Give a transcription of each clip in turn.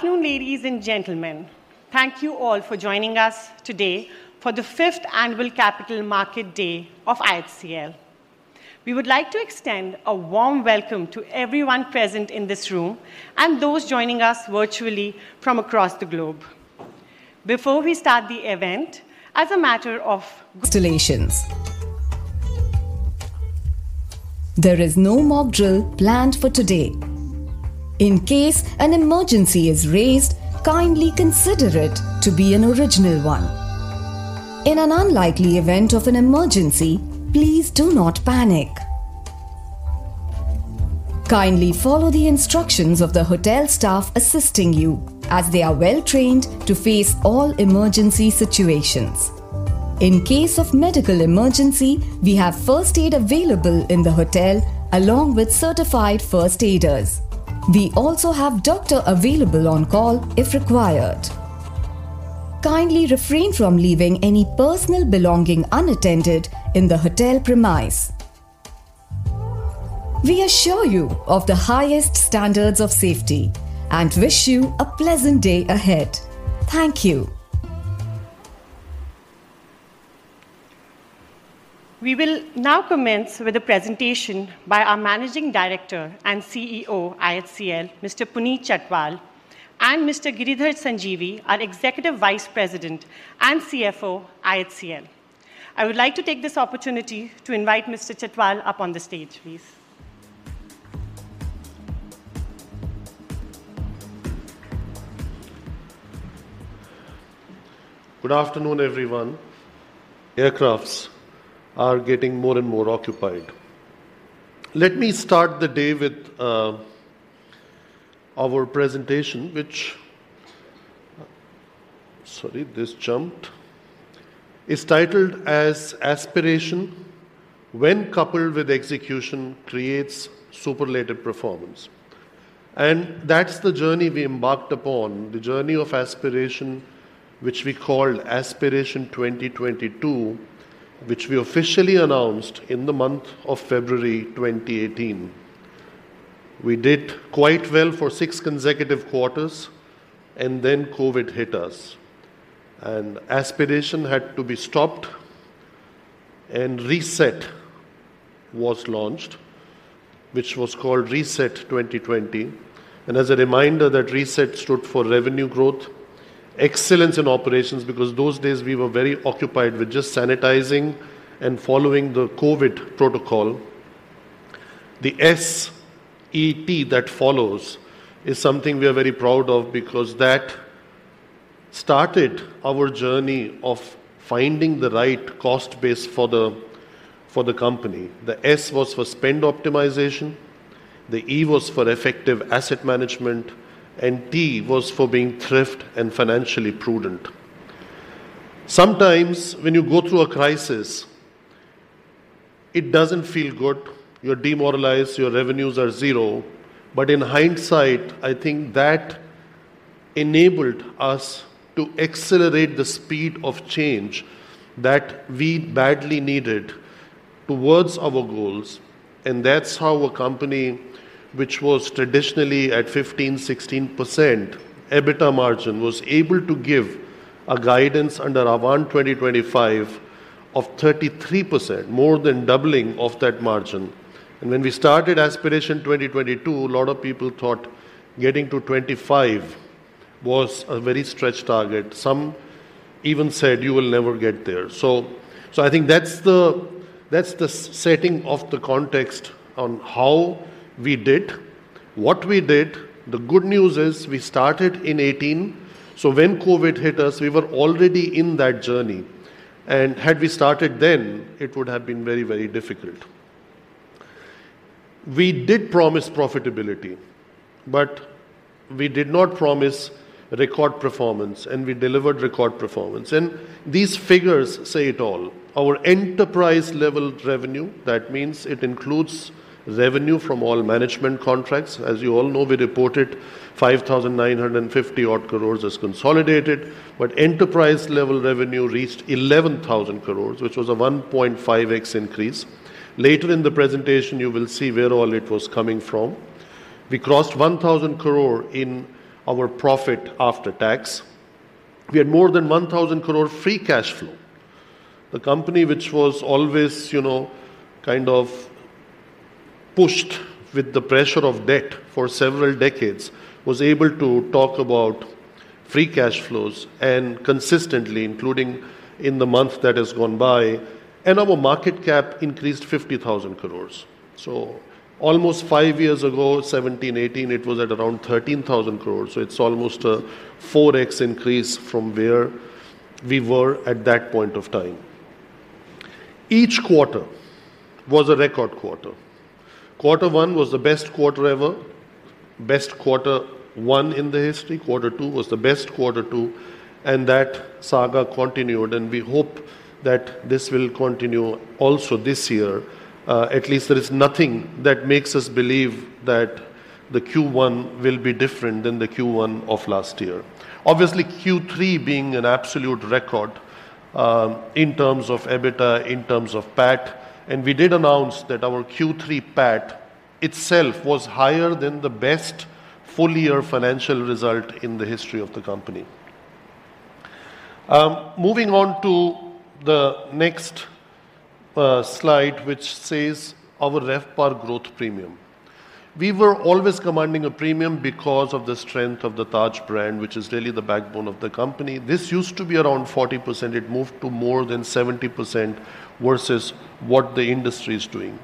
Good afternoon, ladies and gentlemen. Thank you all for joining us today for the fifth annual Capital Market Day of IHCL. We would like to extend a warm welcome to everyone present in this room and those joining us virtually from across the globe. Before we start the event. We will now commence with a presentation by our Managing Director and CEO, IHCL, Mr. Puneet Chhatwal, and Mr. Giridhar Sanjeevi, our Executive Vice President and CFO, IHCL. I would like to take this opportunity to invite Mr. Chhatwal up on the stage, please. Good afternoon, everyone. Aircrafts are getting more and more occupied. Let me start the day with our presentation. Sorry, this jumped. Is titled as Aspiration When Coupled with Execution Creates Superlative Performance. That's the journey we embarked upon, the journey of Aspiration, which we called Aspiration 2022, which we officially announced in the month of February 2018. We did quite well for six consecutive quarters, and then COVID hit us, and Aspiration had to be stopped, and RESET was launched, which was called RESET 2020. As a reminder that RESET stood for revenue growth, excellence in operations, because those days we were very occupied with just sanitizing and following the COVID protocol. The S-E-T that follows is something we are very proud of because that started our journey of finding the right cost base for the company. The S was for spend optimization, the E was for effective asset management, and T was for being thrift and financially prudent. Sometimes when you go through a crisis, it doesn't feel good. You're demoralized, your revenues are zero. In hindsight, I think that enabled us to accelerate the speed of change that we badly needed towards our goals. That's how a company which was traditionally at 15%, 16% EBITDA margin, was able to give a guidance under our one 2025 of 33%, more than doubling of that margin. When we started Aspiration 2022, a lot of people thought getting to 25 was a very stretched target. Some even said, "You will never get there." I think that's the, that's the setting of the context on how we did, what we did. The good news is we started in 2018, so when COVID hit us, we were already in that journey. Had we started then, it would have been very, very difficult. We did promise profitability, but we did not promise record performance, and we delivered record performance. These figures say it all. Our enterprise level revenue, that means it includes revenue from all management contracts. As you all know, we reported 5,950 odd crores as consolidated, but enterprise level revenue reached 11,000 crores, which was a 1.5x increase. Later in the presentation, you will see where all it was coming from. We crossed 1,000 crore in our profit after tax. We had more than 1,000 crore free cash flow. The company which was always, you know, kind of pushed with the pressure of debt for several decades, was able to talk about free cash flows and consistently, including in the month that has gone by. Our market cap increased 50,000 crores. Almost 5 years ago, 2017, 2018, it was at around 13,000 crores. It's almost a 4x increase from where we were at that point of time. Each quarter was a record quarter. Quarter one was the best quarter ever. Best quarter one in the history. Quarter two was the best quarter two. That saga continued, and we hope that this will continue also this year. At least there is nothing that makes us believe that the Q1 will be different than the Q1 of last year. Obviously, Q3 being an absolute record, in terms of EBITDA, in terms of PAT, and we did announce that our Q3 PAT itself was higher than the best full year financial result in the history of the company. Moving on to the next slide, which says our RevPAR growth premium. We were always commanding a premium because of the strength of the Taj brand, which is really the backbone of the company. This used to be around 40%, it moved to more than 70% versus what the industry is doing.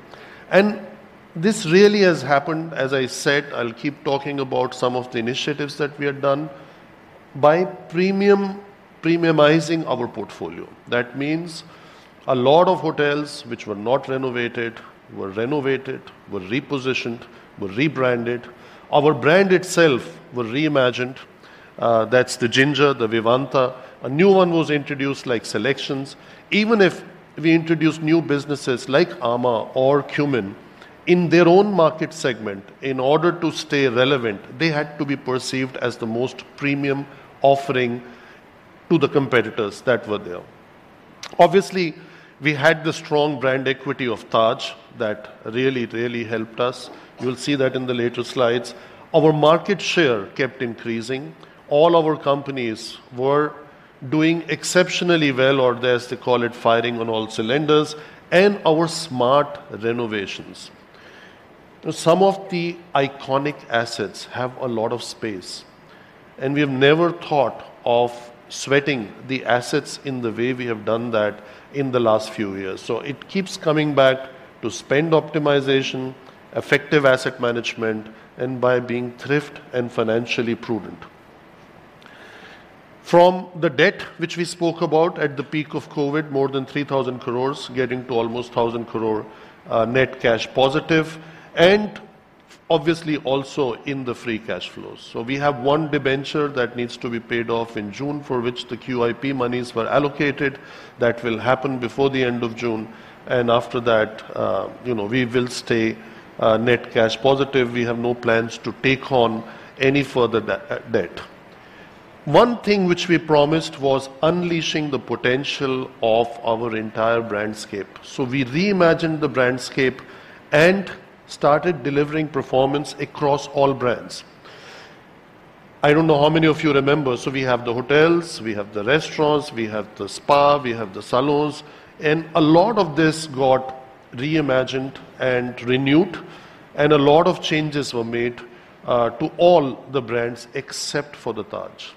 This really has happened, as I said, I'll keep talking about some of the initiatives that we have done by premium-premiumizing our portfolio. That means a lot of hotels which were not renovated, were renovated, were repositioned, were rebranded. Our brand itself was reimagined. That's the Ginger, the Vivanta. A new one was introduced like SeleQtions. Even if we introduced new businesses like Ama or Qmin, in their own market segment, in order to stay relevant, they had to be perceived as the most premium offering to the competitors that were there. Obviously, we had the strong brand equity of Taj that really, really helped us. You'll see that in the later slides. Our market share kept increasing. All our companies were doing exceptionally well, or as they call it, firing on all cylinders. Our smart renovations. Some of the iconic assets have a lot of space, and we have never thought of sweating the assets in the way we have done that in the last few years. It keeps coming back to spend optimization, effective asset management, and by being thrift and financially prudent. From the debt which we spoke about at the peak of COVID, more than 3,000 crore, getting to almost 1,000 crore net cash positive, and obviously also in the free cash flows. We have 1 debenture that needs to be paid off in June, for which the QIP monies were allocated. That will happen before the end of June, after that, you know, we will stay net cash positive. We have no plans to take on any further debt. One thing which we promised was unleashing the potential of our entire brandscape. We reimagined the brandscape and started delivering performance across all brands. I don't know how many of you remember. We have the hotels, we have the restaurants, we have the spa, we have the salons. A lot of this got reimagined and renewed, and a lot of changes were made to all the brands except for the Taj.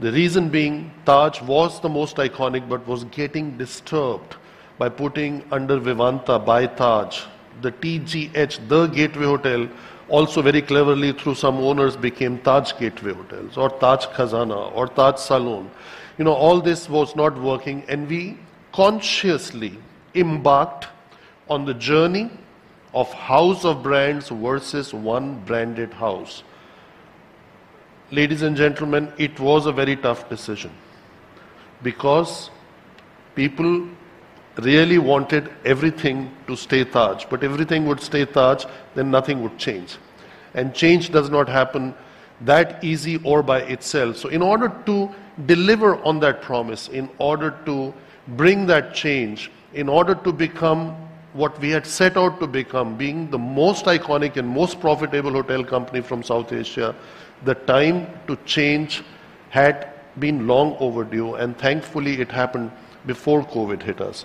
The reason being Taj was the most iconic, but was getting disturbed by putting under Vivanta by Taj. The TGH, The Gateway Hotel, also very cleverly through some owners became Taj Gateway Hotels or Taj Khazana or Taj Salon. You know, all this was not working, and we consciously embarked on the journey of House of Brands versus one branded house. Ladies and gentlemen, it was a very tough decision because people really wanted everything to stay Taj. Everything would stay Taj, then nothing would change. Change does not happen that easy or by itself. In order to deliver on that promise, in order to bring that change, in order to become what we had set out to become, being the most iconic and most profitable hotel company from South Asia, the time to change had been long overdue, and thankfully it happened before COVID hit us.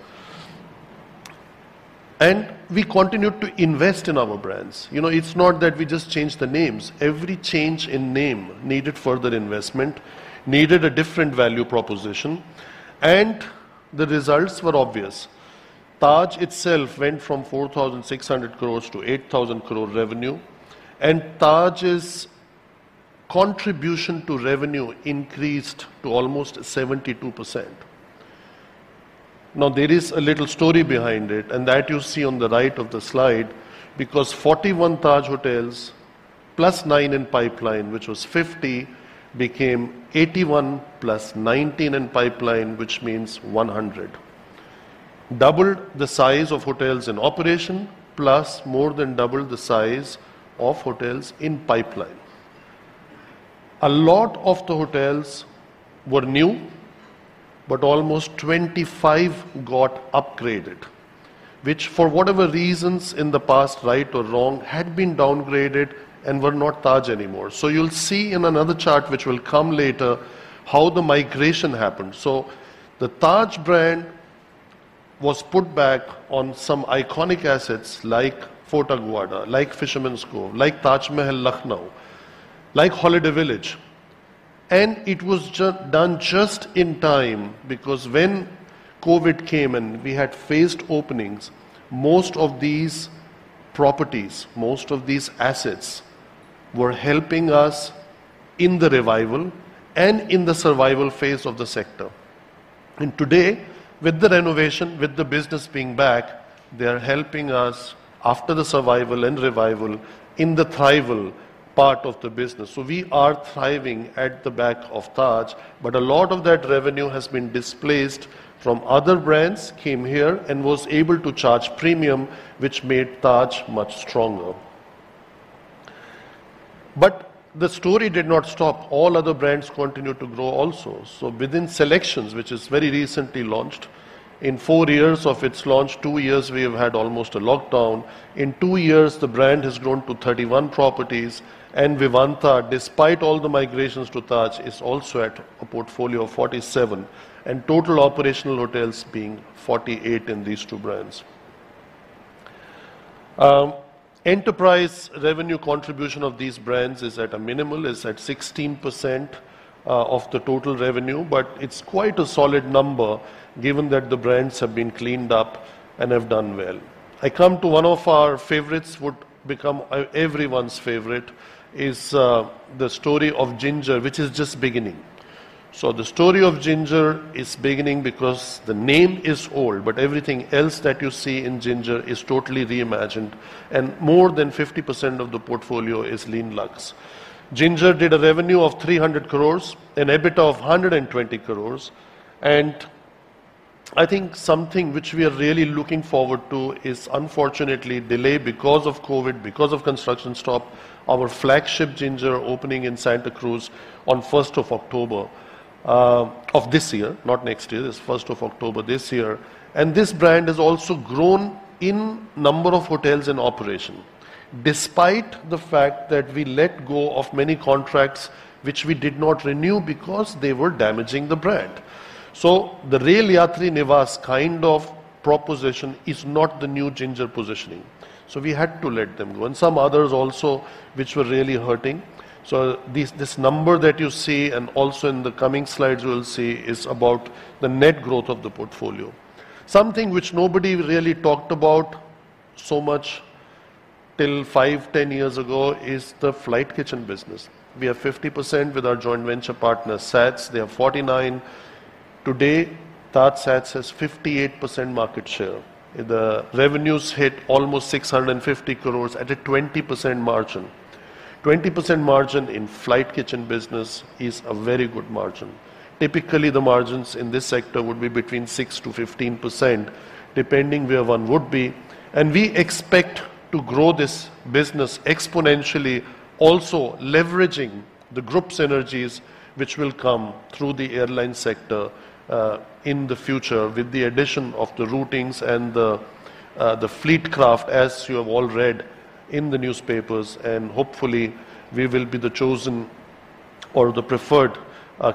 We continued to invest in our brands. You know, it's not that we just changed the names. Every change in name needed further investment, needed a different value proposition, and the results were obvious. Taj itself went from 4,600 crore-8,000 crore revenue, and Taj's contribution to revenue increased to almost 72%. There is a little story behind it, and that you see on the right of the slide, because 41 Taj hotels plus nine in pipeline, which was 50, became 81+ 19 in pipeline, which means 100. Doubled the size of hotels in operation, plus more than doubled the size of hotels in pipeline. A lot of the hotels were new, but almost 25 got upgraded, which for whatever reasons in the past, right or wrong, had been downgraded and were not Taj anymore. You'll see in another chart, which will come later, how the migration happened. The Taj brand was put back on some iconic assets like Fort Aguada, like Fisherman's Cove, like Taj Mahal Lucknow, like Holiday Village. It was done just in time because when COVID came and we had phased openings, most of these properties, most of these assets were helping us in the revival and in the survival phase of the sector. Today, with the renovation, with the business being back, they are helping us after the survival and revival in the thrival part of the business. We are thriving at the back of Taj, but a lot of that revenue has been displaced from other brands, came here and was able to charge premium, which made Taj much stronger. The story did not stop. All other brands continued to grow also. Within SeleQtions, which is very recently launched, in four years of its launch, two years, we have had almost a lockdown. In two years, the brand has grown to 31 properties. Vivanta, despite all the migrations to Taj, is also at a portfolio of 47, and total operational hotels being 48 in these two brands. enterprise revenue contribution of these brands is at a minimal, is at 16% of the total revenue, but it's quite a solid number given that the brands have been cleaned up and have done well. I come to one of our favorites, would become everyone's favorite, is the story of Ginger, which is just beginning. The story of Ginger is beginning because the name is old, but everything else that you see in Ginger is totally reimagined, and more than 50% of the portfolio is lean luxe. Ginger did a revenue of 300 crore and EBITDA of 120 crore. I think something which we are really looking forward to is unfortunately delayed because of COVID, because of construction stop, our flagship Ginger opening in Santacruz on first of October of this year, not next year. It's first of October this year. This brand has also grown in number of hotels in operation, despite the fact that we let go of many contracts which we did not renew because they were damaging the brand. The Rail Yatri Niwas kind of proposition is not the new Ginger positioning, so we had to let them go, and some others also which were really hurting. This number that you see and also in the coming slides we'll see is about the net growth of the portfolio. Something which nobody really talked about so much till five, 10 years ago is the flight kitchen business. We have 50% with our joint venture partner, SATS. They have 49. Today, TajSATS has 58% market share. The revenues hit almost 650 crores at a 20% margin. 20% margin in flight kitchen business is a very good margin. Typically, the margins in this sector would be between 6%-15%, depending where one would be. We expect to grow this business exponentially, also leveraging the group's synergies which will come through the airline sector in the future with the addition of the routings and the fleet craft, as you have all read in the newspapers. Hopefully, we will be the chosen or the preferred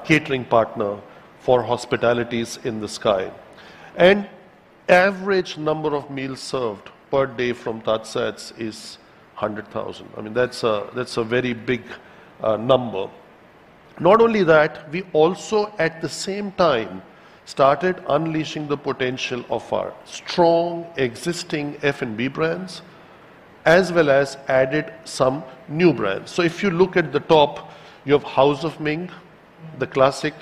catering partner for hospitalities in the sky. Average number of meals served per day from TajSATS is 100,000. I mean, that's a very big number. Not only that, we also, at the same time, started unleashing the potential of our strong existing F&B brands, as well as added some new brands. If you look at the top, you have House of Ming, the classic.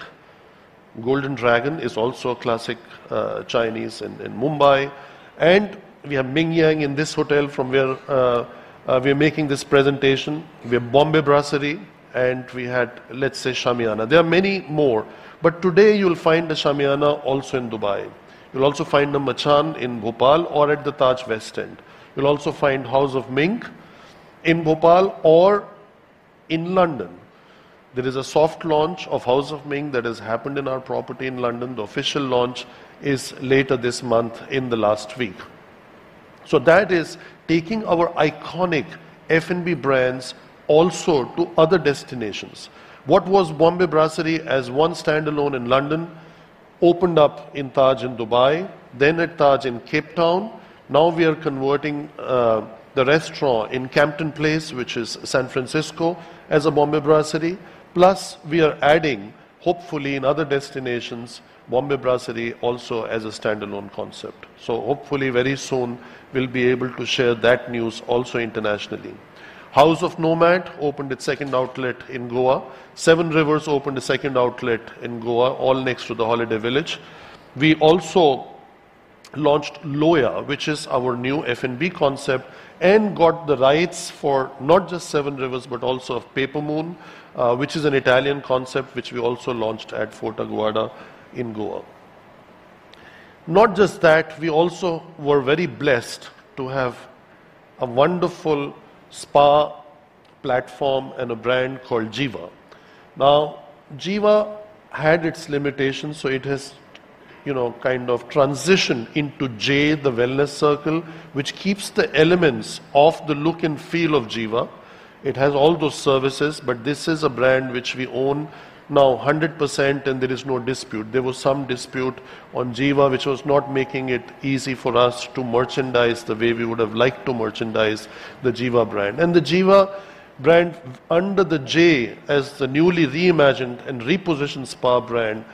Golden Dragon is also a classic Chinese in Mumbai. We have Ming Yang in this hotel from where we are making this presentation. We have Bombay Brasserie, we had, let's say, Shamiana. There are many more. Today, you'll find a Shamiana also in Dubai. You'll also find a Machan in Bhopal or at the Taj West End. You'll also find House of Ming in Bhopal or in London. There is a soft launch of House of Ming that has happened in our property in London. The official launch is later this month in the last week. That is taking our iconic F&B brands also to other destinations. What was Bombay Brasserie as one standalone in London opened up in Taj in Dubai, then at Taj in Cape Town. Now we are converting the restaurant in Campton Place, which is San Francisco, as a Bombay Brasserie. Plus, we are adding, hopefully in other destinations, Bombay Brasserie also as a standalone concept. Hopefully very soon we'll be able to share that news also internationally. House of Nomad opened its second outlet in Goa. Seven Rivers opened a second outlet in Goa, all next to the Holiday Village. We also launched Loya, which is our new F&B concept, and got the rights for not just Seven Rivers, but also of Paper Moon, which is an Italian concept which we also launched at Fort Aguada in Goa. We also were very blessed to have a wonderful spa platform and a brand called Jiva. Now, Jiva had its limitations, so it has, you know, kind of transitioned into J Wellness Circle, The Wellness Circle, which keeps the elements of the look and feel of Jiva. It has all those services, this is a brand which we own now 100% and there is no dispute. There was some dispute on Jiva which was not making it easy for us to merchandise the way we would have liked to merchandise the Jiva brand. The Jiva brand under the JAYE as the newly reimagined and repositioned spa brand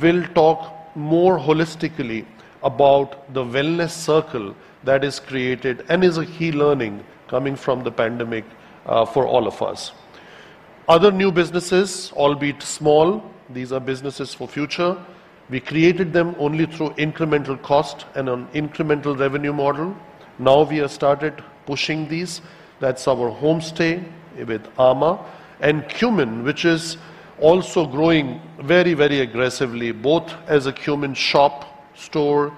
will talk more holistically about the wellness circle that is created and is a key learning coming from the pandemic for all of us. Other new businesses, albeit small, these are businesses for future. We created them only through incremental cost and an incremental revenue model. We have started pushing these. That's our homestay with Ama and Qmin, which is also growing very, very aggressively, both as a Qmin shop store,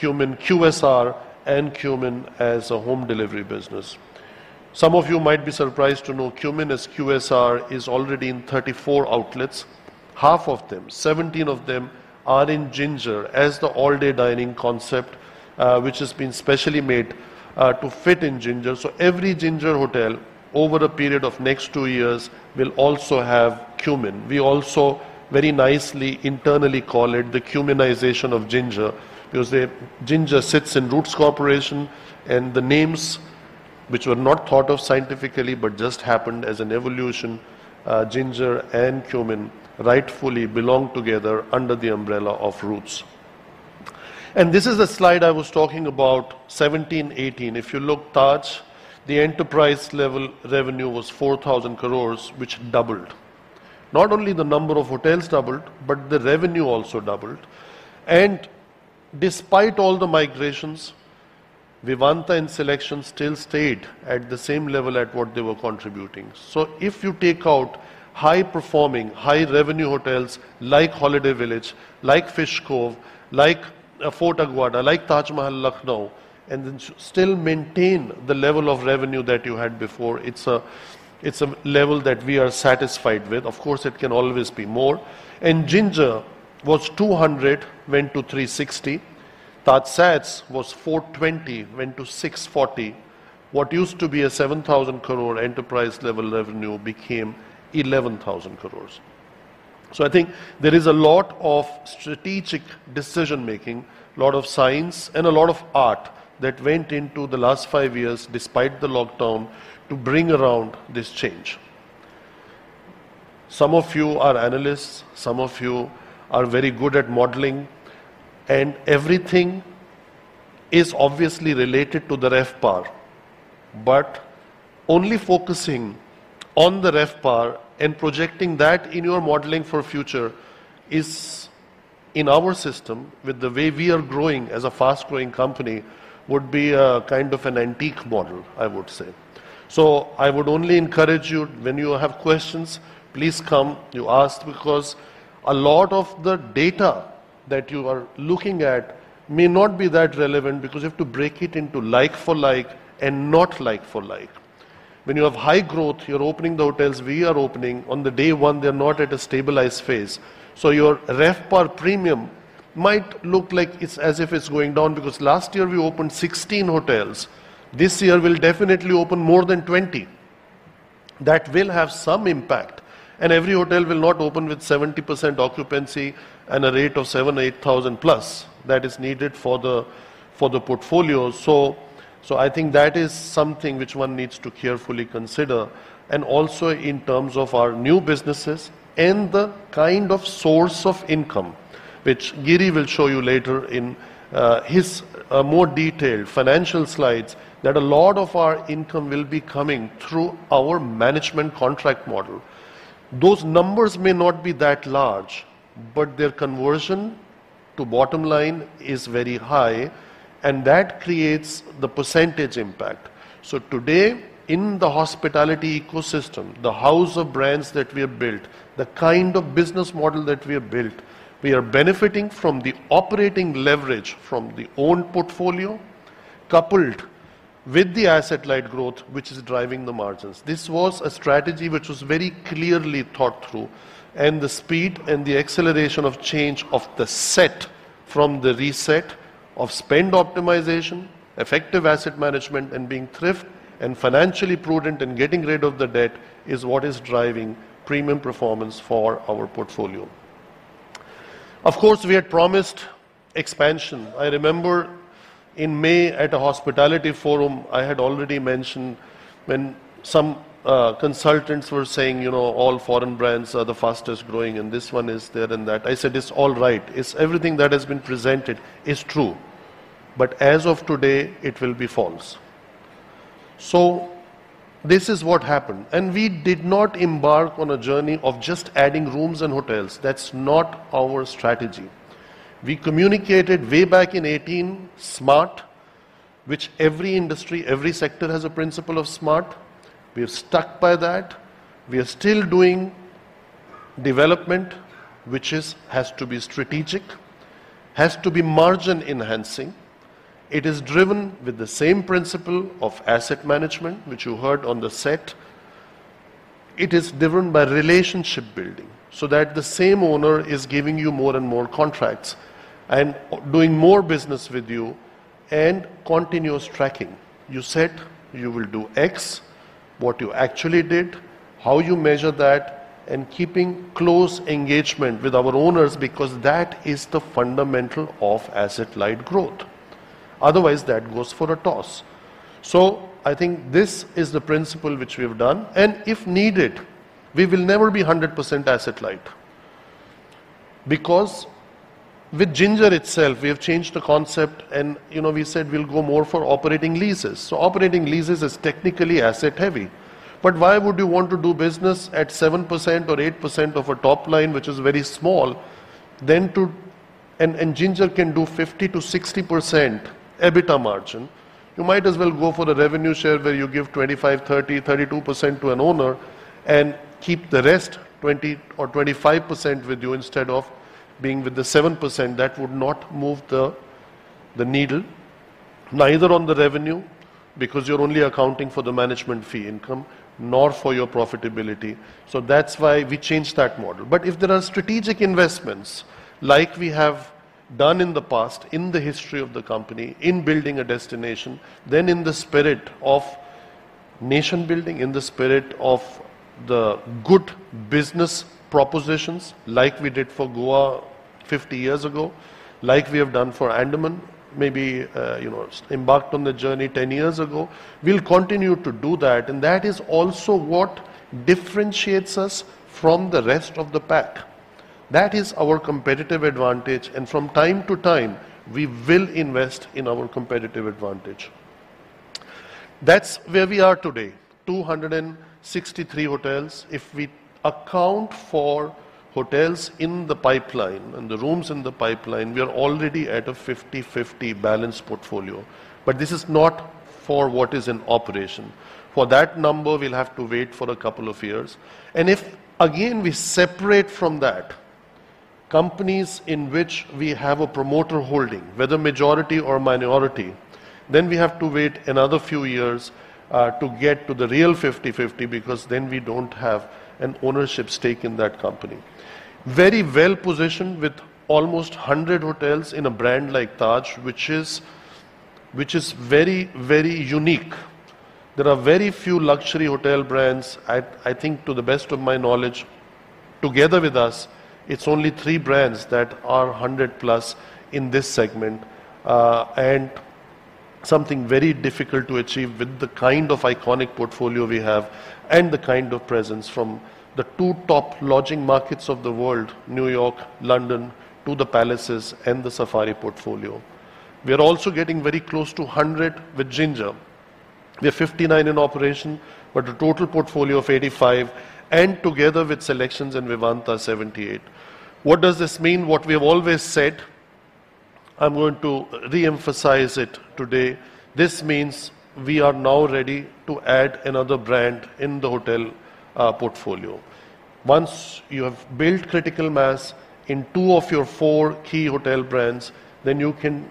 Qmin QSR, and Qmin as a home delivery business. Some of you might be surprised to know Qmin as QSR is already in 34 outlets. Half of them, 17 of them are in Ginger as the all-day dining concept, which has been specially made to fit in Ginger. Every Ginger hotel over a period of next two years will also have Cumin. We also very nicely internally call it the Cuminization of Ginger, because the Ginger sits in Roots Corporation and the names which were not thought of scientifically, but just happened as an evolution, Ginger and Cumin rightfully belong together under the umbrella of Roots. This is a slide I was talking about 2017-2018. If you look Taj, the enterprise level revenue was 4,000 crores, which doubled. Not only the number of hotels doubled, but the revenue also doubled. Despite all the migrations, Vivanta and SeleQtions still stayed at the same level at what they were contributing. If you take out high-performing, high-revenue hotels like Holiday Village, like Fish Cove, like Fort Aguada, like Taj Mahal Lucknow, and then still maintain the level of revenue that you had before, it's a level that we are satisfied with. Of course, it can always be more. Ginger was 200, went to 360. TajSATS was 420, went to 640. What used to be a 7,000 crore enterprise level revenue became 11,000 crore. I think there is a lot of strategic decision making, lot of science and a lot of art that went into the last five years despite the lockdown to bring around this change. Some of you are analysts, some of you are very good at modeling, and everything is obviously related to the RevPAR. Only focusing on the RevPAR and projecting that in your modeling for future is, in our system, with the way we are growing as a fast-growing company, would be a kind of an antique model, I would say. I would only encourage you when you have questions, please come, you ask because a lot of the data that you are looking at may not be that relevant because you have to break it into like for like and not like for like. When you have high growth, you're opening the hotels we are opening. On the day one, they're not at a stabilized phase. Your RevPAR premium might look like it's as if it's going down because last year we opened 16 hotels. This year, we'll definitely open more than 20. That will have some impact. Every hotel will not open with 70% occupancy and a rate of 7,000-8,000+ that is needed for the portfolio. I think that is something which one needs to carefully consider and also in terms of our new businesses and the kind of source of income, which Giri will show you later in his more detailed financial slides, that a lot of our income will be coming through our management contract model. Those numbers may not be that large, but their conversion to bottom line is very high, and that creates the percentage impact. Today, in the hospitality ecosystem, the house of brands that we have built, the kind of business model that we have built, we are benefiting from the operating leverage from the owned portfolio coupled with the asset-light growth which is driving the margins. This was a strategy which was very clearly thought through. The speed and the acceleration of change of the set from the RESET of spend optimization, effective asset management, and being thrift and financially prudent and getting rid of the debt is what is driving premium performance for our portfolio. Of course, we had promised expansion. I remember in May at a hospitality forum, I had already mentioned when some consultants were saying, you know, all foreign brands are the fastest growing, and this one is there and that. I said, "It's all right. It's everything that has been presented is true, but as of today, it will be false." This is what happened, and we did not embark on a journey of just adding rooms and hotels. That's not our strategy. We communicated way back in 18, S.M.A.R.T., which every industry, every sector has a principle of S.M.A.R.T. We have stuck by that. We are still doing development, which is has to be strategic, has to be margin enhancing. It is driven with the same principle of asset management, which you heard on the set. It is driven by relationship building, so that the same owner is giving you more and more contracts and doing more business with you and continuous tracking. You said you will do X, what you actually did, how you measure that, and keeping close engagement with our owners because that is the fundamental of asset-light growth. Otherwise, that goes for a toss. I think this is the principle which we have done. If needed, we will never be 100% asset light because with Ginger itself, we have changed the concept and, you know, we said we'll go more for operating leases. Operating leases is technically asset heavy, but why would you want to do business at 7% or 8% of a top line which is very small than to. Ginger can do 50%-60% EBITDA margin. You might as well go for the revenue share where you give 25%, 30%, 32% to an owner and keep the rest 20% or 25% with you instead of being with the 7%. That would not move the needle. Neither on the revenue, because you're only accounting for the management fee income, nor for your profitability. That's why we changed that model. If there are strategic investments, like we have done in the past, in the history of the company, in building a destination, then in the spirit of nation building, in the spirit of the good business propositions, like we did for Goa 50 years ago, like we have done for Andaman, maybe, you know, embarked on the journey 10 years ago, we'll continue to do that, and that is also what differentiates us from the rest of the pack. That is our competitive advantage, and from time to time, we will invest in our competitive advantage. That's where we are today, 263 hotels. If we account for hotels in the pipeline and the rooms in the pipeline, we are already at a 50/50 balanced portfolio. This is not for what is in operation. For that number, we'll have to wait for a couple of years. If again, we separate from that, companies in which we have a promoter holding, whether majority or minority, then we have to wait another few years to get to the real 50/50 because then we don't have an ownership stake in that company. Very well-positioned with almost 100 hotels in a brand like Taj, which is very, very unique. There are very few luxury hotel brands, I think to the best of my knowledge, together with us, it's only three brands that are 100+ in this segment. Something very difficult to achieve with the kind of iconic portfolio we have and the kind of presence from the two top lodging markets of the world, New York, London, to the palaces and the safari portfolio. We are also getting very close to 100 with Ginger. We have 59 in operation, but a total portfolio of 85, and together with SeleQtions and Vivanta, 78. What does this mean? What we have always said, I'm going to re-emphasize it today. This means we are now ready to add another brand in the hotel portfolio. Once you have built critical mass in two of your four key hotel brands, you can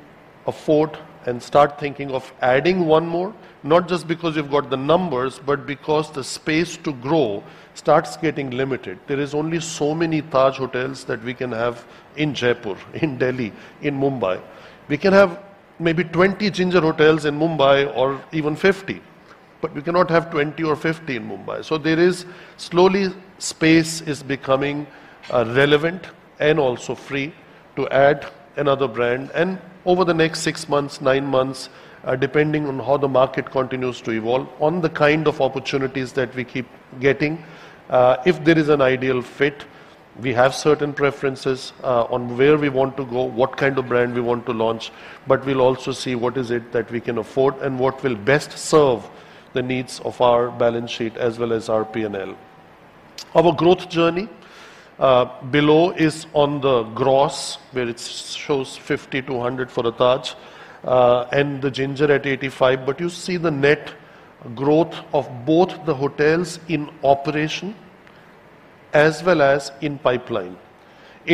afford and start thinking of adding one more, not just because you've got the numbers, but because the space to grow starts getting limited. There is only so many Taj hotels that we can have in Jaipur, in Delhi, in Mumbai. We can have maybe 20 Ginger hotels in Mumbai or even 50, we cannot have 20 or 50 in Mumbai. There is... slowly space is becoming relevant and also free to add another brand. Over the next six months, nine months, depending on how the market continues to evolve, on the kind of opportunities that we keep getting, if there is an ideal fit, we have certain preferences on where we want to go, what kind of brand we want to launch, but we'll also see what is it that we can afford and what will best serve the needs of our balance sheet as well as our P&L. Our growth journey, below is on the gross, where it shows 50%-100% for the Taj, and the Ginger at 85%. You see the net growth of both the hotels in operation as well as in pipeline.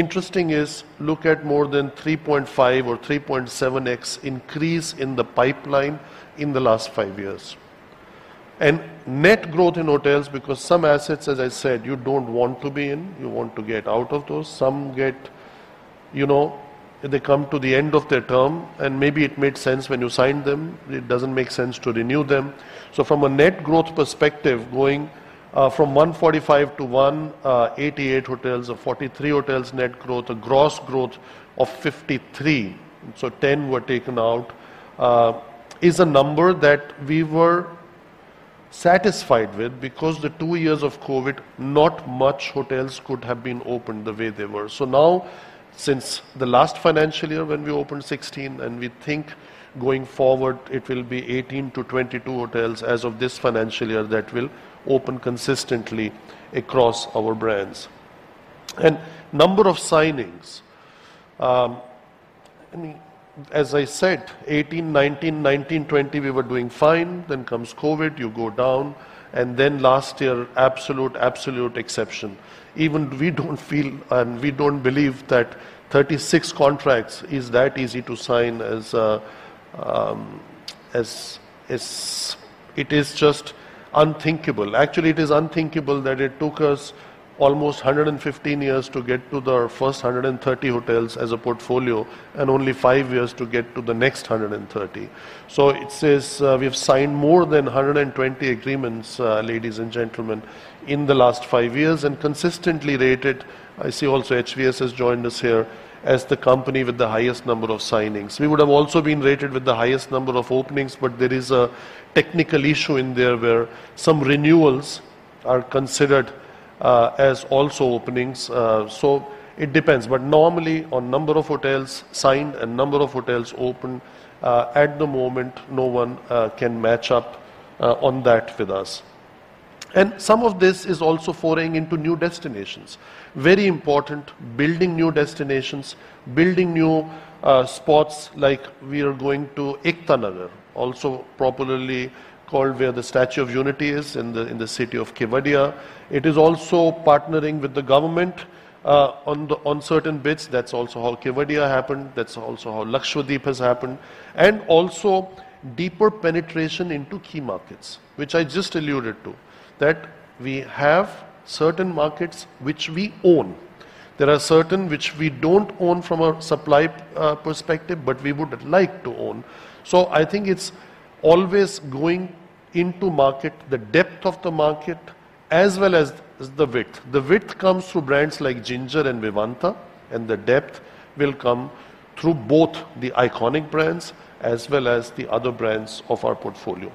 Interesting is look at more than 3.5x or 3.7x increase in the pipeline in the last 5 years. Net growth in hotels, because some assets, as I said, you don't want to be in, you want to get out of those. Some get, you know, they come to the end of their term, and maybe it made sense when you signed them, it doesn't make sense to renew them. From a net growth perspective, going from 145-188 hotels or 43 hotels net growth, a gross growth of 53, 10 were taken out, is a number that we were satisfied with because the two years of COVID, not much hotels could have been opened the way they were. Now, since the last financial year when we opened 16, and we think going forward, it will be 18-22 hotels as of this financial year that will open consistently across our brands. Number of signings, as I said, 2018-2019, 2019-2020, we were doing fine. Comes COVID, you go down. Last year, absolute exception. Even we don't feel and we don't believe that 36 contracts is that easy to sign. It is just unthinkable. Actually, it is unthinkable that it took us almost 115 years to get to the first 130 hotels as a portfolio and only 5 years to get to the next 130. It says, we have signed more than 120 agreements, ladies and gentlemen, in the last 5 years and consistently rated, I see also HVS has joined us here, as the company with the highest number of signings. We would have also been rated with the highest number of openings, but there is a technical issue in there where some renewals are considered as also openings, so it depends. Normally, on number of hotels signed and number of hotels opened, at the moment, no one can match up on that with us. Some of this is also foraying into new destinations. Very important, building new destinations, building new spots like we are going to Ekta Nagar, also popularly called where the Statue of Unity is in the city of Kevadia. It is also partnering with the government on certain bits. That's also how Kevadia happened. That's also how Lakshadweep has happened. Also deeper penetration into key markets, which I just alluded to. That we have certain markets which we own. There are certain which we don't own from a supply perspective, but we would like to own. I think it's always going into market, the depth of the market, as well as the width. The width comes through brands like Ginger and Vivanta, the depth will come through both the iconic brands as well as the other brands of our portfolio.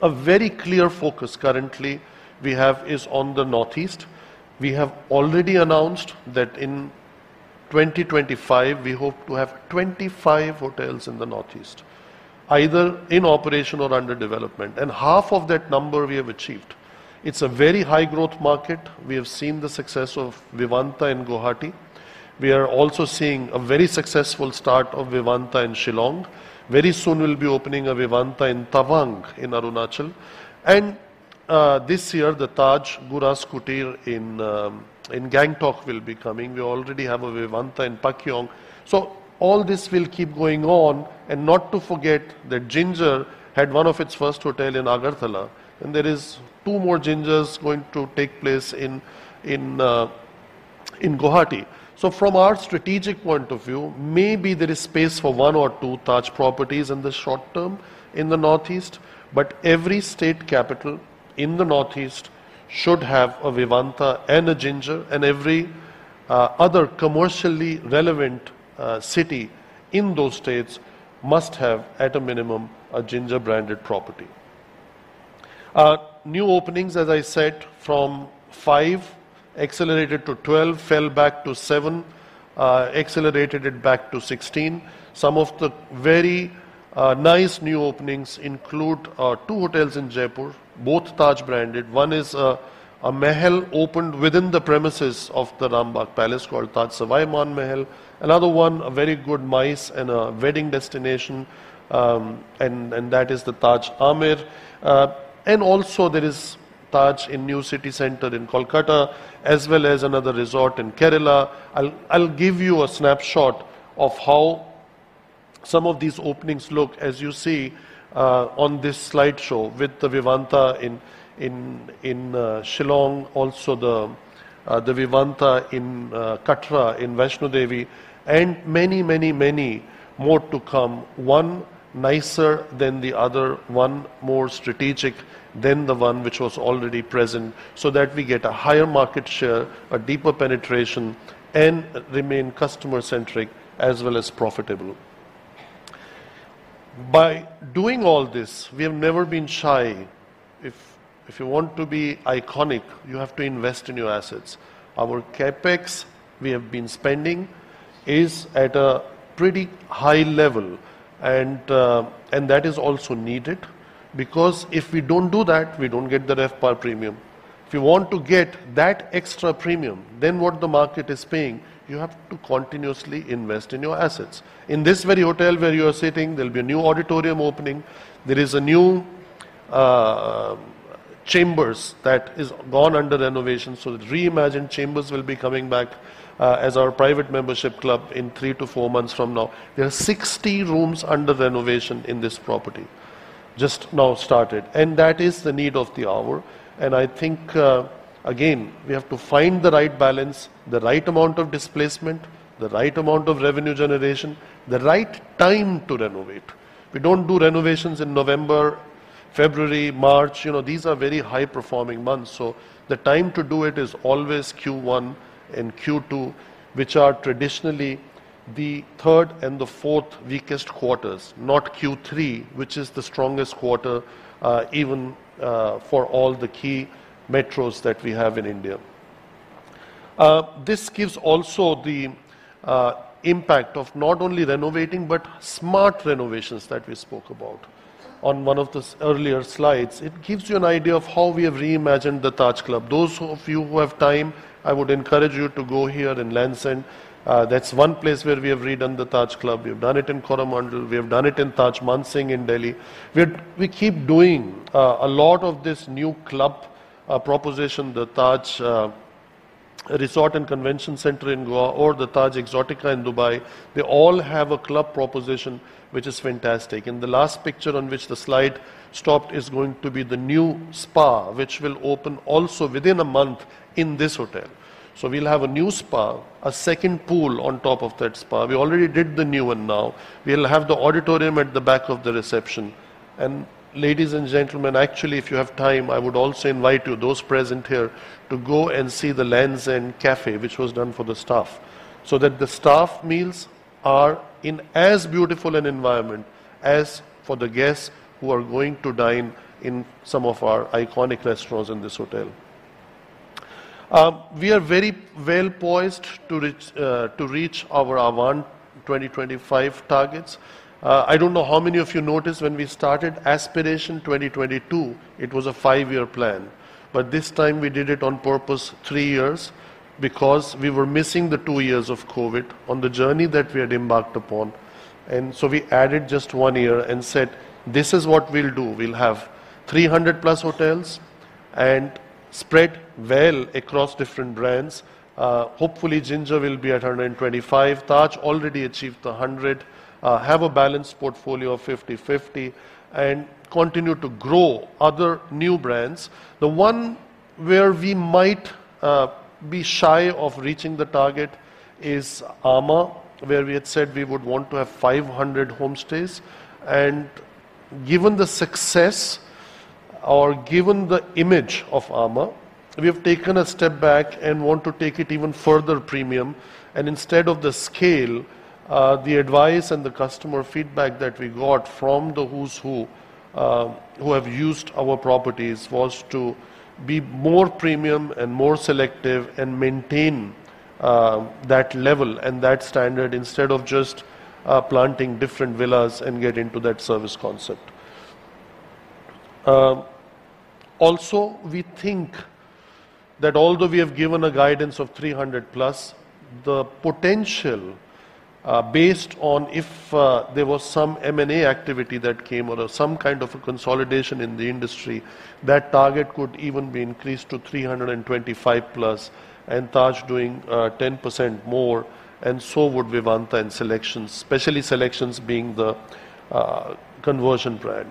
A very clear focus currently we have is on the Northeast. We have already announced that in 2025, we hope to have 25 hotels in the Northeast, either in operation or under development. Half of that number we have achieved. It's a very high growth market. We have seen the success of Vivanta in Guwahati. We are also seeing a very successful start of Vivanta in Shillong. Very soon, we'll be opening a Vivanta in Tawang in Arunachal. This year, the Taj Guras Kutir in Gangtok will be coming. We already have a Vivanta in Pakyong. All this will keep going on. Not to forget that Ginger had one of its first hotel in Agartala, and there is two more Gingers going to take place in Guwahati. From our strategic point of view, maybe there is space for one or two Taj properties in the short term in the Northeast, but every state capital in the Northeast should have a Vivanta and a Ginger, and every other commercially relevant city in those states must have, at a minimum, a Ginger branded property. New openings, as I said, from five accelerated to 12, fell back to seven, accelerated it back to 16. Some of the very nice new openings include two hotels in Jaipur, both Taj branded. One is a mahal opened within the premises of the Rambagh Palace called Taj Sawai Man Mahal. Another one, a very good MICE and a wedding destination, and that is the Taj Amer. There is Taj in new city center in Kolkata, as well as another resort in Kerala. I'll give you a snapshot of how some of these openings look as you see on this slideshow with the Vivanta in Shillong, also the Vivanta in Katra in Vaishno Devi, and many, many, many more to come, one nicer than the other, one more strategic than the one which was already present, so that we get a higher market share, a deeper penetration, and remain customer centric as well as profitable. By doing all this, we have never been shy. If you want to be iconic, you have to invest in your assets. Our CapEx we have been spending is at a pretty high level, and that is also needed because if we don't do that, we don't get the RevPAR premium. If you want to get that extra premium than what the market is paying, you have to continuously invest in your assets. In this very hotel where you are sitting, there'll be a new auditorium opening. There is a new Chambers that is gone under renovation, so the reimagined Chambers will be coming back as our private membership club in three to four months from now. There are 60 rooms under renovation in this property just now started, and that is the need of the hour. I think, again, we have to find the right balance, the right amount of displacement, the right amount of revenue generation, the right time to renovate. We don't do renovations in November, February, March. You know, these are very high performing months, so the time to do it is always Q1 and Q2, which are traditionally the 3rd and the 4th weakest quarters, not Q3, which is the strongest quarter, even for all the key metros that we have in India. This gives also the impact of not only renovating, but smart renovations that we spoke about on one of the earlier slides. It gives you an idea of how we have reimagined the Taj Club. Those of you who have time, I would encourage you to go here in Taj Lands End. That's one place where we have redone the Taj Club. We've done it in Coromandel. We have done it in Taj Mansingh in Delhi. We keep doing a lot of this new club proposition, the Taj Resort and Convention Center in Goa or the Taj Exotica in Dubai. They all have a club proposition, which is fantastic. The last picture on which the slide stopped is going to be the new spa, which will open also within a month in this hotel. We'll have a new spa, a second pool on top of that spa. We already did the new one now. We'll have the auditorium at the back of the reception. Ladies and gentlemen, actually, if you have time, I would also invite you, those present here, to go and see the Lands End Cafe, which was done for the staff, so that the staff meals are in as beautiful an environment as for the guests who are going to dine in some of our iconic restaurants in this hotel. We are very well poised to reach to reach our Ahvaan 2025 targets. I don't know how many of you noticed when we started Aspiration 2022, it was a five-year plan. This time we did it on purpose, three years, because we were missing the two years of COVID on the journey that we had embarked upon. So we added just one year and said, "This is what we'll do. We'll have 300+ hotels and spread well across different brands. Hopefully Ginger will be at 125. Taj already achieved 100. Have a balanced portfolio of 50/50 and continue to grow other new brands. The one where we might be shy of reaching the target is Ama, where we had said we would want to have 500 homestays. Given the success or given the image of Ama, we have taken a step back and want to take it even further premium and instead of the scale, the advice and the customer feedback that we got from the who's who have used our properties was to be more premium and more selective and maintain that level and that standard instead of just planting different villas and get into that service concept. Also we think that although we have given a guidance of 300+, the potential, based on if there was some M&A activity that came or some kind of a consolidation in the industry, that target could even be increased to 325 plus, and Taj doing 10% more, and so would Vivanta and SeleQtions, especially SeleQtions being the conversion brand.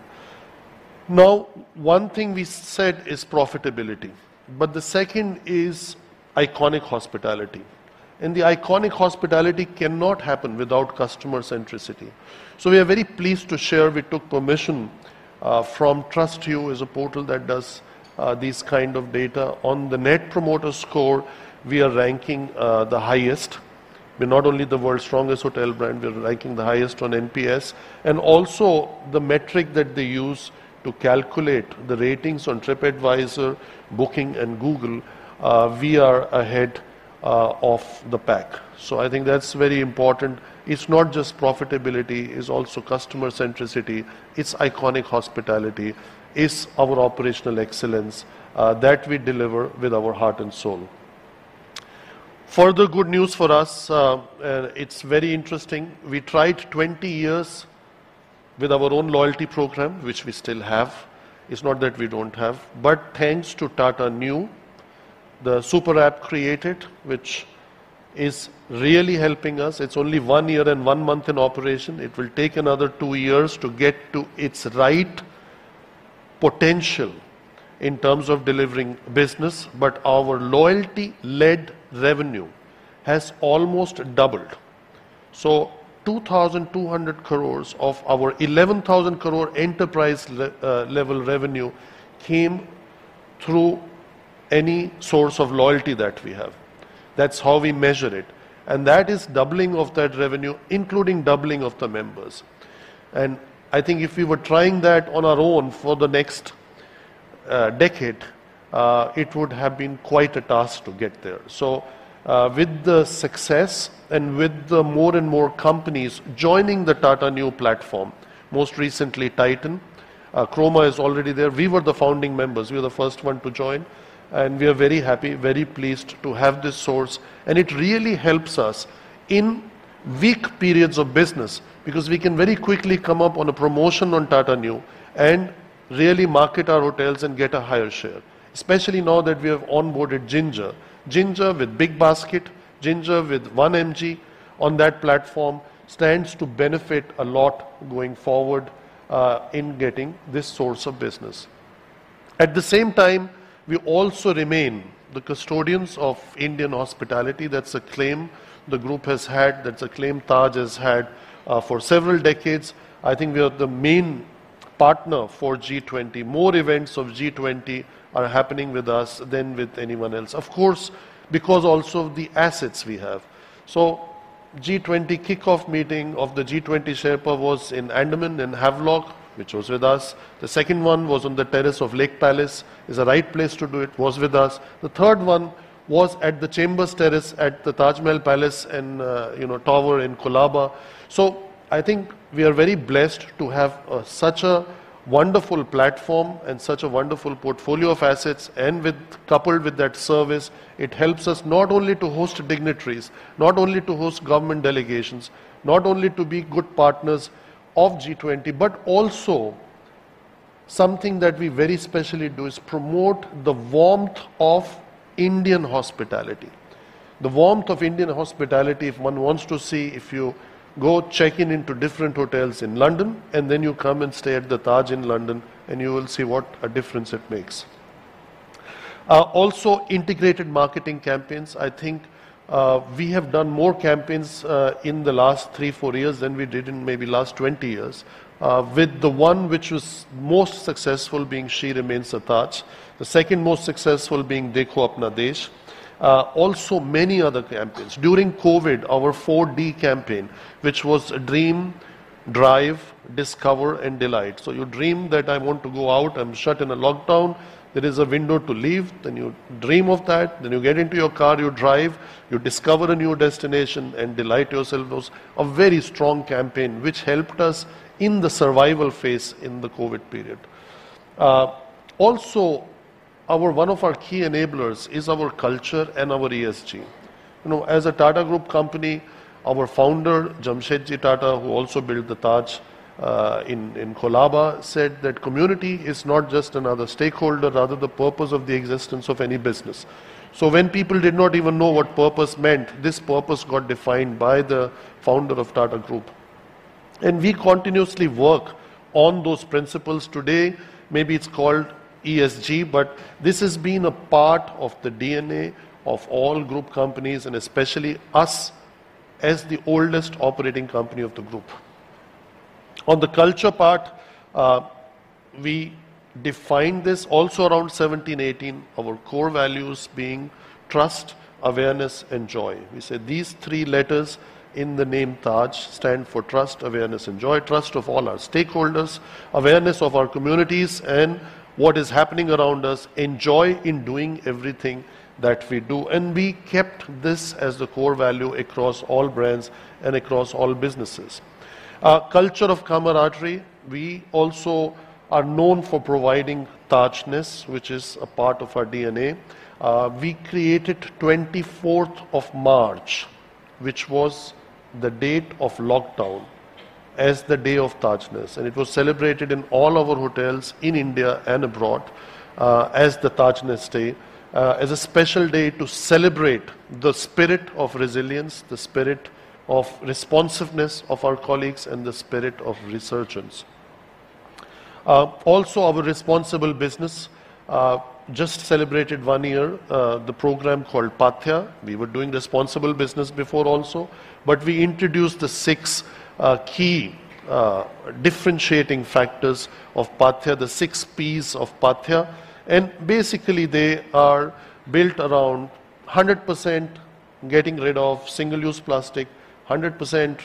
One thing we said is profitability, but the second is iconic hospitality. The iconic hospitality cannot happen without customer centricity. We are very pleased to share we took permission from TrustYou is a portal that does these kind of data. On the Net Promoter Score, we are ranking the highest. We're not only the world's strongest hotel brand, we are ranking the highest on NPS. Also the metric that they use to calculate the ratings on Tripadvisor, Booking, and Google, we are ahead of the pack. I think that's very important. It's not just profitability, it's also customer centricity, it's iconic hospitality, it's our operational excellence that we deliver with our heart and soul. Further good news for us, and it's very interesting. We tried 20 years with our own loyalty program, which we still have. It's not that we don't have, thanks to Tata Neu, the super app created, which is really helping us. It's only 1 year and 1 month in operation. It will take another 2 years to get to its right potential in terms of delivering business. Our loyalty led revenue has almost doubled. 2,200 crore of our 11,000 crore enterprise level revenue came through any source of loyalty that we have. That's how we measure it. That is doubling of that revenue, including doubling of the members. I think if we were trying that on our own for the next decade, it would have been quite a task to get there. With the success and with the more and more companies joining the Tata Neu platform, most recently Titan, Croma is already there. We were the founding members. We were the first one to join, and we are very happy, very pleased to have this source. It really helps us in weak periods of business because we can very quickly come up on a promotion on Tata Neu and really market our hotels and get a higher share, especially now that we have onboarded Ginger. Ginger with BigBasket, Ginger with Tata 1mg on that platform stands to benefit a lot going forward in getting this source of business. At the same time, we also remain the custodians of Indian hospitality. That's a claim the group has had. That's a claim Taj has had for several decades. I think we are the main partner for G20. More events of G20 are happening with us than with anyone else. Of course, because also of the assets we have. G20 kickoff meeting of the G20 Sherpa was in Andaman, in Havelock, which was with us. The second one was on the terrace of Lake Palace, is the right place to do it, was with us. The third one was at the Chambers Terrace at the Taj Mahal Palace in, you know, tower in Colaba. I think we are very blessed to have such a wonderful platform and such a wonderful portfolio of assets and coupled with that service, it helps us not only to host dignitaries, not only to host government delegations, not only to be good partners of G20, but also something that we very specially do is promote the warmth of Indian hospitality. The warmth of Indian hospitality, if one wants to see, if you go check in into different hotels in London and then you come and stay at the Taj in London, you will see what a difference it makes. Also integrated marketing campaigns. I think, we have done more campaigns, in the last three, four years than we did in maybe last 20 years. With the one which was most successful being She Remains a Taj. The second most successful being Dekho Apna Desh. Also many other campaigns. During COVID, our 4D campaign, which was DreamDrive, discover, and delight. You dream that I want to go out, I'm shut in a lockdown. There is a window to leave. You dream of that. You get into your car, you drive, you discover a new destination, and delight yourself. Those a very strong campaign which helped us in the survival phase in the COVID period. Also one of our key enablers is our culture and our ESG. You know, as a Tata Group company, our founder, Jamsetji Tata, who also built the Taj, in Colaba, said that community is not just another stakeholder, rather the purpose of the existence of any business. When people did not even know what purpose meant, this purpose got defined by the founder of Tata Group. We continuously work on those principles today. Maybe it's called ESG, but this has been a part of the DNA of all group companies, and especially us as the oldest operating company of the group. On the culture part, we defined this also around 17 18, our core values being trust, awareness, and joy. We said these three letters in the name Taj stand for trust, awareness, and joy. Trust of all our stakeholders, awareness of our communities and what is happening around us, and joy in doing everything that we do. We kept this as the core value across all brands and across all businesses. Our culture of camaraderie, we also are known for providing Tajness, which is a part of our DNA. We created 24th of March, which was the date of lockdown, as the day of Tajness, and it was celebrated in all our hotels in India and abroad, as the Tajness Day, as a special day to celebrate the spirit of resilience, the spirit of responsiveness of our colleagues, and the spirit of resurgence. Also, our responsible business just celebrated one year, the program called Paathya. We were doing responsible business before also, we introduced the six key differentiating factors of Paathya, the six Ps of Paathya. Basically they are built around 100% getting rid of single-use plastic, 100%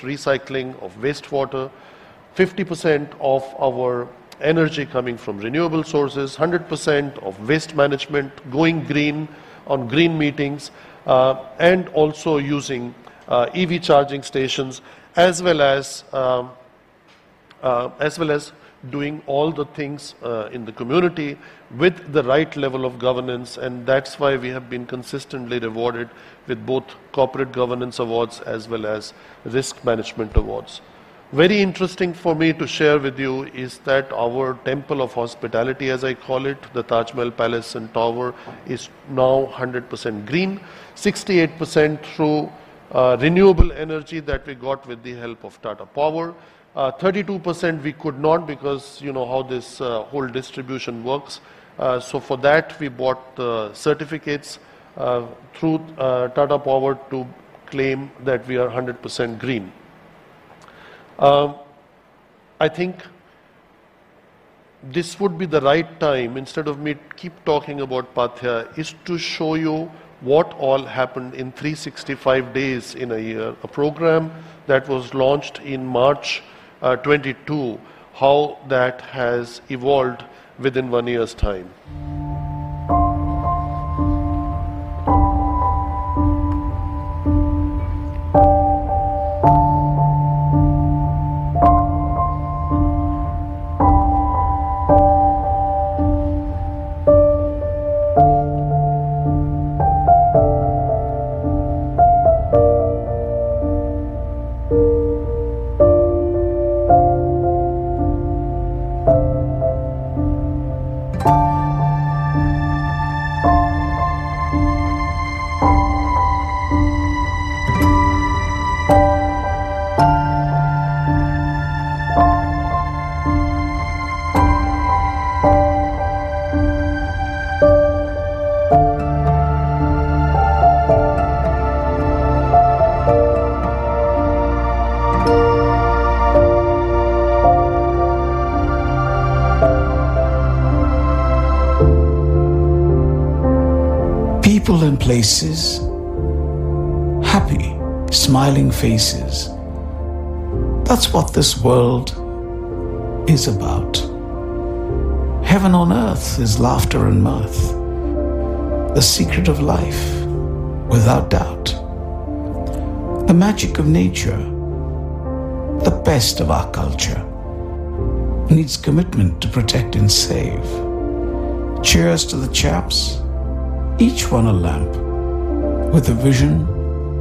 recycling of wastewater, 50% of our energy coming from renewable sources, 100% of waste management, going green on green meetings, and also using EV charging stations, as well as doing all the things in the community with the right level of governance. That's why we have been consistently rewarded with both corporate governance awards as well as risk management awards. Very interesting for me to share with you is that our temple of hospitality, as I call it, the Taj Mahal Palace and Tower, is now 100% green. 68% through renewable energy that we got with the help of Tata Power. 32% we could not because you know how this whole distribution works. For that, we bought certificates through Tata Power to claim that we are 100% green. I think this would be the right time, instead of me keep talking about Paathya, is to show you what all happened in 365 days in a year. A program that was launched in March 2022, how that has evolved within 1 year's time. People and places. Happy, smiling faces. That's what this world is about. Heaven on earth is laughter and mirth. The secret of life without doubt. The magic of nature. The best of our culture needs commitment to protect and save. Cheers to the chaps. Each one a lamp with a vision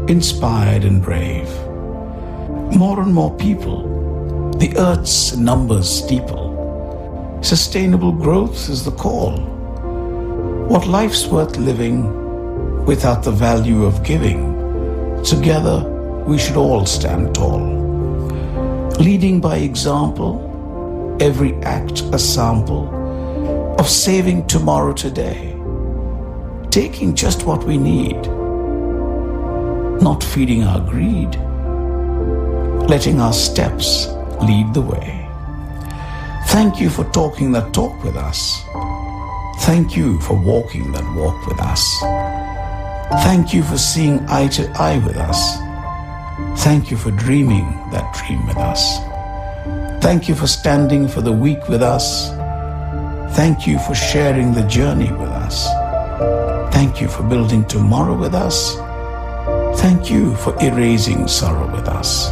inspired and brave. More and more people. The Earth's numbers steeple. Sustainable growth is the call. What life's worth living without the value of giving? Together we should all stand tall. Leading by example. Every act a sample of saving tomorrow today. Taking just what we need. Not feeding our greed. Letting our steps lead the way. Thank you for talking that talk with us. Thank you for walking that walk with us. Thank you for seeing eye to eye with us. Thank you for dreaming that dream with us. Thank you for standing for the weak with us. Thank you for sharing the journey with us. Thank you for building tomorrow with us. Thank you for erasing sorrow with us.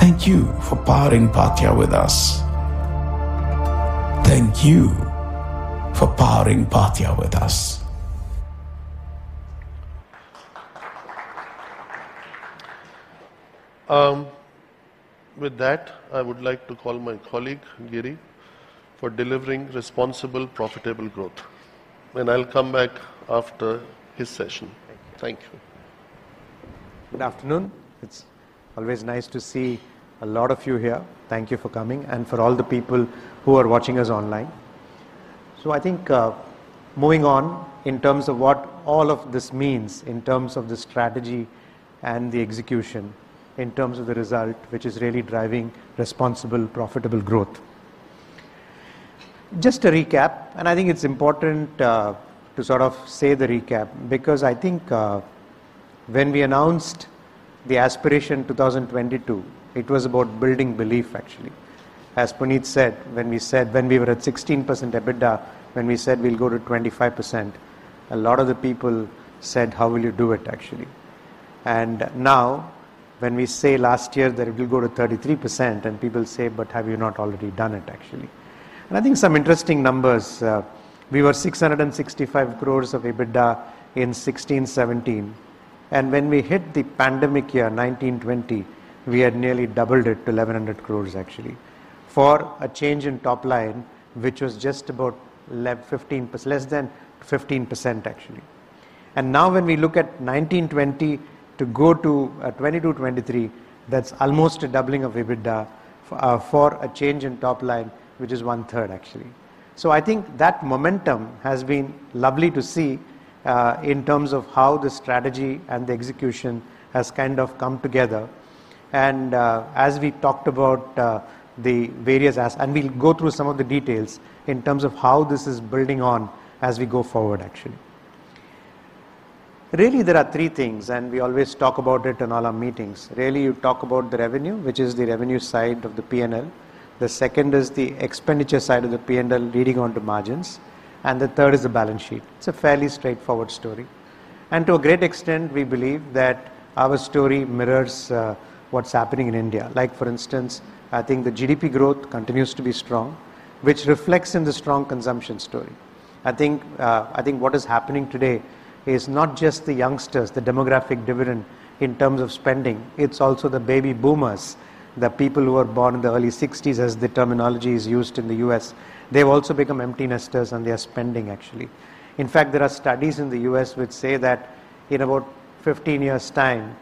Thank you for powering Paathya with us. Thank you for powering Paathya with us. With that, I would like to call my colleague, Giri, for delivering responsible, profitable growth, and I'll come back after his session. Thank you. Thank you. Good afternoon. It's always nice to see a lot of you here. Thank you for coming, and for all the people who are watching us online. I think, moving on in terms of what all of this means, in terms of the strategy and the execution, in terms of the result, which is really driving responsible, profitable growth. Just to recap, and I think it's important, to sort of say the recap because I think, when we announced the Aspiration 2022, it was about building belief, actually. As Puneet said, when we were at 16% EBITDA, when we said we'll go to 25%, a lot of the people said, "How will you do it?" actually. When we say last year that it will go to 33%, and people say, "But have you not already done it?" actually. Some interesting numbers, we were 665 crores of EBITDA in 2016, 2017, and when we hit the pandemic year, 2019, 2020, we had nearly doubled it to 1,100 crores actually, for a change in top line, which was just about less than 15% actually. When we look at 2019, 2020 to go to 2022, 2023, that's almost a doubling of EBITDA for a change in top line, which is one-third actually. I think that momentum has been lovely to see in terms of how the strategy and the execution has kind of come together, and as we talked about, we'll go through some of the details in terms of how this is building on as we go forward, actually. There are three things, and we always talk about it in all our meetings. You talk about the revenue, which is the revenue side of the P&L. The second is the expenditure side of the P&L leading onto margins, and the third is the balance sheet. It's a fairly straightforward story. To a great extent, we believe that our story mirrors what's happening in India. For instance, I think the GDP growth continues to be strong, which reflects in the strong consumption story. I think what is happening today is not just the youngsters, the demographic dividend in terms of spending, it's also the baby boomers, the people who were born in the early 60s, as the terminology is used in the U.S. They've also become empty nesters and they are spending, actually. In fact, there are studies in the U.S. which say that in about 15 years' time,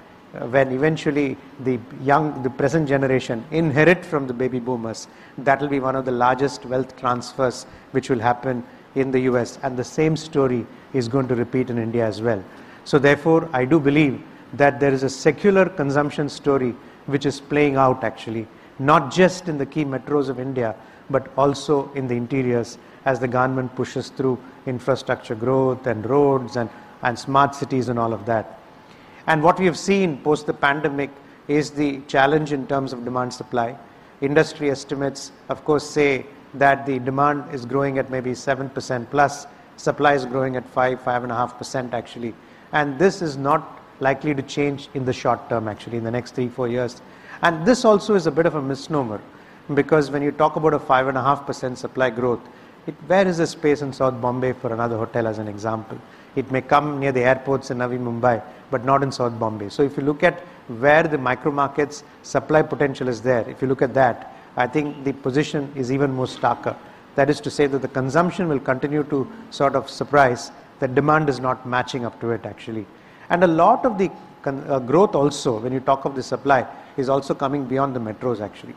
when eventually the young, the present generation inherit from the baby boomers, that will be one of the largest wealth transfers which will happen in the U.S., and the same story is going to repeat in India as well. Therefore, I do believe that there is a secular consumption story which is playing out actually, not just in the key metros of India, but also in the interiors as the government pushes through infrastructure growth and roads and smart cities and all of that. What we have seen post the pandemic is the challenge in terms of demand supply. Industry estimates, of course, say that the demand is growing at maybe 7%+, supply is growing at 5%-5.5%, actually, and this is not likely to change in the short term, actually, in the next three to four years. This also is a bit of a misnomer, because when you talk about a 5.5% supply growth, it. Where is the space in South Bombay for another hotel, as an example? It may come near the airports in Navi Mumbai, but not in South Bombay. If you look at where the micro markets supply potential is there, if you look at that, I think the position is even more starker. That is to say that the consumption will continue to sort of surprise, the demand is not matching up to it, actually. A lot of the growth also, when you talk of the supply, is also coming beyond the metros, actually.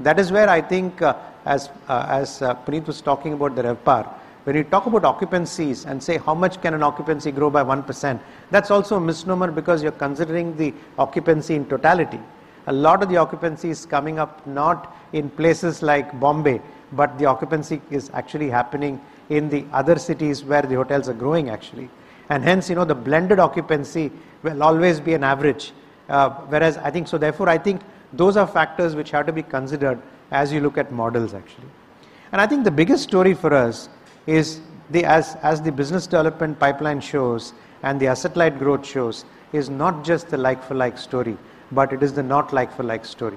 That is where I think, as Puneet was talking about the RevPAR. When you talk about occupancies and say, how much can an occupancy grow by 1%? That's also a misnomer because you're considering the occupancy in totality. A lot of the occupancy is coming up, not in places like Bombay, but the occupancy is actually happening in the other cities where the hotels are growing, actually. Hence, you know, the blended occupancy will always be an average. Whereas I think those are factors which have to be considered as you look at models, actually. I think the biggest story for us is the, as the business development pipeline shows and the asset light growth shows, is not just the like for like story, but it is the not like for like story,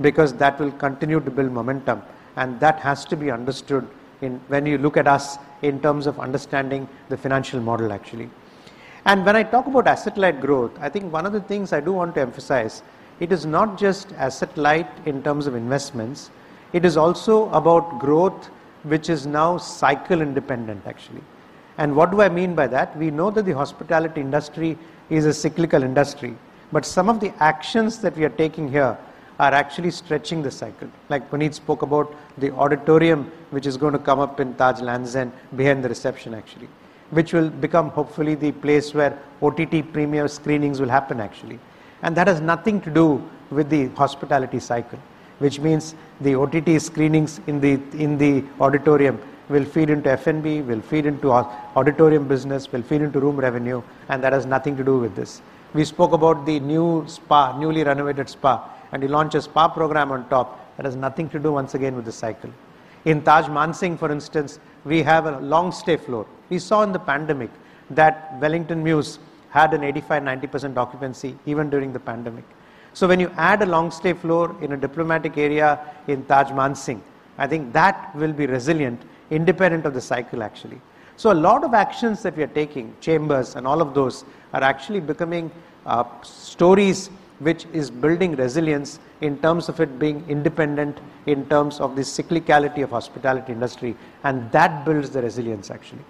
because that will continue to build momentum, and that has to be understood when you look at us in terms of understanding the financial model, actually. When I talk about asset light growth, I think one of the things I do want to emphasize, it is not just asset light in terms of investments, it is also about growth which is now cycle independent, actually. What do I mean by that? We know that the hospitality industry is a cyclical industry, but some of the actions that we are taking here are actually stretching the cycle. Like Puneet spoke about the auditorium, which is going to come up in Taj Lands End behind the reception, actually. Which will become hopefully the place where OTT premier screenings will happen, actually. That has nothing to do with the hospitality cycle. Which means the OTT screenings in the, in the auditorium will feed into F&B, will feed into our auditorium business, will feed into room revenue, and that has nothing to do with this. We spoke about the new spa, newly renovated spa. We launch a spa program on top that has nothing to do, once again, with the cycle. In Taj Mansingh, for instance, we have a long-stay floor. We saw in the pandemic that Wellington Mews had an 85%, 90% occupancy even during the pandemic. When you add a long-stay floor in a diplomatic area in Taj Mansingh, I think that will be resilient independent of the cycle, actually. A lot of actions that we are taking, Chambers and all of those, are actually becoming stories which is building resilience in terms of it being independent, in terms of the cyclicality of hospitality industry. That builds the resilience, actually.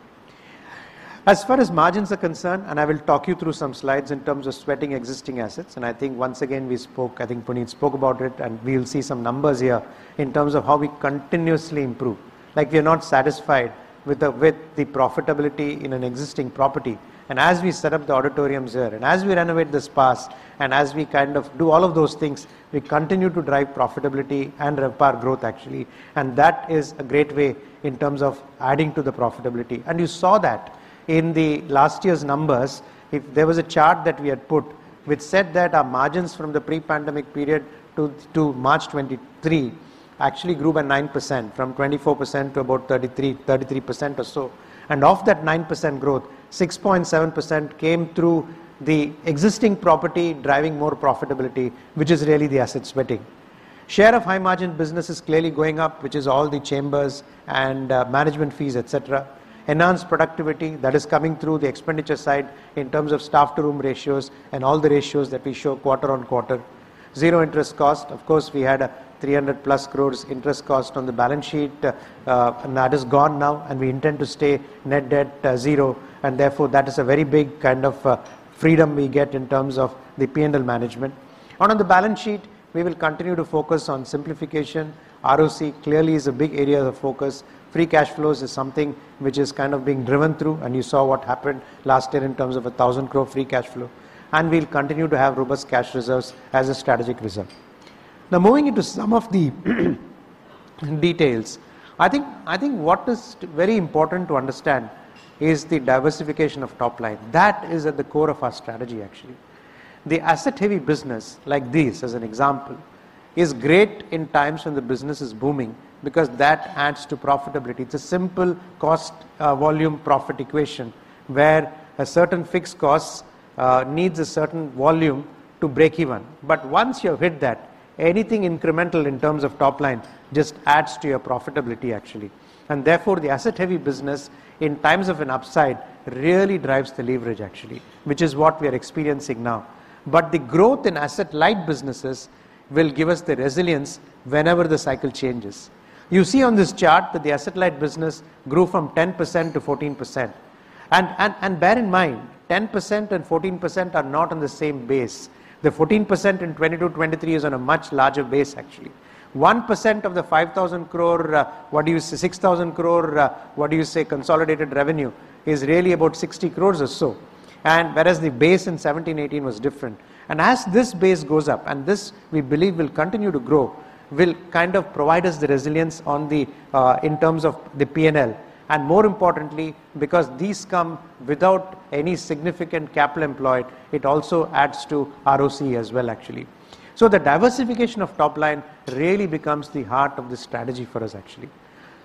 As far as margins are concerned, I will talk you through some slides in terms of sweating existing assets. I think once again, we spoke, I think Puneet spoke about it, and we'll see some numbers here in terms of how we continuously improve. Like, we are not satisfied with the profitability in an existing property. As we set up the auditoriums here, and as we renovate the spas, and as we kind of do all of those things, we continue to drive profitability and RevPAR growth, actually. That is a great way in terms of adding to the profitability. You saw that in the last year's numbers. If there was a chart that we had put which said that our margins from the pre-pandemic period to March 2023 actually grew by 9%, from 24% to about 33% or so. Of that 9% growth, 6.7% came through the existing property driving more profitability, which is really the asset sweating. Share of high-margin business is clearly going up, which is all the Chambers and management fees, et cetera. Enhanced productivity, that is coming through the expenditure side in terms of staff-to-room ratios and all the ratios that we show quarter on quarter. 0 interest cost. Of course, we had an 300+ crores interest cost on the balance sheet, and that is gone now, and we intend to stay net debt 0, and therefore that is a very big kind of freedom we get in terms of the P&L management. On the balance sheet, we will continue to focus on simplification. ROC clearly is a big area of focus. Free cash flows is something which is kind of being driven through, you saw what happened last year in terms of 1,000 crore free cash flow. We'll continue to have robust cash reserves as a strategic reserve. Now moving into some of the details, I think what is very important to understand is the diversification of top line. That is at the core of our strategy, actually. The asset-heavy business like these, as an example, is great in times when the business is booming because that adds to profitability. It's a simple cost, volume profit equation, where a certain fixed cost needs a certain volume to break even. Once you have hit that, anything incremental in terms of top line just adds to your profitability, actually. Therefore, the asset-heavy business in times of an upside really drives the leverage, actually, which is what we are experiencing now. The growth in asset-light businesses will give us the resilience whenever the cycle changes. You see on this chart that the asset-light business grew from 10%-14%. Bear in mind, 10% and 14% are not on the same base. The 14% in 2022/2023 is on a much larger base, actually. One percent of the 5,000 crore, what do you say, 6,000 crore consolidated revenue is really about 60 crore or so, and whereas the base in 2017/2018 was different. As this base goes up, and this we believe will continue to grow, will kind of provide us the resilience on the in terms of the P&L. More importantly, because these come without any significant capital employed, it also adds to ROC as well, actually. The diversification of top line really becomes the heart of the strategy for us, actually.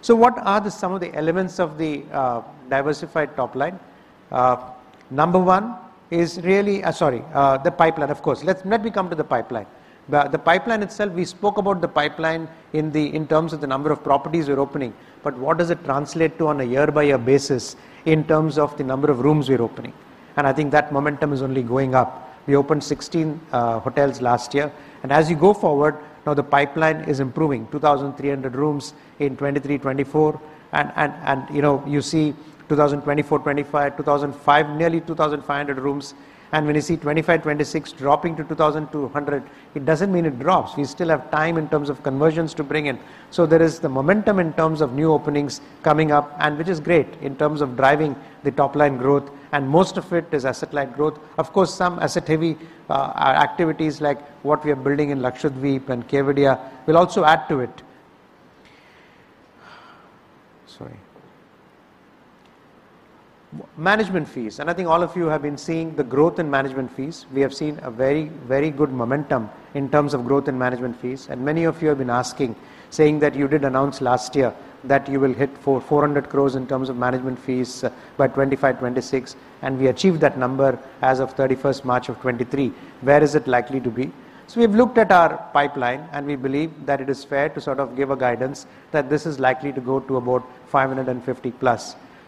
What are the some of the elements of the diversified top line? Number one is really... Sorry, the pipeline, of course. Let me come to the pipeline. The pipeline itself, we spoke about the pipeline in the, in terms of the number of properties we're opening, but what does it translate to on a year-by-year basis in terms of the number of rooms we're opening? I think that momentum is only going up. We opened 16 hotels last year. As you go forward, now the pipeline is improving, 2,300 rooms in 2023/2024. You know, you see 2024/2025, nearly 2,500 rooms. When you see 2025/2026 dropping to 2,200, it doesn't mean it drops. We still have time in terms of conversions to bring in. There is the momentum in terms of new openings coming up, and which is great in terms of driving the top-line growth, and most of it is asset-light growth. Of course, some asset-heavy activities like what we are building in Lakshadweep and Kevadia will also add to it. Sorry. Management fees, and I think all of you have been seeing the growth in management fees. We have seen a very good momentum in terms of growth in management fees. Many of you have been asking, saying that you did announce last year that you will hit 400 crore in terms of management fees by 2025-2026, and we achieved that number as of 31st March 2023. Where is it likely to be? We have looked at our pipeline, and we believe that it is fair to sort of give a guidance that this is likely to go to about 550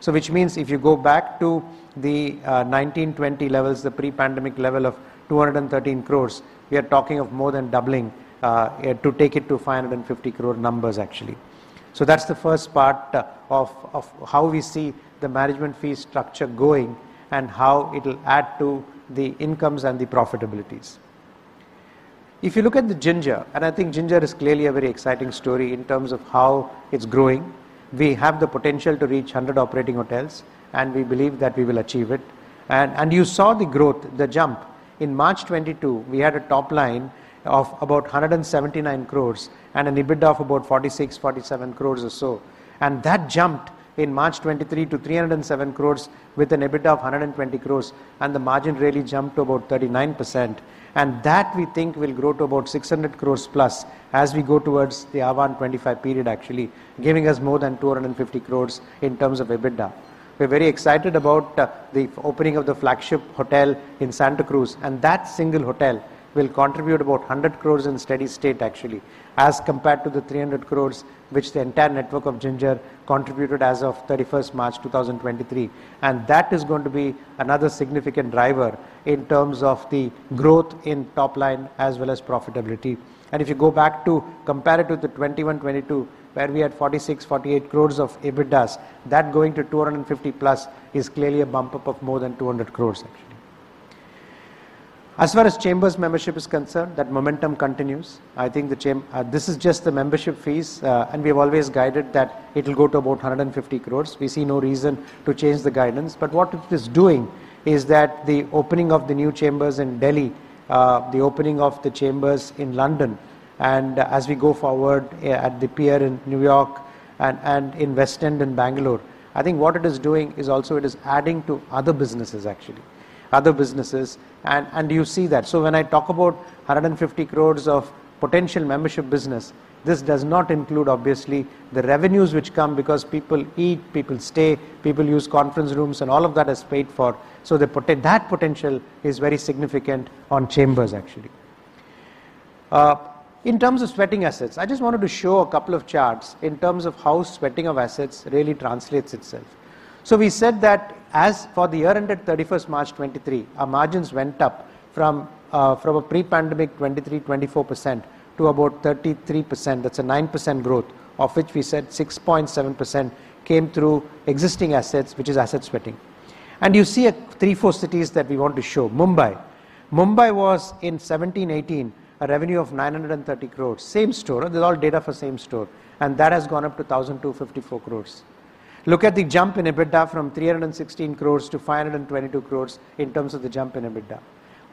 crore+. Which means if you go back to the 2019-2020 levels, the pre-pandemic level of 213 crore, we are talking of more than doubling to take it to 550 crore numbers, actually. That's the first part of how we see the management fee structure going and how it'll add to the incomes and the profitabilities. If you look at the Ginger, and I think Ginger is clearly a very exciting story in terms of how it's growing. We have the potential to reach 100 operating hotels, and we believe that we will achieve it. You saw the growth, the jump. In March 2022, we had a top line of about 179 crores and an EBITDA of about 46-47 crores or so. That jumped in March 2023 to 307 crores with an EBITDA of 120 crores, and the margin really jumped to about 39%. That we think will grow to about 600 crores+ as we go towards the Ahvaan 2025 period actually, giving us more than 250 crores in terms of EBITDA. We're very excited about the opening of the flagship hotel in Santacruz. That single hotel will contribute about 100 crores in steady state actually, as compared to the 300 crores which the entire network of Ginger contributed as of 31st March 2023. That is going to be another significant driver in terms of the growth in top line as well as profitability. If you go back to compare it with the 2021-2022, where we had 46, 48 crores of EBITDAs, that going to 250+ is clearly a bump up of more than 200 crores actually. As far as Chambers membership is concerned, that momentum continues. I think this is just the membership fees, and we've always guided that it'll go to about 150 crores. We see no reason to change the guidance. What it is doing is that the opening of the new Chambers in Delhi, the opening of the Chambers in London, and as we go forward, at the Pier in New York and in West End in Bangalore, I think what it is doing is also it is adding to other businesses, actually. Other businesses and you see that. When I talk about 150 crores of potential membership business, this does not include, obviously, the revenues which come because people eat, people stay, people use conference rooms, and all of that is paid for. That potential is very significant on Chambers, actually. In terms of sweating assets, I just wanted to show a couple of charts in terms of how sweating of assets really translates itself. We said that as for the year-ended 31st March 2023, our margins went up from a pre-pandemic 23%-24% to about 33%. That's a 9% growth, of which we said 6.7% came through existing assets, which is asset sweating. You see at three, four cities that we want to show. Mumbai was in 2017-2018, a revenue of 930 crores. Same store. This is all data for same store. That has gone up to 1,254 crores. Look at the jump in EBITDA from 316 crores-522 crores in terms of the jump in EBITDA.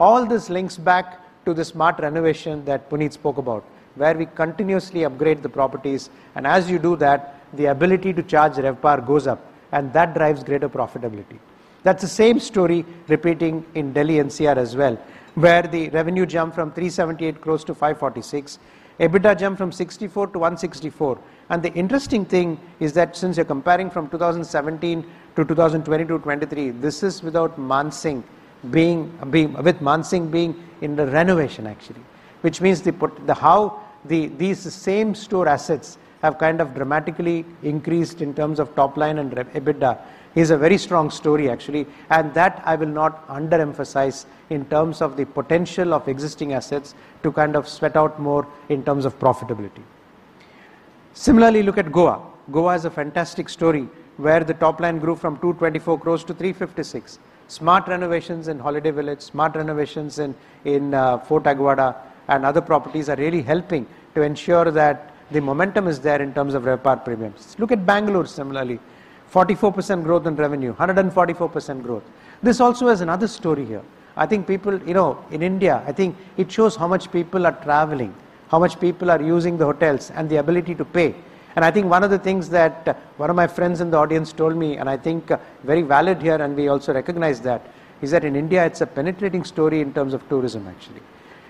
All this links back to the smart renovation that Puneet spoke about, where we continuously upgrade the properties. As you do that, the ability to charge RevPAR goes up, and that drives greater profitability. That's the same story repeating in Delhi NCR as well, where the revenue jumped from 378 crores-546 crores. EBITDA jumped from 64 crores-164 crores. The interesting thing is that since you're comparing from 2017-2020-23, this is with Man Singh being in the renovation actually. Which means these same store assets have kind of dramatically increased in terms of top line and EBITDA is a very strong story actually. That I will not underemphasize in terms of the potential of existing assets to kind of sweat out more in terms of profitability. Similarly, look at Goa. Goa is a fantastic story where the top line grew from 224 crore-356 crore. Smart renovations in Holiday Village, smart renovations in Fort Aguada, and other properties are really helping to ensure that the momentum is there in terms of RevPAR premiums. Look at Bangalore similarly. 44% growth in revenue. 144% growth. This also has another story here. I think people, you know, in India, I think it shows how much people are traveling, how much people are using the hotels, and the ability to pay. I think one of the things that one of my friends in the audience told me, and I think very valid here, and we also recognize that, is that in India, it's a penetrating story in terms of tourism, actually.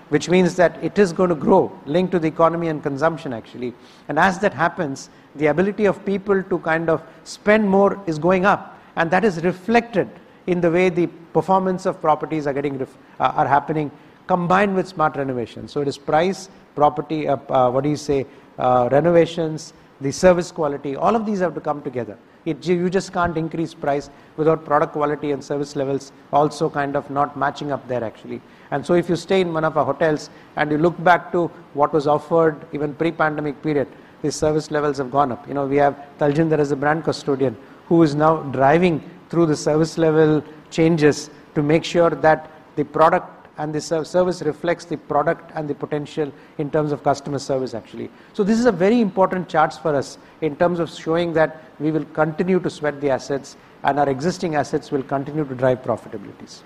Which means that it is going to grow linked to the economy and consumption, actually. As that happens, the ability of people to kind of spend more is going up, and that is reflected in the way the performance of properties are happening, combined with smart renovations. It is price, property, what do you say? Renovations, the service quality, all of these have to come together. You just can't increase price without product quality and service levels also kind of not matching up there, actually. If you stay in one of our hotels and you look back to what was offered even pre-pandemic period, the service levels have gone up. You know, we have Taljinder as a brand custodian who is now driving through the service level changes to make sure that the product and the service reflects the product and the potential in terms of customer service, actually. This is a very important charts for us in terms of showing that we will continue to sweat the assets and our existing assets will continue to drive profitabilities.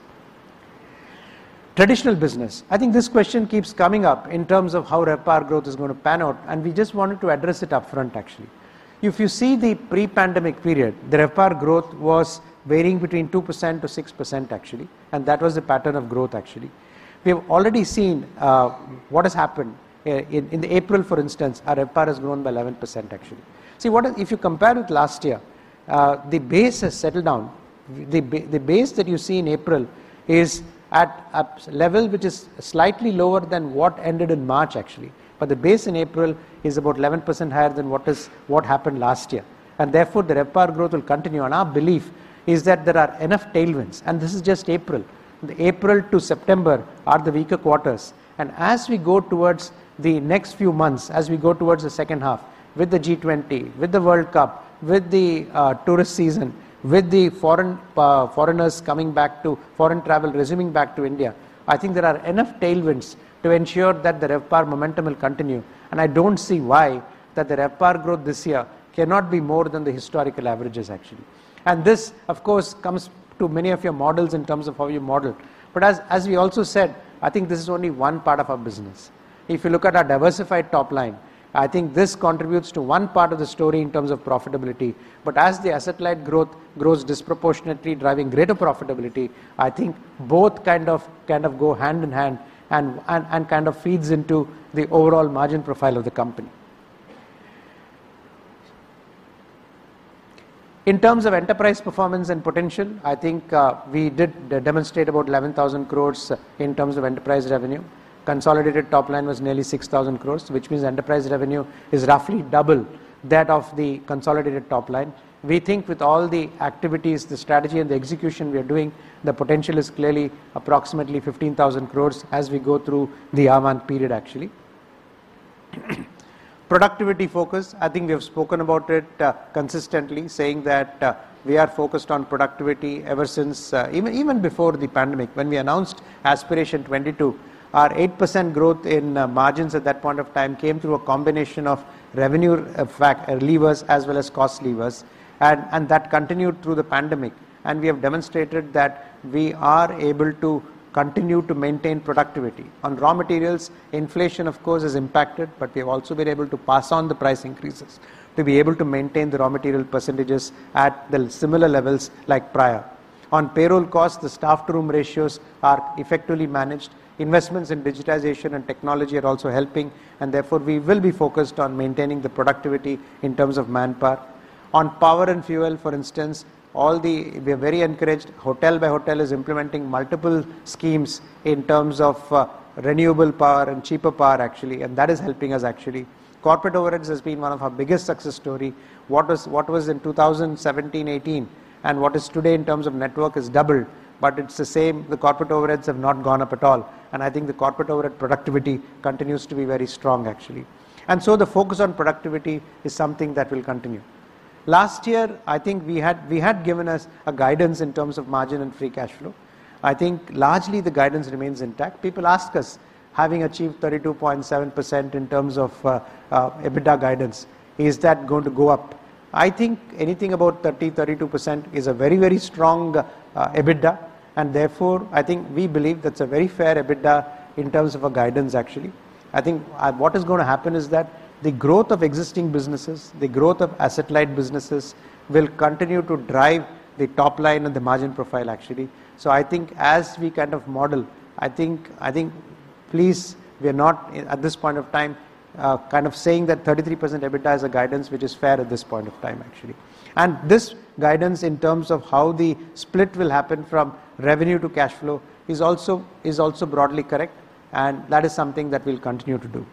Traditional business. I think this question keeps coming up in terms of how RevPAR growth is gonna pan out, and we just wanted to address it upfront, actually. If you see the pre-pandemic period, the RevPAR growth was varying between 2%-6%, actually, that was the pattern of growth, actually. We have already seen what has happened. In April, for instance, our RevPAR has grown by 11%, actually. See, what is if you compare it last year, the base has settled down. The base that you see in April is at a level which is slightly lower than what ended in March, actually. The base in April is about 11% higher than what happened last year. Therefore, the RevPAR growth will continue. Our belief is that there are enough tailwinds, and this is just April. The April to September are the weaker quarters. As we go towards the next few months, as we go towards the second half with the G20, with the World Cup, with the tourist season, with the foreign travel resuming back to India, I think there are enough tailwinds to ensure that the RevPAR momentum will continue. I don't see why that the RevPAR growth this year cannot be more than the historical averages, actually. This, of course, comes to many of your models in terms of how you model. As we also said, I think this is only one part of our business. If you look at our diversified top line, I think this contributes to one part of the story in terms of profitability. As the asset-light growth grows disproportionately, driving greater profitability, I think both kind of go hand-in-hand and kind of feeds into the overall margin profile of the company. In terms of enterprise performance and potential, I think we did demonstrate about 11,000 crores in terms of enterprise revenue. Consolidated top line was nearly 6,000 crores, which means enterprise revenue is roughly double that of the consolidated top line. We think with all the activities, the strategy, and the execution we are doing, the potential is clearly approximately 15,000 crores as we go through the RMAN period actually. Productivity focus, I think we have spoken about it consistently, saying that we are focused on productivity ever since, even before the pandemic. When we announced Aspiration 2022, our 8% growth in margins at that point of time came through a combination of revenue fact levers as well as cost levers. That continued through the pandemic. We have demonstrated that we are able to continue to maintain productivity. On raw materials, inflation, of course, has impacted, but we have also been able to pass on the price increases to be able to maintain the raw material percentages at the similar levels like prior. On payroll costs, the staff-to-room ratios are effectively managed. Investments in digitization and technology are also helping, and therefore, we will be focused on maintaining the productivity in terms of manpower. On power and fuel, for instance, we are very encouraged. Hotel by hotel is implementing multiple schemes in terms of renewable power and cheaper power, actually, that is helping us, actually. Corporate overheads has been one of our biggest success story. What was in 2017, 2018, what is today in terms of network is doubled, but it's the same. The corporate overheads have not gone up at all. I think the corporate overhead productivity continues to be very strong, actually. The focus on productivity is something that will continue. Last year, I think we had given us a guidance in terms of margin and free cash flow. I think largely the guidance remains intact. People ask us, having achieved 32.7% in terms of EBITDA guidance, is that going to go up? I think anything about 30, 32% is a very, very strong EBITDA. Therefore, I think we believe that's a very fair EBITDA in terms of a guidance, actually. I think what is going to happen is that the growth of existing businesses, the growth of asset-light businesses will continue to drive the top line and the margin profile, actually. I think as we kind of model, I think please, we are not at this point of time kind of saying that 33% EBITDA is a guidance which is fair at this point of time, actually. This guidance in terms of how the split will happen from revenue to cash flow is also broadly correct, and that is something that we'll continue to do.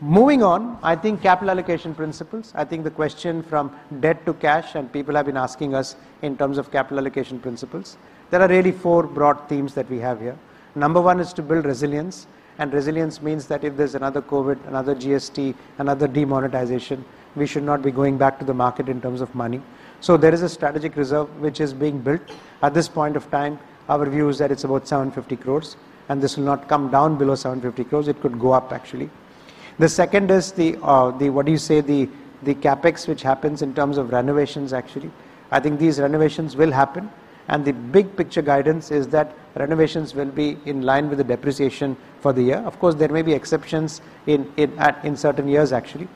Moving on, I think capital allocation principles. I think the question from debt to cash, and people have been asking us in terms of capital allocation principles. There are really four broad themes that we have here. Number one is to build resilience, and resilience means that if there's another COVID, another GST, another demonetization, we should not be going back to the market in terms of money. There is a strategic reserve which is being built. At this point of time, our view is that it's about 750 crores, and this will not come down below 750 crores. It could go up, actually. The second is what do you say? The CapEx which happens in terms of renovations, actually. I think these renovations will happen. The big picture guidance is that renovations will be in line with the depreciation for the year. Of course, there may be exceptions in certain years, actually.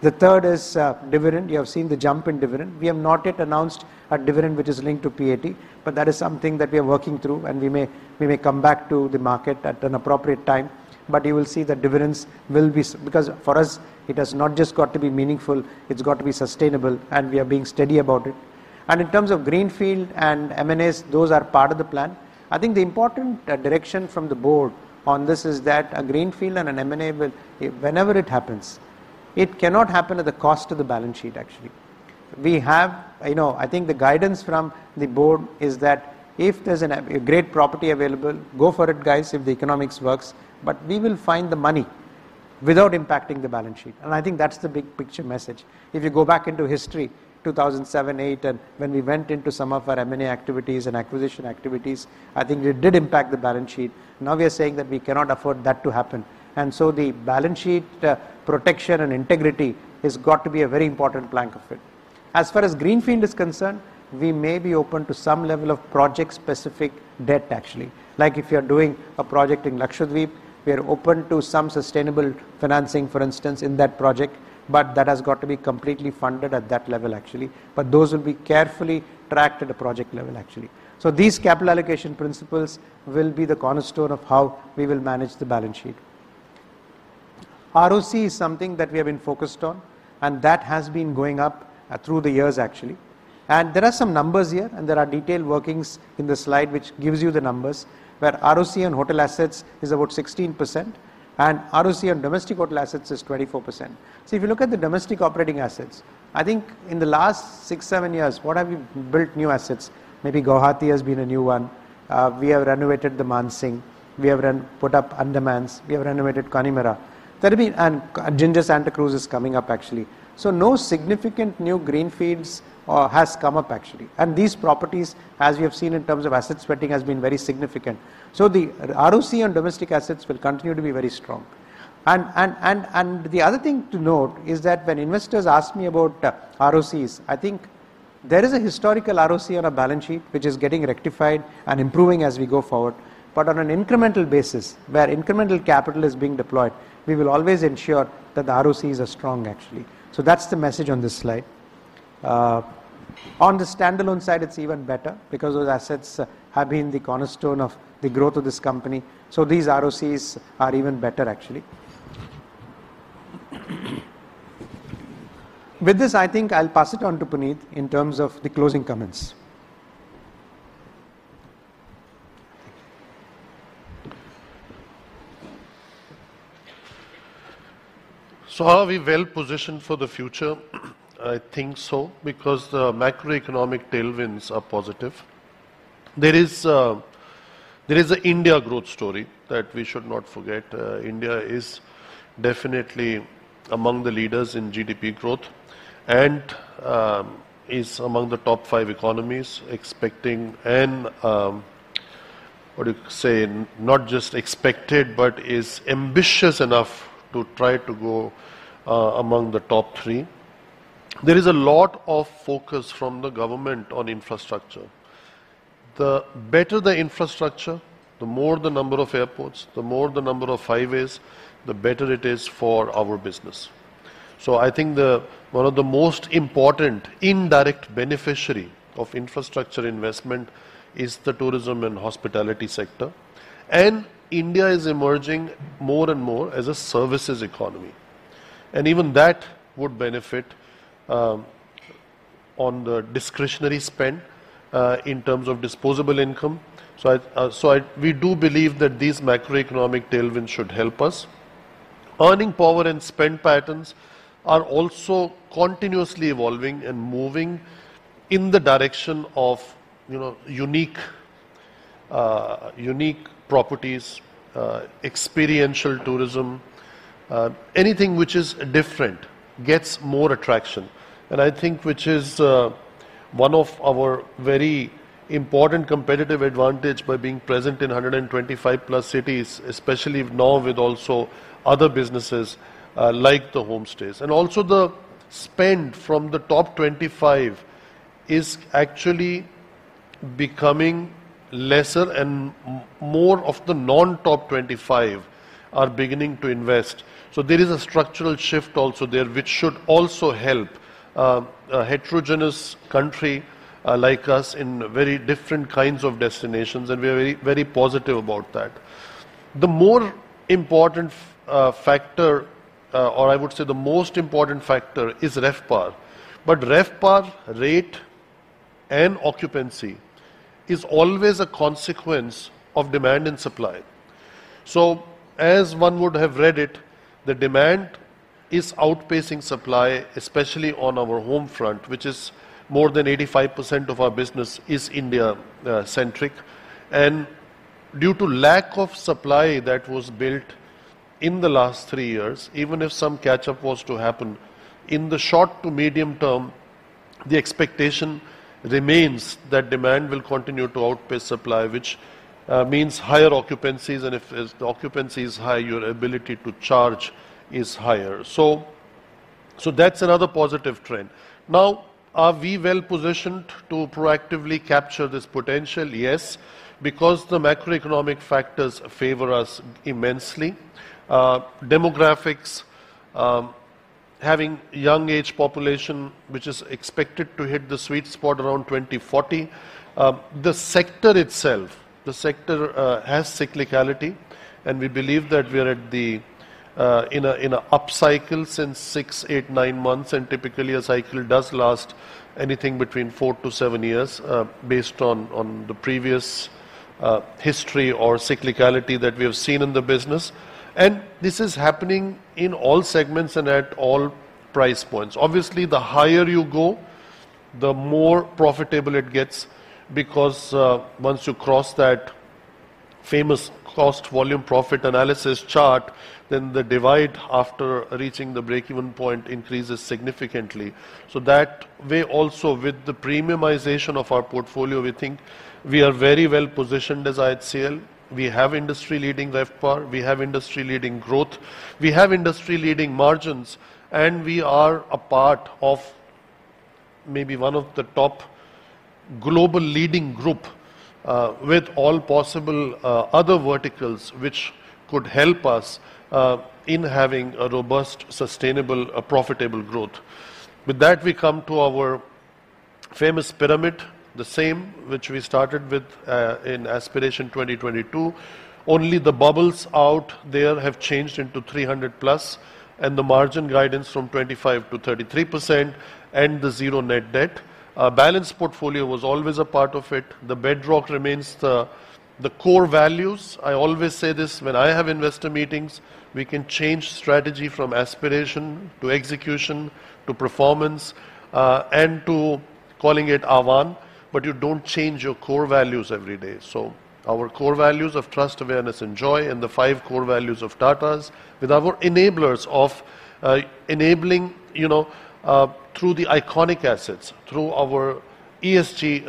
The third is dividend. You have seen the jump in dividend. We have not yet announced a dividend which is linked to PAT, but that is something that we are working through, and we may come back to the market at an appropriate time. You will see that dividends will be because for us, it has not just got to be meaningful, it's got to be sustainable, and we are being steady about it. In terms of greenfield and M&As, those are part of the plan. I think the important direction from the board on this is that a greenfield and an M&A will whenever it happens, it cannot happen at the cost of the balance sheet, actually. We have, you know, I think the guidance from the board is that if there's a great property available, go for it, guys, if the economics works, we will find the money without impacting the balance sheet. I think that's the big picture message. If you go back into history, 2007, 2008, and when we went into some of our M&A activities and acquisition activities, I think it did impact the balance sheet. Now we are saying that we cannot afford that to happen. The balance sheet protection and integrity has got to be a very important plank of it. As far as greenfield is concerned, we may be open to some level of project-specific debt, actually. Like if you are doing a project in Lakshadweep, we are open to some sustainable financing, for instance, in that project, but that has got to be completely funded at that level, actually. Those will be carefully tracked at a project level, actually. These capital allocation principles will be the cornerstone of how we will manage the balance sheet. ROC is something that we have been focused on, and that has been going up through the years, actually. There are some numbers here, and there are detailed workings in the slide which gives you the numbers, where ROC on hotel assets is about 16%. ROC on domestic hotel assets is 24%. See, if you look at the domestic operating assets, I think in the last 6, 7 years, what have you built new assets? Maybe Guwahati has been a new one. We have renovated the Man Singh. We have put up Andamans. We have renovated Connemara. Ginger Santacruz is coming up, actually. No significant new greenfields has come up, actually. These properties, as you have seen in terms of asset sweating, has been very significant. The ROC on domestic assets will continue to be very strong. The other thing to note is that when investors ask me about ROCs, I think there is a historical ROC on a balance sheet which is getting rectified and improving as we go forward. On an incremental basis, where incremental capital is being deployed, we will always ensure that the ROCs are strong, actually. That's the message on this slide. On the standalone side, it's even better because those assets have been the cornerstone of the growth of this company. These ROCs are even better, actually. With this, I think I'll pass it on to Puneet in terms of the closing comments. Are we well-positioned for the future? I think so, because the macroeconomic tailwinds are positive. There is a India growth story that we should not forget. India is definitely among the leaders in GDP growth and is among the top five economies expecting and, what do you say, not just expected, but is ambitious enough to try to go among the top three. There is a lot of focus from the government on infrastructure. The better the infrastructure, the more the number of airports, the more the number of highways, the better it is for our business. I think one of the most important indirect beneficiary of infrastructure investment is the tourism and hospitality sector. India is emerging more and more as a services economy. Even that would benefit on the discretionary spend in terms of disposable income. We do believe that these macroeconomic tailwind should help us. Earning power and spend patterns are also continuously evolving and moving in the direction of, you know, unique unique properties, experiential tourism. Anything which is different gets more attraction. I think which is one of our very important competitive advantage by being present in 125+ cities, especially now with also other businesses, like the homestays. Also the spend from the top 25 is actually becoming lesser and more of the non-top 25 are beginning to invest. There is a structural shift also there, which should also help a heterogeneous country like us in very different kinds of destinations, and we are very, very positive about that. The more important factor, or I would say the most important factor is RevPAR. RevPAR rate and occupancy is always a consequence of demand and supply. As one would have read it, the demand is outpacing supply, especially on our home front, which is more than 85% of our business is India centric. Due to lack of supply that was built in the last three years, even if some catch-up was to happen, in the short to medium term, the expectation remains that demand will continue to outpace supply, which means higher occupancies. If, as the occupancy is high, your ability to charge is higher. So that's another positive trend. Are we well-positioned to proactively capture this potential? Yes, because the macroeconomic factors favor us immensely. Demographics, having young age population, which is expected to hit the sweet spot around 2040. The sector itself, the sector has cyclicality, and we believe that we're at the in a upcycle since six, eight, nine months. Typically, a cycle does last anything between four to seven years, based on the previous history or cyclicality that we have seen in the business. This is happening in all segments and at all price points. Obviously, the higher you go, the more profitable it gets because once you cross that famous cost volume profit analysis chart, then the divide after reaching the break-even point increases significantly. That way also with the premiumization of our portfolio, we think we are very well positioned as IHCL. We have industry-leading RevPAR, we have industry-leading growth, we have industry-leading margins. We are a part of maybe one of the top global leading group, with all possible, other verticals which could help us, in having a robust, sustainable, profitable growth. With that, we come to our famous pyramid, the same which we started with, in Aspiration 2022. Only the bubbles out there have changed into 300+, and the margin guidance from 25%-33% and the 0 net debt. Our balanced portfolio was always a part of it. The bedrock remains the core values. I always say this when I have investor meetings, we can change strategy from aspiration to execution to performance, and to calling it Ahvaan, but you don't change your core values every day. Our core values of trust, awareness and joy and the five core values of Tatas with our enablers of enabling, you know, through the iconic assets, through our ESG,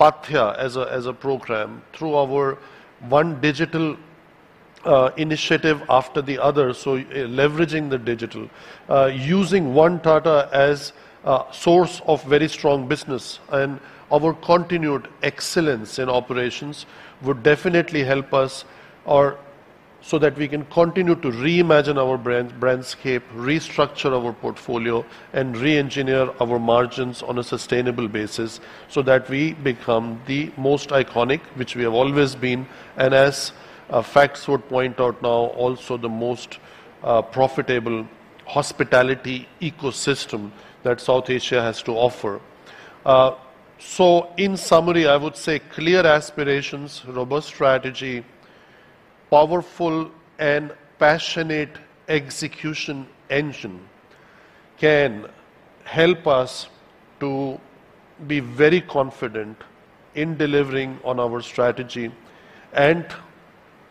Paathya as a program, through our one digital initiative after the other. leveraging the digital, using one Tata as a source of very strong business and our continued excellence in operations would definitely help us or so that we can continue to reimagine our brandscape, restructure our portfolio and reengineer our margins on a sustainable basis so that we become the most iconic, which we have always been. And as facts would point out now, also the most profitable hospitality ecosystem that South Asia has to offer. In summary, I would say clear aspirations, robust strategy, powerful and passionate execution engine can help us to be very confident in delivering on our strategy and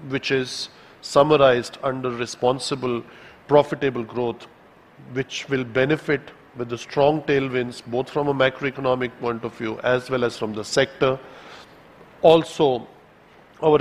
which is summarized under responsible, profitable growth, which will benefit with the strong tailwinds, both from a macroeconomic point of view as well as from the sector. Also, our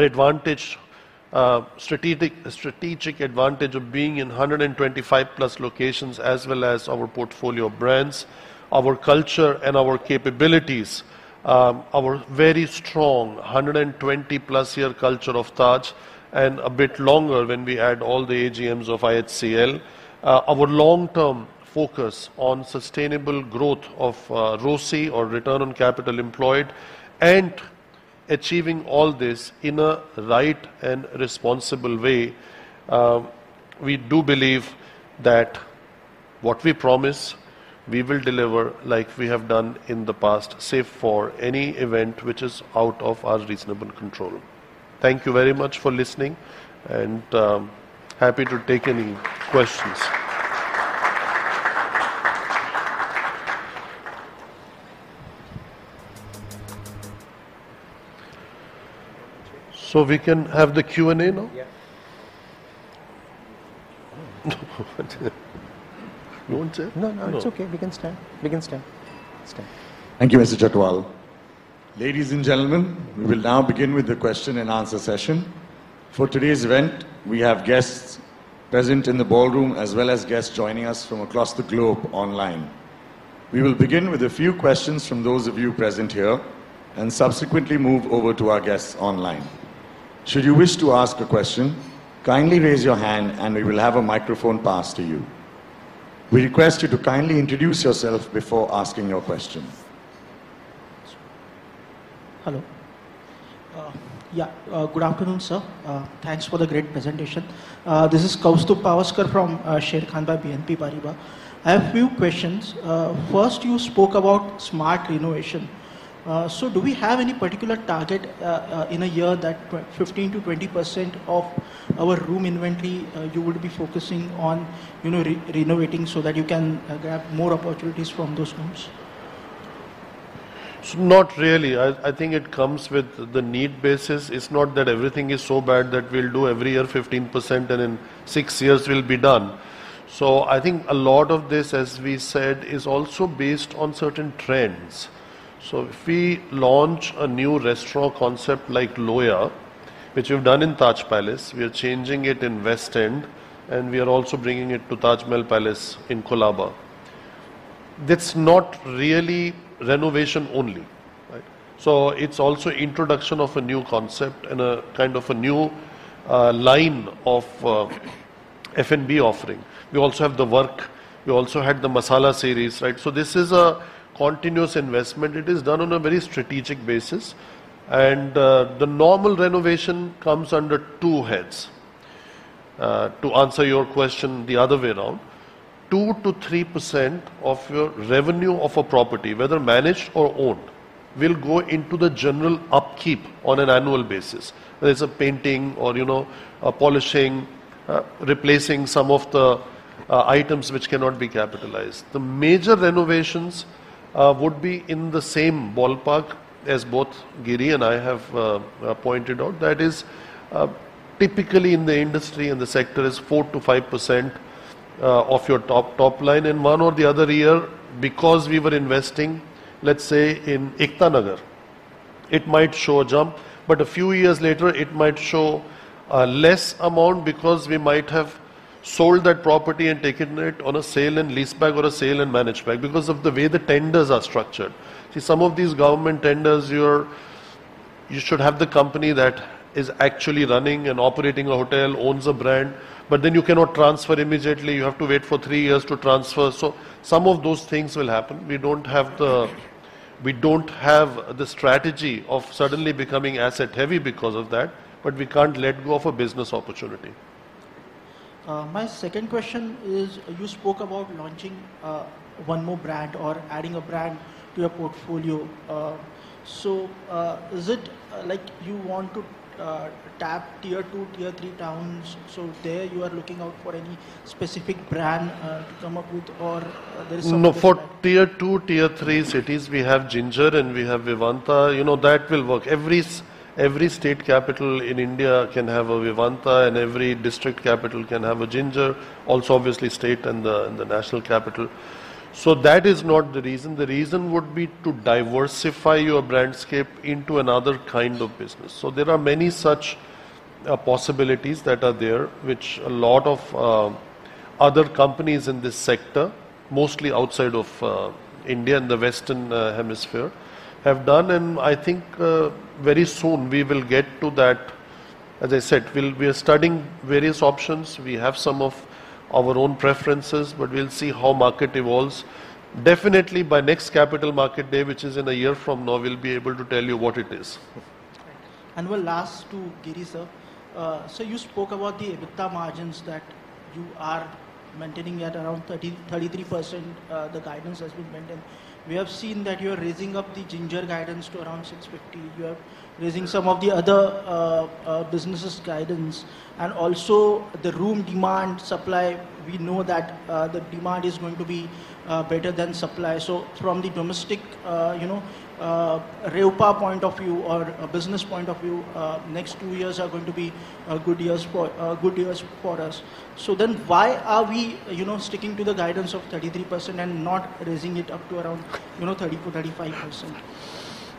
strategic advantage of being in 125+ locations as well as our portfolio of brands, our culture and our capabilities, our very strong 120+ year culture of Taj and a bit longer when we add all the AGMs of IHCL, our long-term focus on sustainable growth of ROCE or return on capital employed and achieving all this in a right and responsible way. We do believe that what we promise we will deliver like we have done in the past, save for any event which is out of our reasonable control. Thank you very much for listening and happy to take any questions. We can have the Q&A now? Yeah. No one's here. No, no, it's okay. We can stand. We can stand. Let's stand. Thank you, Mr. Chhatwal. Ladies and gentlemen, we will now begin with the question and answer session. For today's event, we have guests present in the ballroom, as well as guests joining us from across the globe online. We will begin with a few questions from those of you present here and subsequently move over to our guests online. Should you wish to ask a question, kindly raise your hand and we will have a microphone passed to you. We request you to kindly introduce yourself before asking your question. Hello. Good afternoon, sir. Thanks for the great presentation. This is Kaustubh Pawaskar from Sharekhan by BNP Paribas. I have a few questions. First, you spoke about smart renovation. Do we have any particular target in a year that 15%-20% of our room inventory you would be focusing on, you know, re-renovating so that you can grab more opportunities from those rooms? Not really. I think it comes with the need basis. It's not that everything is so bad that we'll do every year 15% and in 6 years we'll be done. I think a lot of this, as we said, is also based on certain trends. If we launch a new restaurant concept like Loya, which we've done in Taj Palace, we are changing it in West End, and we are also bringing it to Taj Mahal Palace in Colaba. That's not really renovation only, right? It's also introduction of a new concept and a kind of a new line of F&B offering. We also have the work. We also had the Masala series, right? This is a continuous investment. It is done on a very strategic basis. The normal renovation comes under two heads. To answer your question the other way around, 2%-3% of your revenue of a property, whether managed or owned, will go into the general upkeep on an annual basis. There's a painting or, you know, a polishing, replacing some of the items which cannot be capitalized. The major renovations would be in the same ballpark as both Giri and I have pointed out. That is typically in the industry and the sector is 4%-5% of your top line. In one or the other year, because we were investing, let's say, in Ekta Nagar, it might show a jump, but a few years later it might show a less amount because we might have sold that property and taken it on a sale and lease back or a sale and manage back because of the way the tenders are structured. You should have the company that is actually running and operating a hotel, owns a brand, but then you cannot transfer immediately, you have to wait for three years to transfer. Some of those things will happen. We don't have the strategy of suddenly becoming asset heavy because of that. We can't let go of a business opportunity. My second question is, you spoke about launching one more brand or adding a brand to your portfolio. Is it like you want to tap tier one, tier three towns? There you are looking out for any specific brand to come up with? No. For tier two, tier three cities, we have Ginger and we have Vivanta, you know, that will work. Every state capital in India can have a Vivanta, and every district capital can have a Ginger, also, obviously, state and the national capital. That is not the reason. The reason would be to diversify your brandscape into another kind of business. There are many such possibilities that are there, which a lot of other companies in this sector, mostly outside of India and the western hemisphere, have done. I think, very soon we will get to that. As I said, we are studying various options. We have some of our own preferences, but we'll see how market evolves. Definitely by next capital market day, which is in a year from now, we'll be able to tell you what it is. Well, last to Giri sir. You spoke about the EBITDA margins that you are maintaining at around 30%-33%, the guidance has been maintained. We have seen that you are raising up the Ginger guidance to around 650. You are raising some of the other businesses guidance and also the room demand supply. We know that the demand is going to be better than supply. From the domestic, you know, RevPAR point of view or business point of view, next two years are going to be good years for us. Why are we, you know, sticking to the guidance of 33% and not raising it up to around, you know, 34%-35%?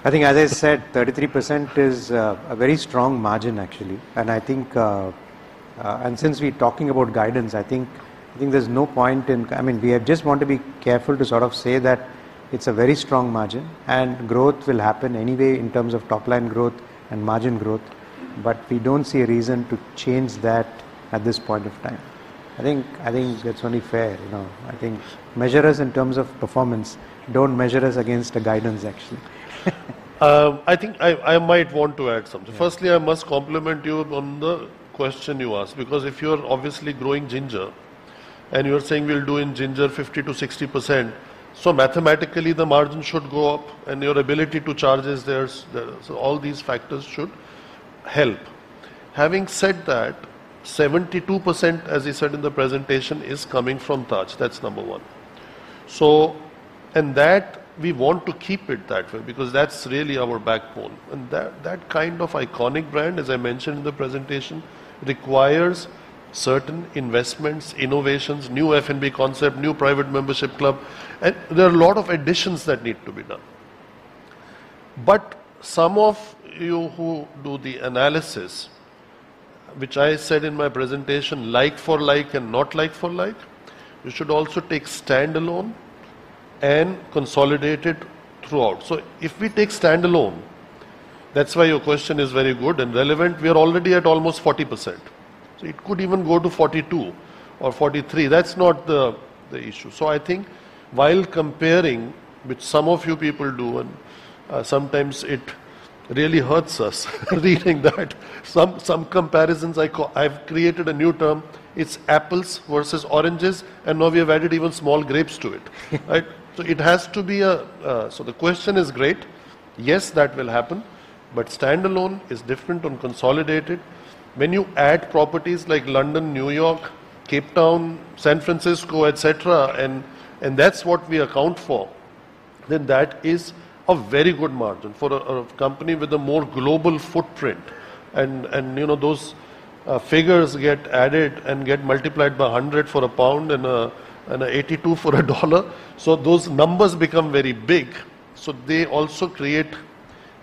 I think, as I said, 33% is a very strong margin actually. I think, and since we're talking about guidance, there's no point in. I mean, we just want to be careful to sort of say that it's a very strong margin and growth will happen anyway in terms of top line growth and margin growth. We don't see a reason to change that at this point of time. I think that's only fair, you know. I think measure us in terms of performance. Don't measure us against the guidance, actually. I think I might want to add something. Firstly, I must compliment you on the question you asked, because if you are obviously growing Ginger and you are saying we are doing Ginger 50%-60%, mathematically the margin should go up and your ability to charge is there. All these factors should help. Having said that, 72%, as I said in the presentation, is coming from Taj. That's number one. That we want to keep it that way because that's really our backbone. That kind of iconic brand, as I mentioned in the presentation, requires certain investments, innovations, new F&B concept, new private membership club, and there are a lot of additions that need to be done. Some of you who do the analysis, which I said in my presentation, like for like and not like for like, you should also take standalone and consolidated throughout. If we take standalone, that's why your question is very good and relevant. We are already at almost 40%. It could even go to 42 or 43. That's not the issue. I think while comparing, which some of you people do and sometimes it really hurts us reading that. Some comparisons I've created a new term, it's apples versus oranges, and now we have added even small grapes to it, right? It has to be a. The question is great. Yes, that will happen. Standalone is different on consolidated. When you add properties like London, New York, Cape Town, San Francisco, et cetera, and that's what we account for, then that is a very good margin for a company with a more global footprint. You know, those figures get added and get multiplied by 100 for a pound and $82 for a dollar. Those numbers become very big. They also create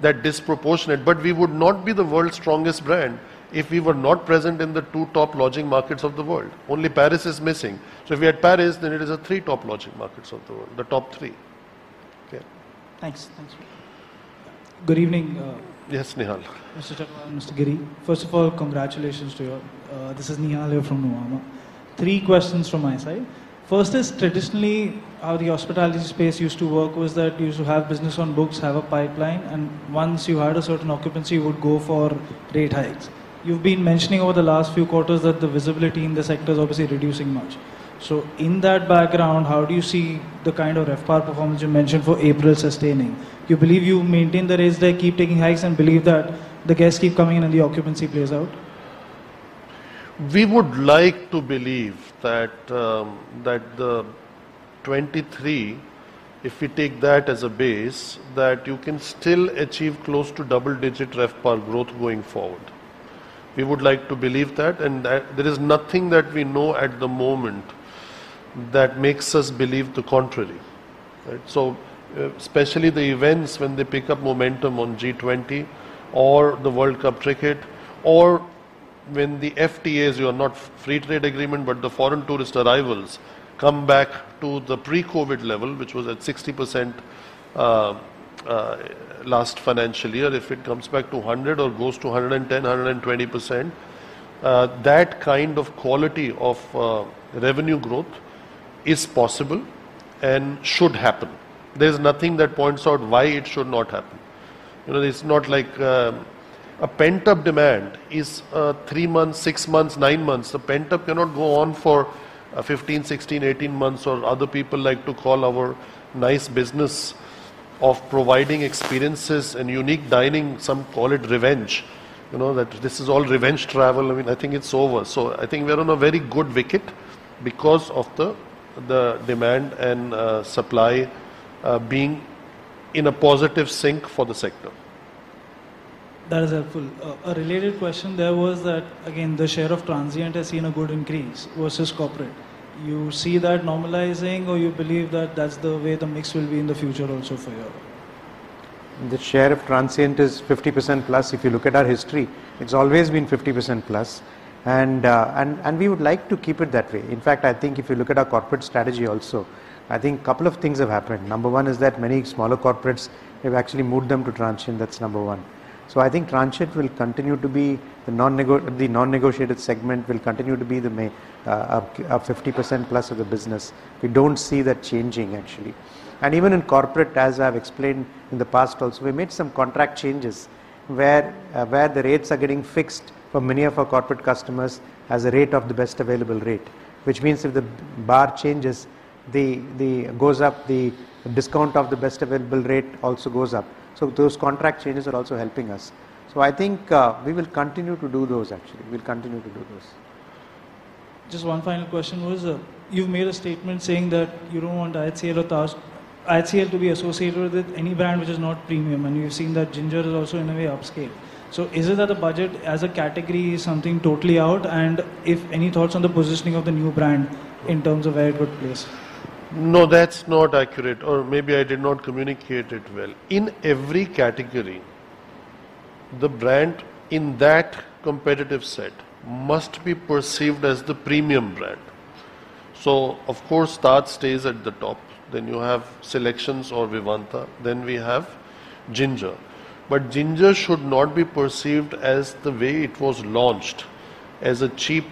that disproportionate. We would not be the world's strongest brand if we were not present in the two top lodging markets of the world. Only Paris is missing. If we had Paris, then it is a three top lodging markets of the world. The top three. Okay. Thanks. Thanks. Good evening. Yes, Nihal. Mr. Chugh and Mr. Giri. First of all, congratulations to you. This is Nihal here from Nomura. Three questions from my side. First is traditionally how the hospitality space used to work was that you used to have business on books, have a pipeline, and once you had a certain occupancy, you would go for rate hikes. You've been mentioning over the last few quarters that the visibility in the sector is obviously reducing much. In that background, how do you see the kind of RevPAR performance you mentioned for April sustaining? You believe you maintain the rates there, keep taking hikes and believe that the guests keep coming in and the occupancy plays out? We would like to believe that the 23, if we take that as a base, that you can still achieve close to double-digit RevPAR growth going forward. We would like to believe that, and that there is nothing that we know at the moment that makes us believe the contrary. Right? Especially the events when they pick up momentum on G20 or the World Cup cricket or when the FTAs, you are not free trade agreement, but the foreign tourist arrivals come back to the pre-COVID level, which was at 60%, last financial year. If it comes back to 100 or goes to 110, 120%, that kind of quality of revenue growth is possible and should happen. There's nothing that points out why it should not happen. You know, it's not like a pent-up demand is three months, six months, nine months. A pent-up cannot go on for 15, 16, 18 months or other people like to call our nice business of providing experiences and unique dining, some call it revenge. You know, that this is all revenge travel. I mean, I think it's over. I think we are on a very good wicket because of the demand and supply being in a positive sync for the sector. That is helpful. A related question there was that, again, the share of transient has seen a good increase versus corporate. You see that normalizing or you believe that that's the way the mix will be in the future also for you? The share of transient is 50%+. If you look at our history, it's always been 50%+, and we would like to keep it that way. In fact, I think if you look at our corporate strategy also, I think couple of things have happened. Number one is that many smaller corporates have actually moved them to transient. That's number one. I think transient will continue to be the non-negotiated segment will continue to be the main 50%+ of the business. We don't see that changing actually. Even in corporate, as I've explained in the past also, we made some contract changes where the rates are getting fixed for many of our corporate customers as a rate of the best available rate. Which means if the BAR changes, the goes up, the discount of the best available rate also goes up. Those contract changes are also helping us. I think, we will continue to do those actually. We'll continue to do those. Just one final question was, you've made a statement saying that you don't want IHCL to be associated with any brand which is not premium. We've seen that Ginger is also in a way upscale. Is it that the budget as a category is something totally out? If any thoughts on the positioning of the new brand in terms of where it would place? No, that's not accurate, or maybe I did not communicate it well. In every category, the brand in that competitive set must be perceived as the premium brand. Of course, that stays at the top. You have SeleQtions or Vivanta, then we have Ginger. Ginger should not be perceived as the way it was launched as a cheap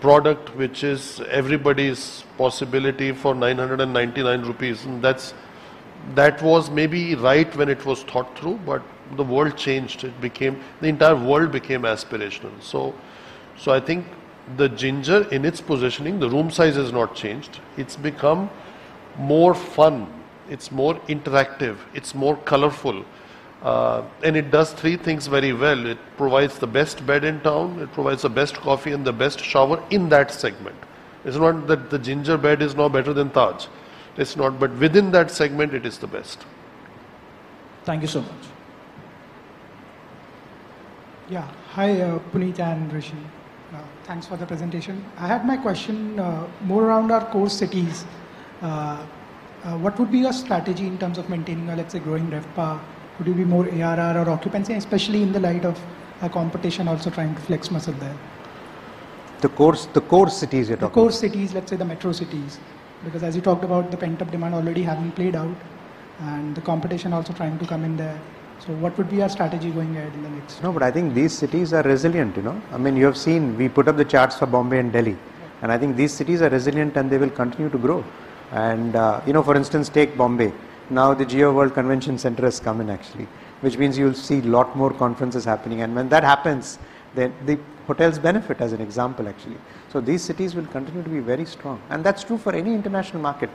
product, which is everybody's possibility for 999 rupees. That was maybe right when it was thought through, but the world changed. The entire world became aspirational. I think the Ginger in its positioning, the room size has not changed. It's become more fun, it's more interactive, it's more colorful, and it does three things very well. It provides the best bed in town, it provides the best coffee and the best shower in that segment. It's not that the Ginger bed is now better than Taj. It's not. Within that segment, it is the best. Thank you so much. Hi, Puneet. I'm Rishi. Thanks for the presentation. I had my question more around our core cities. What would be your strategy in terms of maintaining, let's say growing RevPAR? Would it be more ARR or occupancy, especially in the light of our competition also trying to flex muscle there? The core cities you're talking. The core cities, let's say the metro cities. As you talked about the pent-up demand already having played out and the competition also trying to come in there. What would be our strategy going ahead in the next? I think these cities are resilient, you know. I mean, you have seen, we put up the charts for Bombay and Delhi. Yeah. I think these cities are resilient, and they will continue to grow. You know, for instance, take Bombay. Now, the Jio World Convention Centre has come in actually, which means you'll see lot more conferences happening. When that happens, the hotels benefit as an example, actually. These cities will continue to be very strong, and that's true for any international market.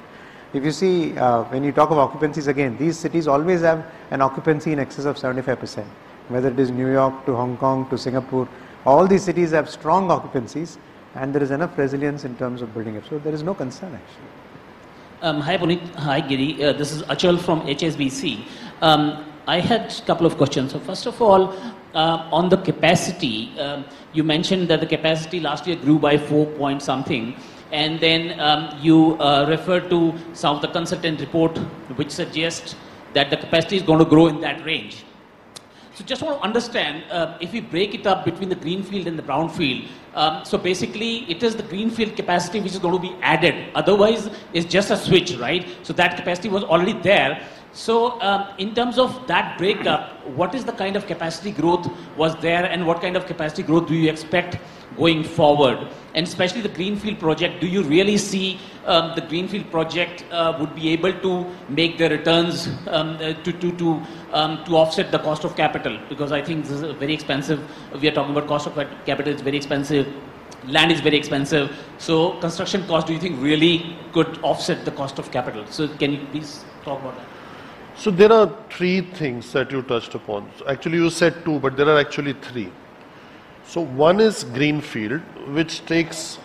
If you see, when you talk of occupancies, again, these cities always have an occupancy in excess of 75%, whether it is New York to Hong Kong to Singapore, all these cities have strong occupancies and there is enough resilience in terms of building it. There is no concern actually. Hi, Puneet. Hi, Giri. This is Achal from HSBC. I had couple of questions. First of all, on the capacity, you mentioned that the capacity last year grew by 4 point something, and then, you referred to some of the consultant report, which suggests that the capacity is gonna grow in that range. Just want to understand, if you break it up between the greenfield and the brownfield, basically it is the greenfield capacity which is gonna be added. Otherwise, it's just a switch, right? That capacity was already there. In terms of that breakup, what is the kind of capacity growth was there and what kind of capacity growth do you expect going forward? Especially the greenfield project, do you really see the greenfield project would be able to make the returns to offset the cost of capital? I think we are talking about cost of capital, it's very expensive. Land is very expensive. Construction cost, do you think, really could offset the cost of capital? Can you please talk about that? There are three things that you touched upon. Actually, you said two, but there are actually three. One is greenfield, which takes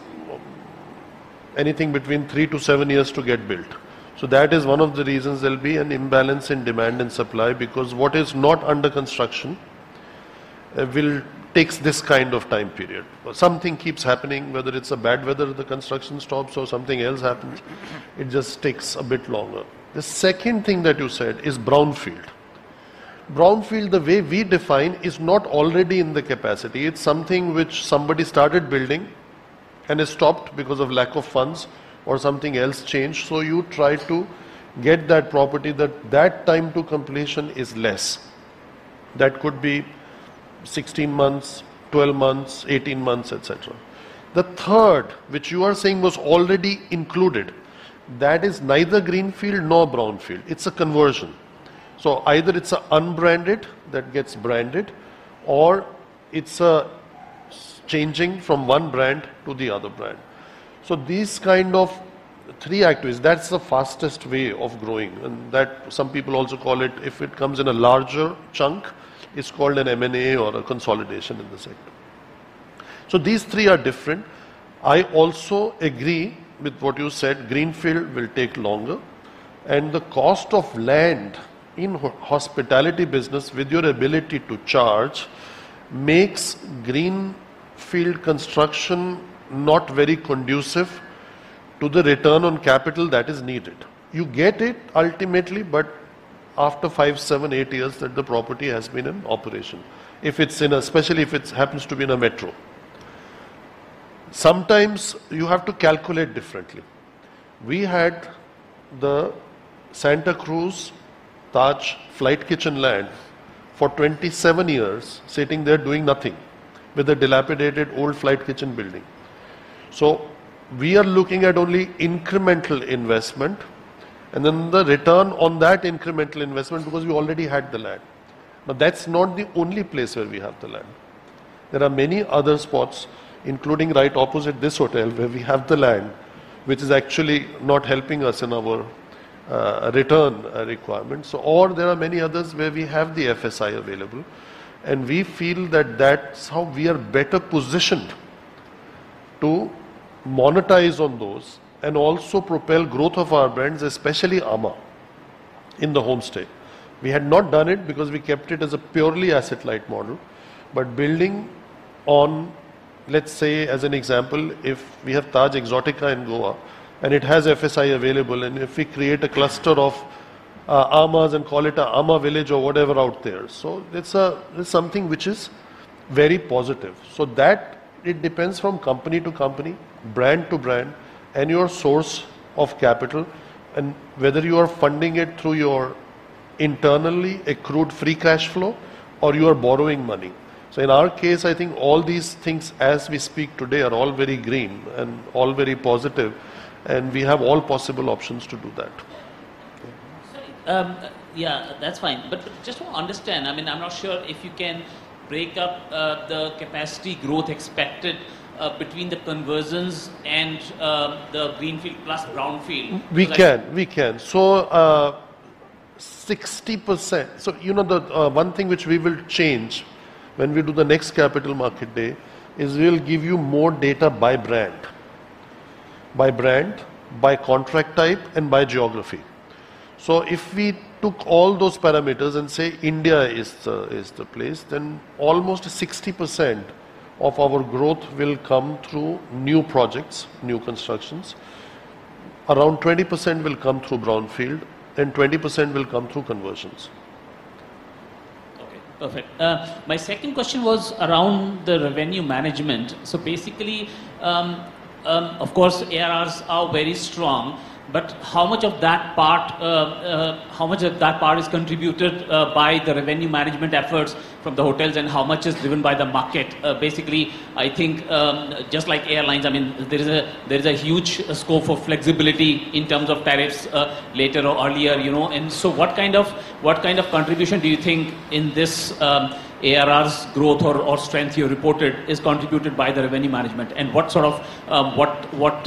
anything between three to seven years to get built. That is one of the reasons there'll be an imbalance in demand and supply, because what is not under construction takes this kind of time period. Something keeps happening, whether it's a bad weather, the construction stops or something else happens. It just takes a bit longer. The second thing that you said is brownfield. Brownfield, the way we define, is not already in the capacity. It's something which somebody started building and has stopped because of lack of funds or something else changed. You try to get that property that that time to completion is less. That could be 16 months, 12 months, 18 months, etc. The third, which you are saying was already included, that is neither greenfield nor brownfield. It's a conversion. Either it's unbranded that gets branded, or it's changing from one brand to the other brand. These kind of three activists, that's the fastest way of growing, and that some people also call it if it comes in a larger chunk, it's called an M&A or a consolidation in the sector. These three are different. I also agree with what you said, greenfield will take longer, and the cost of land in hospitality business with your ability to charge makes greenfield construction not very conducive to the return on capital that is needed. You get it ultimately, but after five, seven, eight years that the property has been in operation. Especially if it happens to be in a metro. Sometimes you have to calculate differently. We had the Santacruz Taj Flight Kitchen land for 27 years sitting there doing nothing with a dilapidated old flight kitchen building. We are looking at only incremental investment and then the return on that incremental investment because we already had the land. That's not the only place where we have the land. There are many other spots, including right opposite this hotel, where we have the land, which is actually not helping us in our return requirements. There are many others where we have the FSI available and we feel that that's how we are better positioned to monetize on those and also propel growth of our brands, especially Amã, in the homestay. We had not done it because we kept it as a purely asset-light model. Building on, let's say as an example, if we have Taj Exotica in Goa and it has FSI available, and if we create a cluster of Amãs and call it Ama Village or whatever out there. It's a, it's something which is very positive. That it depends from company to company, brand to brand, and your source of capital, and whether you are funding it through your internally accrued free cash flow or you are borrowing money. In our case, I think all these things as we speak today are all very green and all very positive, and we have all possible options to do that. Sorry. Yeah, that's fine. Just to understand, I mean, I'm not sure if you can break up the capacity growth expected between the conversions and the greenfield plus brownfield? We can. You know, the one thing which we will change when we do the next capital market day is we'll give you more data by brand. By brand, by contract type, and by geography. If we took all those parameters and say India is the place, then almost 60% of our growth will come through new projects, new constructions, around 20% will come through brownfield, and 20% will come through conversions. Okay. Perfect. My second question was around the revenue management. Basically, of course, ARRs are very strong, but how much of that part is contributed by the revenue management efforts from the hotels and how much is driven by the market? Basically, I think, I mean, there is a huge scope of flexibility in terms of tariffs, later or earlier, you know. What kind of, what kind of contribution do you think in this ARRs growth or strength you reported is contributed by the revenue management? What sort of, what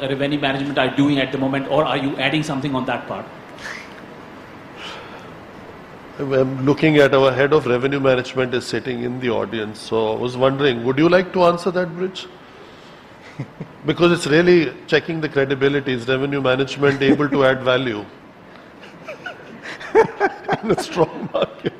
revenue management are you doing at the moment, or are you adding something on that part? I'm looking at our head of revenue management is sitting in the audience. I was wondering, would you like to answer that, Brij? Because it's really checking the credibility. Is revenue management able to add value in a strong market?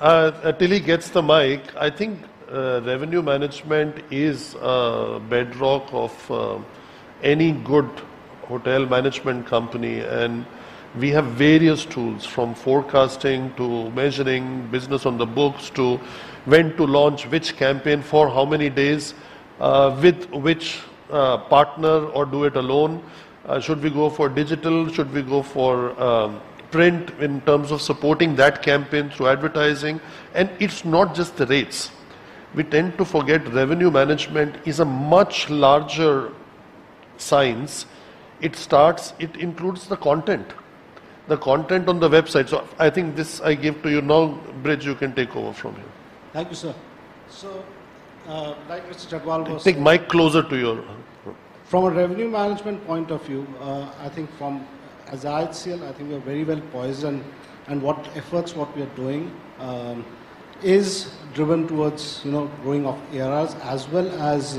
Until he gets the mic, I think revenue management is a bedrock of any good hotel management company. We have various tools from forecasting to measuring business on the books to when to launch which campaign for how many days, with which partner or do it alone. Should we go for digital? Should we go for print in terms of supporting that campaign through advertising? It's not just the rates. We tend to forget revenue management is a much larger science. It includes the content, the content on the website. I think this I give to you. Brij, you can take over from here. Thank you, sir. Like Mr. Chhatwal. Take mic closer to your. From a revenue management point of view, as I had seen, I think we are very well poised and what efforts what we are doing, is driven towards, you know, growing our ARRs as well as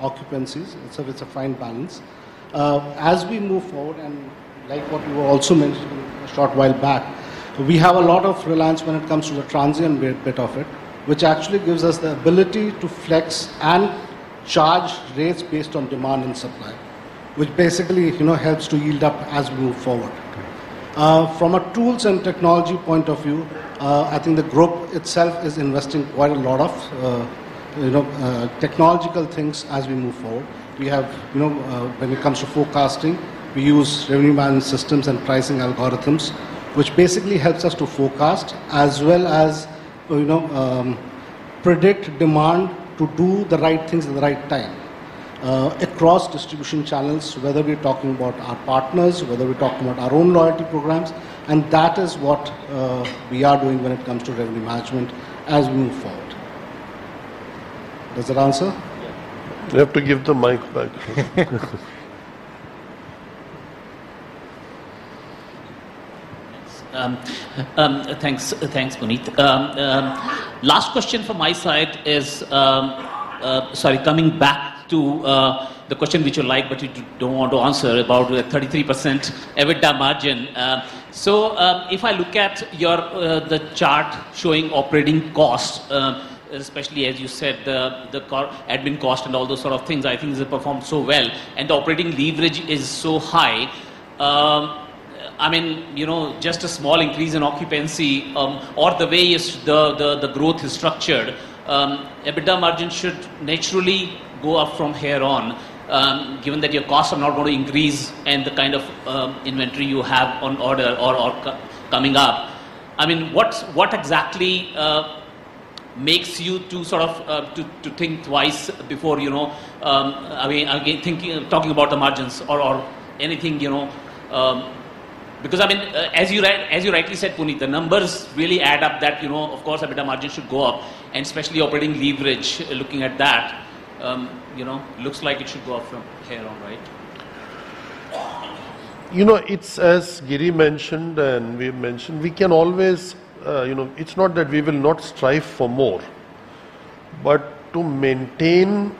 occupancies. It's a fine balance. As we move forward and like what you were also mentioning a short while back, we have a lot of reliance when it comes to the transient bit of it, which actually gives us the ability to flex and charge rates based on demand and supply. Which basically, you know, helps to yield up as we move forward. Okay. From a tools and technology point of view, I think the group itself is investing quite a lot of technological things as we move forward. We have, when it comes to forecasting, we use revenue management systems and pricing algorithms, which basically helps us to forecast as well as predict demand to do the right things at the right time across distribution channels, whether we're talking about our partners, whether we're talking about our own loyalty programs, and that is what we are doing when it comes to revenue management as we move forward. Does that answer? Yeah. You have to give the mic back. Thanks. Thanks, Puneet. Last question from my side is, sorry, coming back to the question which you like, but you don't want to answer about the 33% EBITDA margin. If I look at your the chart showing operating costs, especially as you said, the admin cost and all those sort of things, I think it has performed so well, and the operating leverage is so high. I mean, you know, just a small increase in occupancy, or the way is the growth is structured, EBITDA margin should naturally go up from here on, given that your costs are not going to increase and the kind of inventory you have on order or coming up. I mean, what exactly makes you to sort of to think twice before, you know, I mean, again, talking about the margins or anything, you know, because, I mean, as you rightly said, Puneet, the numbers really add up that, you know, of course, EBITDA margin should go up and especially operating leverage, looking at that, you know, looks like it should go up from here on, right? You know, it's as Giri mentioned, we mentioned, we can always, you know, it's not that we will not strive for more, but to maintain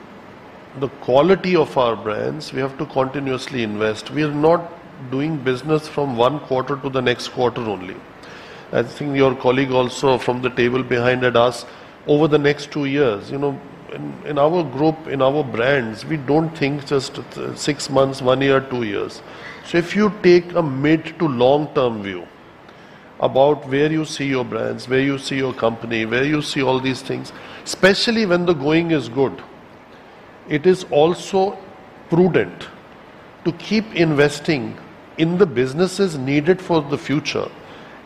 the quality of our brands, we have to continuously invest. We are not doing business from 1 quarter to the next quarter only. I think your colleague also from the table behind had asked over the next two years. You know, in our group, in our brands, we don't think just six months, one year, two years. If you take a mid to long-term view about where you see your brands, where you see your company, where you see all these things, especially when the going is good, it is also prudent to keep investing in the businesses needed for the future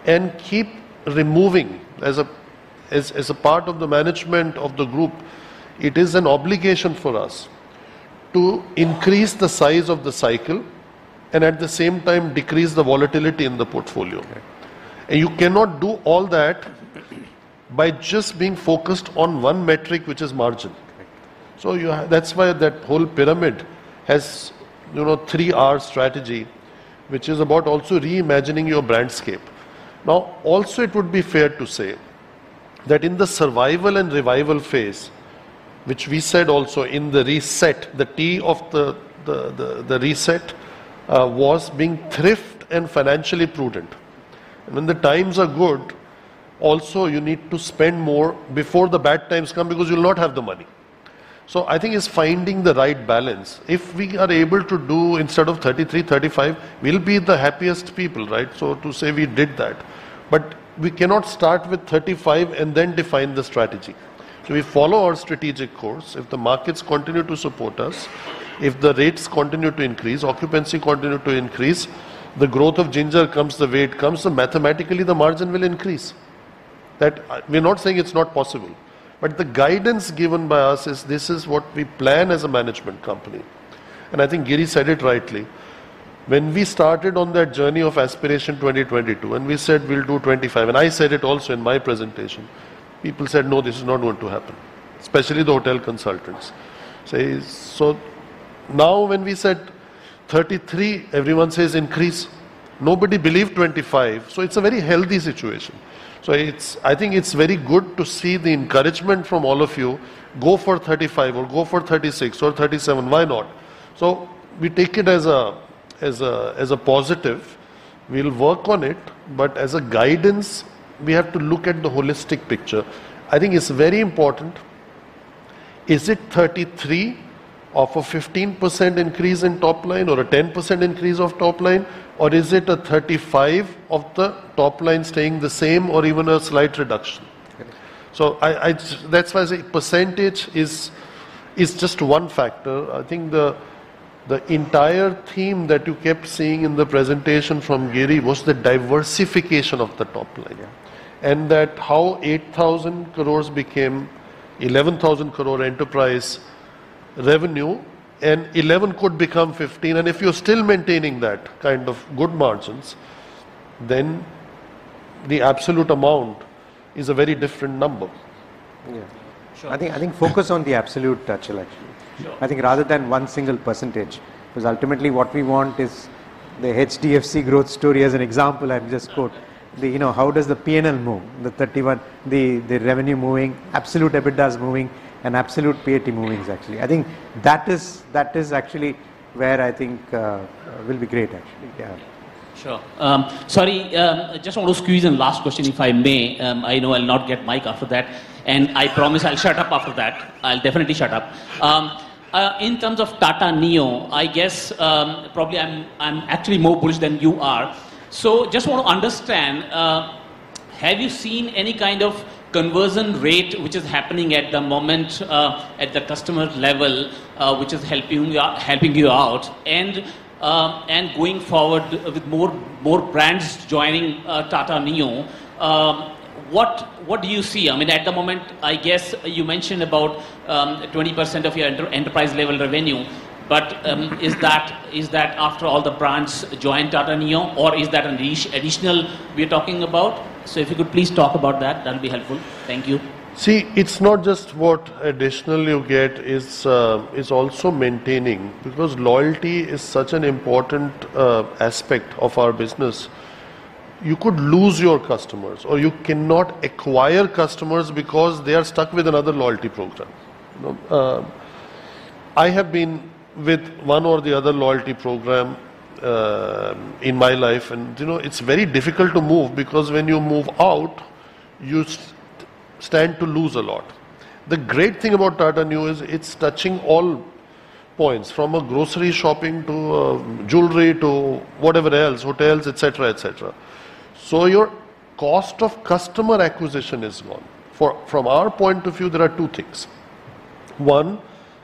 and keep removing as a part of the management of the group. It is an obligation for us to increase the size of the cycle and at the same time decrease the volatility in the portfolio. Okay. You cannot do all that by just being focused on 1 metric, which is margin. Right. You-- That's why that whole pyramid has, you know, 3R strategy, which is about also reimagining your brandscape. Also, it would be fair to say that in the survival and revival phase, which we said also in the RESET, the T of the RESET was being thrift and financially prudent. When the times are good, also, you need to spend more before the bad times come because you'll not have the money. I think it's finding the right balance. If we are able to do instead of 33, 35, we'll be the happiest people, right? To say we did that. We cannot start with 35 and then define the strategy. We follow our strategic course. If the markets continue to support us, if the rates continue to increase, occupancy continue to increase, the growth of Ginger comes the way it comes, mathematically the margin will increase. We're not saying it's not possible. The guidance given by us is this is what we plan as a management company. I think Giri said it rightly. When we started on that journey of Aspiration 2022, and we said we'll do 25%, and I said it also in my presentation, people said, "No, this is not going to happen." Especially the hotel consultants says... Now when we said 33%, everyone says increase. Nobody believed 25%, it's a very healthy situation. I think it's very good to see the encouragement from all of you. Go for 35% or go for 36% or 37%. Why not? We take it as a positive. We'll work on it, but as a guidance, we have to look at the holistic picture. I think it's very important. Is it 33 of a 15% increase in top line or a 10% increase of top line? Is it a 35 of the top line staying the same or even a slight reduction? Okay. That's why I say percentage is just one factor. I think the entire theme that you kept seeing in the presentation from Giri was the diversification of the top line. Yeah. That how 8,000 crores became 11,000 crore enterprise revenue and 11 could become 15, and if you're still maintaining that kind of good margins, then the absolute amount is a very different number. Yeah. Sure. I think focus on the absolute, Achal, actually. Sure. I think rather than one single percentage, because ultimately what we want is the HDFC growth story as an example I've just quote. you know, how does the P&L move? 31, the revenue moving, absolute EBITDA is moving, and absolute PAT moving actually. I think that is actually where I think will be great, actually. Yeah. Sure. Just want to squeeze in last question, if I may. I know I'll not get mic after that. I promise I'll shut up after that. I'll definitely shut up. In terms of Tata Neu, I guess, probably I'm actually more bullish than you are. Just want to understand, have you seen any kind of conversion rate which is happening at the moment, at the customer level, which is helping you, helping you out? Going forward with more brands joining Tata Neu, what do you see? I mean, at the moment, I guess you mentioned about 20% of your enterprise level revenue, but is that after all the brands joined Tata Neu or is that additional we're talking about? If you could please talk about that'll be helpful. Thank you. See, it's not just what additional you get, it's also maintaining, because loyalty is such an important aspect of our business. You could lose your customers or you cannot acquire customers because they are stuck with another loyalty program. You know? I have been with one or the other loyalty program in my life and, you know, it's very difficult to move because when you move out, you stand to lose a lot. The great thing about Tata Neu is it's touching all points from a grocery shopping to jewelry to whatever else, hotels, et cetera, et cetera. Your cost of customer acquisition is one. From our point of view, there are two things. One,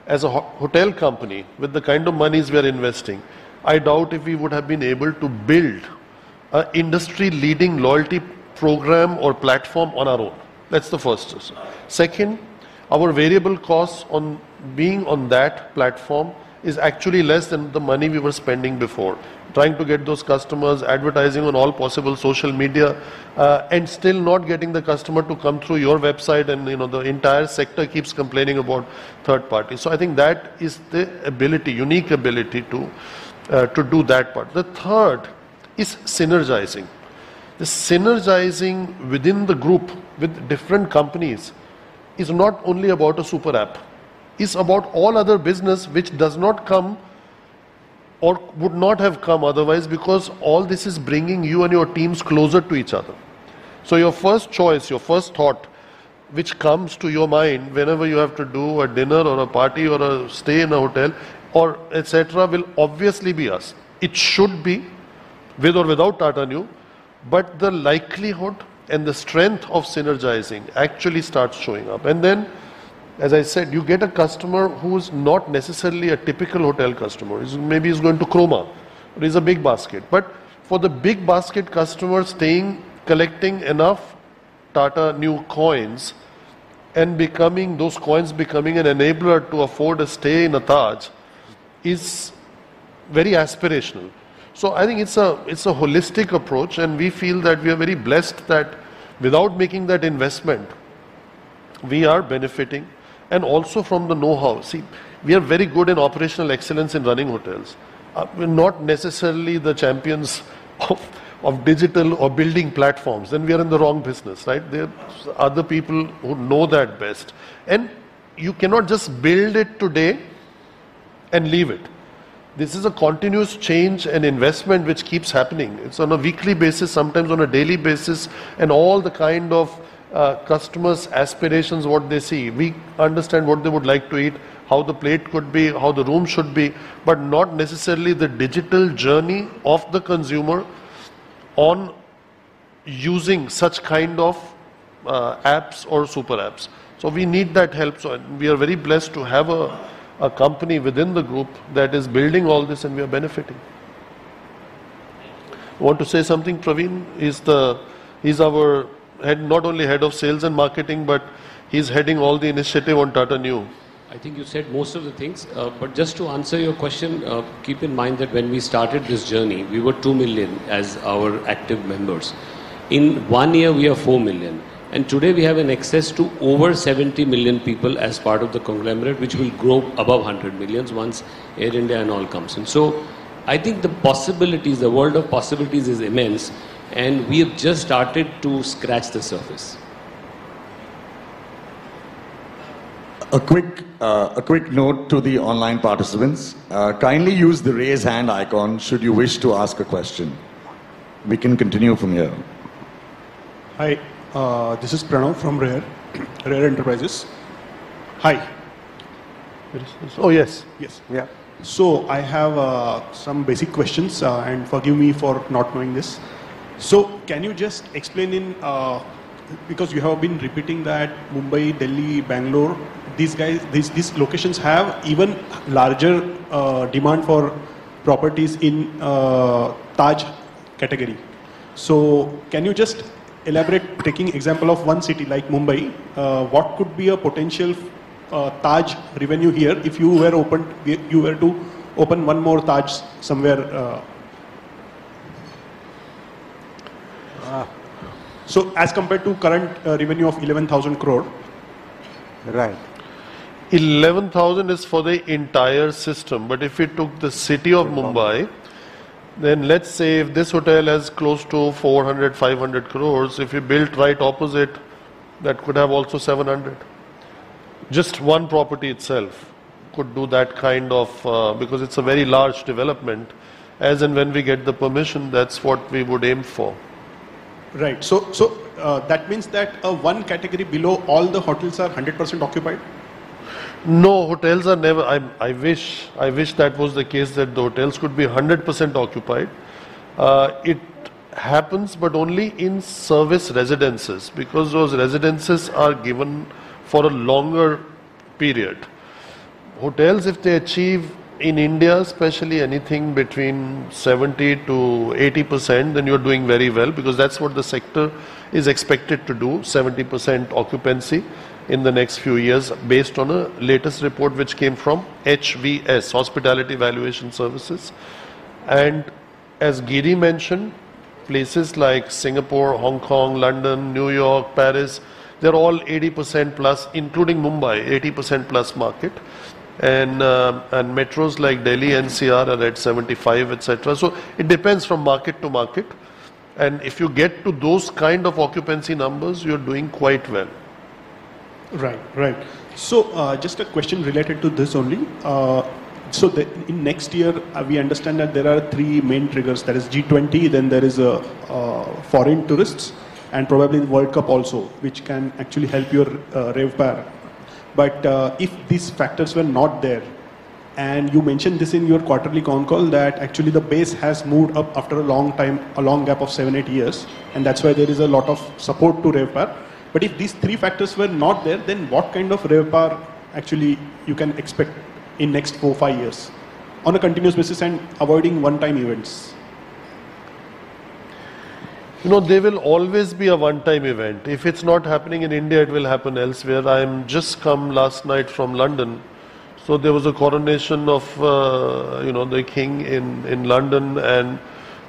as a hotel company with the kind of monies we are investing, I doubt if we would have been able to build a industry-leading loyalty program or platform on our own. That's the first reason. Second, our variable costs on being on that platform is actually less than the money we were spending before trying to get those customers, advertising on all possible social media, and still not getting the customer to come through your website and, you know, the entire sector keeps complaining about third parties. I think that is the ability, unique ability to do that part. The third is synergizing. The synergizing within the group with different companies is not only about a super app, it's about all other business which does not come or would not have come otherwise because all this is bringing you and your teams closer to each other. Your first choice, your first thought which comes to your mind whenever you have to do a dinner or a party or a stay in a hotel or et cetera will obviously be us. It should be with or without Tata Neu, but the likelihood and the strength of synergizing actually starts showing up. As I said, you get a customer who's not necessarily a typical hotel customer. He's maybe going to Cromā or he's a BigBasket. For the BigBasket customer staying, collecting enough Tata NeuCoins and becoming... those coins becoming an enabler to afford a stay in a Taj is very aspirational. I think it's a holistic approach, and we feel that we are very blessed that without making that investment, we are benefiting and also from the know-how. See, we are very good in operational excellence in running hotels. We're not necessarily the champions of digital or building platforms. We are in the wrong business, right? There are other people who know that best. You cannot just build it today and leave it. This is a continuous change and investment which keeps happening. It's on a weekly basis, sometimes on a daily basis, and all the kind of customers' aspirations, what they see. We understand what they would like to eat, how the plate could be, how the room should be, but not necessarily the digital journey of the consumer on using such kind of apps or super apps. We need that help. We are very blessed to have a company within the group that is building all this and we are benefiting. Want to say something, Parveen? He's our head, not only head of sales and marketing, but he's heading all the initiative on Tata Neu. I think you said most of the things. Just to answer your question, keep in mind that when we started this journey, we were 2 million as our active members. In 1 year, we are 4 million, and today we have an excess to over 70 million people as part of the conglomerate, which will grow above 100 million once Air India and all comes in. I think the possibilities, the world of possibilities is immense, and we have just started to scratch the surface. A quick, a quick note to the online participants. Kindly use the raise hand icon should you wish to ask a question. We can continue from here. Hi. This is Pranav from RARE Enterprise Hi. Oh, yes. Yes. Yeah. I have some basic questions, and forgive me for not knowing this. Can you just explain in, because you have been repeating that Mumbai, Delhi, Bangalore, these guys, these locations have even larger demand for properties in Taj category. Can you just elaborate, taking example of one city like Mumbai, what could be a potential Taj revenue here if you were to open one more Taj somewhere. Ah. As compared to current, revenue of 11,000 crore. 11,000 is for the entire system, but if you took the city of Mumbai, then let's say if this hotel has close to 400 crore-500 crore, if you built right opposite, that could have also 700 crore. Just one property itself could do that kind of. Because it's a very large development. As and when we get the permission, that's what we would aim for. So, that means that, one category below all the hotels are 100% occupied? No, hotels are never. I wish that was the case that the hotels could be 100% occupied. It happens, only in service residences, because those residences are given for a longer period. Hotels, if they achieve, in India especially, anything between 70%-80%, you're doing very well, because that's what the sector is expected to do, 70% occupancy in the next few years, based on a latest report which came from HVS, Hospitality Valuation Services. As Giri mentioned, places like Singapore, Hong Kong, London, New York, Paris, they're all 80%+ including Mumbai, 80%+ market. Metros like Delhi NCR are at 75%, et cetera. It depends from market to market. If you get to those kind of occupancy numbers, you're doing quite well. Right. Right. Just a question related to this only. Next year, we understand that there are 3 main triggers. There is G20, then there is foreign tourists, and probably the World Cup also, which can actually help your RevPAR. If these factors were not there, and you mentioned this in your quarterly con call that actually the base has moved up after a long time, a long gap of 7, 8 years, and that's why there is a lot of support to RevPAR. If these 3 factors were not there, then what kind of RevPAR actually you can expect in next 4, 5 years on a continuous basis and avoiding one-time events? You know, there will always be a one-time event. If it's not happening in India, it will happen elsewhere. I've just come last night from London. There was a coronation of, you know, the king in London, and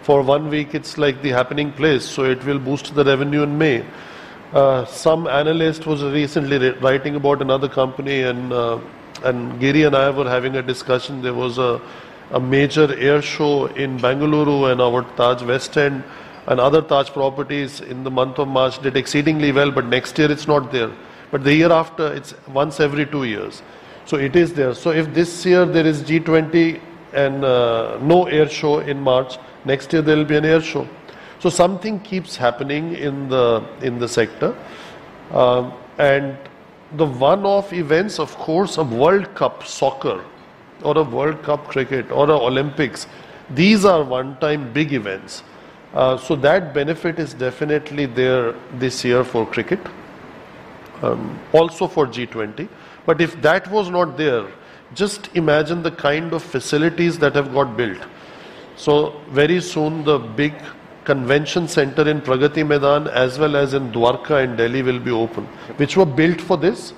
for one week it's like the happening place. It will boost the revenue in May. Some analyst was recently writing about another company and Giri and I were having a discussion. There was a major air show in Bengaluru. Our Taj West End and other Taj properties in the month of March did exceedingly well. Next year it's not there. The year after, it's once every two years. It is there. If this year there is G20 and no air show in March, next year there'll be an air show. Something keeps happening in the, in the sector. The one-off events, of course, a World Cup soccer or a World Cup cricket or a Olympics, these are one-time big events. That benefit is definitely there this year for cricket, also for G20. If that was not there, just imagine the kind of facilities that have got built. Very soon, the big convention center in Pragati Maidan as well as in Dwarka in Delhi will be open, which were built for this,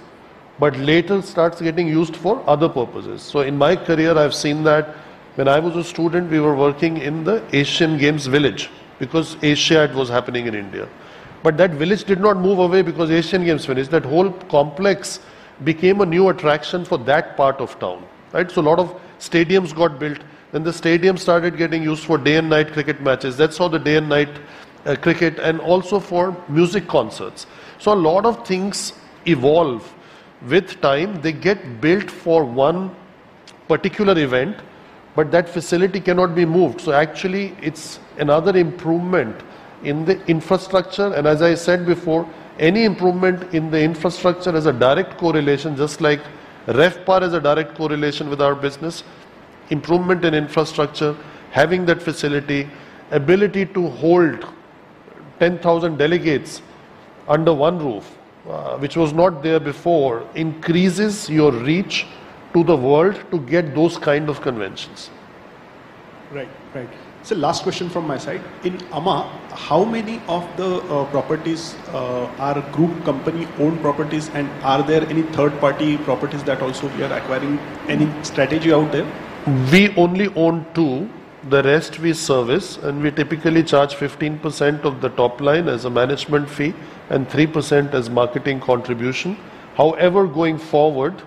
but later starts getting used for other purposes. In my career I've seen that when I was a student, we were working in the Asian Games Village because Asiad was happening in India. That village did not move away because Asian Games Village, that whole complex became a new attraction for that part of town, right? A lot of stadiums got built. The stadium started getting used for day and night cricket matches. That's how the day and night cricket. Also for music concerts. A lot of things evolve with time. They get built for one particular event, but that facility cannot be moved. Actually it's another improvement in the infrastructure. As I said before, any improvement in the infrastructure is a direct correlation, just like RevPAR is a direct correlation with our business. Improvement in infrastructure, having that facility, ability to hold 10,000 delegates under one roof, which was not there before, increases your reach to the world to get those kind of conventions. Right. Right. Sir, last question from my side. In Ama, how many of the properties are group company owned properties, are there any third-party properties that also we are acquiring? Any strategy out there? We only own two. The rest we service, we typically charge 15% of the top line as a management fee and 3% as marketing contribution. However, going forward,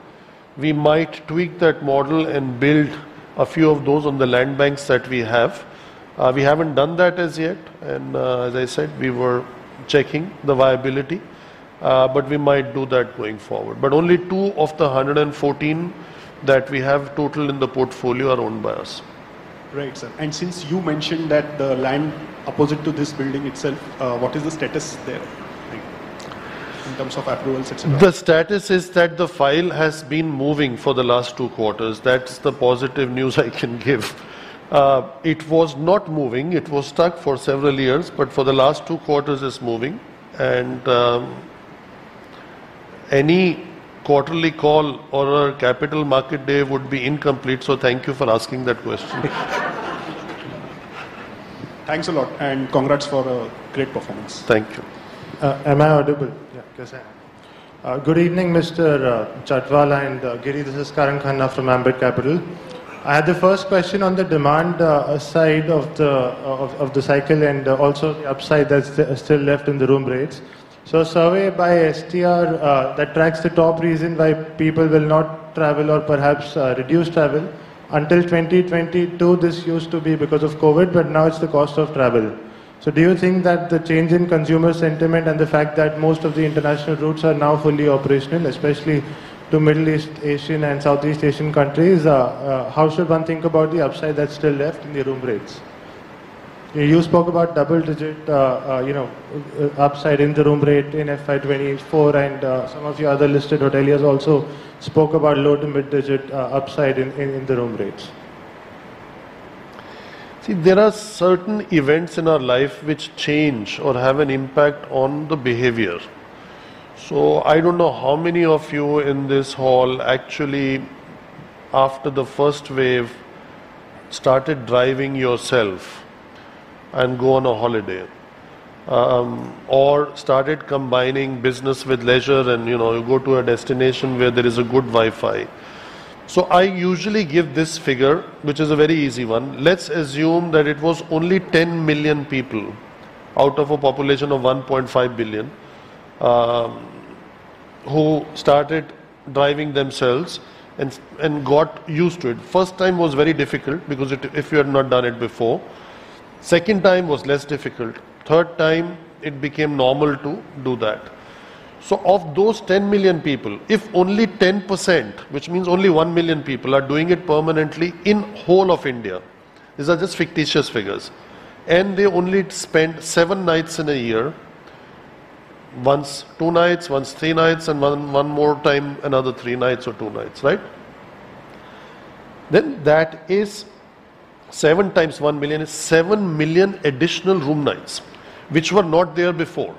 we might tweak that model and build a few of those on the land banks that we have. We haven't done that as yet. As I said, we were checking the viability, but we might do that going forward. Only two of the 114 that we have total in the portfolio are owned by us. Right, sir. Since you mentioned that the land opposite to this building itself, what is the status there, like in terms of approvals, et cetera? The status is that the file has been moving for the last 2 quarters. That's the positive news I can give. It was not moving. It was stuck for several years. For the last 2 quarters it's moving. Any quarterly call or a capital market day would be incomplete, so thank you for asking that question. Thanks a lot. Congrats for a great performance. Thank you. Am I audible? Yes, I am. Good evening, Mr. Chhatwala and Giri. This is Karan Khanna from Ambit Capital. I had the first question on the demand side of the cycle and also the upside that's still left in the room rates. A survey by STR that tracks the top reason why people will not travel or perhaps reduce travel. Until 2022 this used to be because of COVID, but now it's the cost of travel. Do you think that the change in consumer sentiment and the fact that most of the international routes are now fully operational, especially to Middle East Asian and Southeast Asian countries, how should one think about the upside that's still left in the room rates? You spoke about double-digit, you know, upside in the room rate in FY 2024, and some of your other listed hoteliers also spoke about low- to mid-digit upside in the room rates. There are certain events in our life which change or have an impact on the behavior. I don't know how many of you in this hall actually after the first wave started driving yourself and go on a holiday. Started combining business with leisure and, you know, you go to a destination where there is a good Wi-Fi. I usually give this figure, which is a very easy one. Let's assume that it was only 10 million people out of a population of 1.5 billion who started driving themselves and got used to it. First time was very difficult because if you had not done it before. Second time was less difficult. Third time it became normal to do that. Of those 10 million people, if only 10%, which means only 1 million people are doing it permanently in whole of India, these are just fictitious figures, and they only spend seven nights in a year. Once 2 nights, once 3 nights, and one more time, another 3 nights or 2 nights, right? That is seven times 1 million is 7 million additional room nights, which were not there before.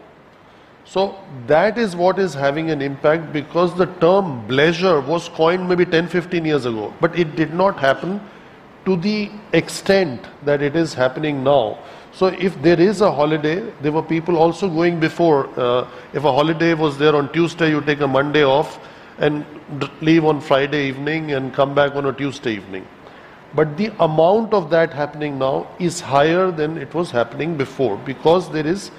That is what is having an impact because the term leisure was coined maybe 10, 15 years ago, but it did not happen to the extent that it is happening now. If there is a holiday, there were people also going before, if a holiday was there on Tuesday, you take a Monday off and leave on Friday evening and come back on a Tuesday evening. The amount of that happening now is higher than it was happening before because there is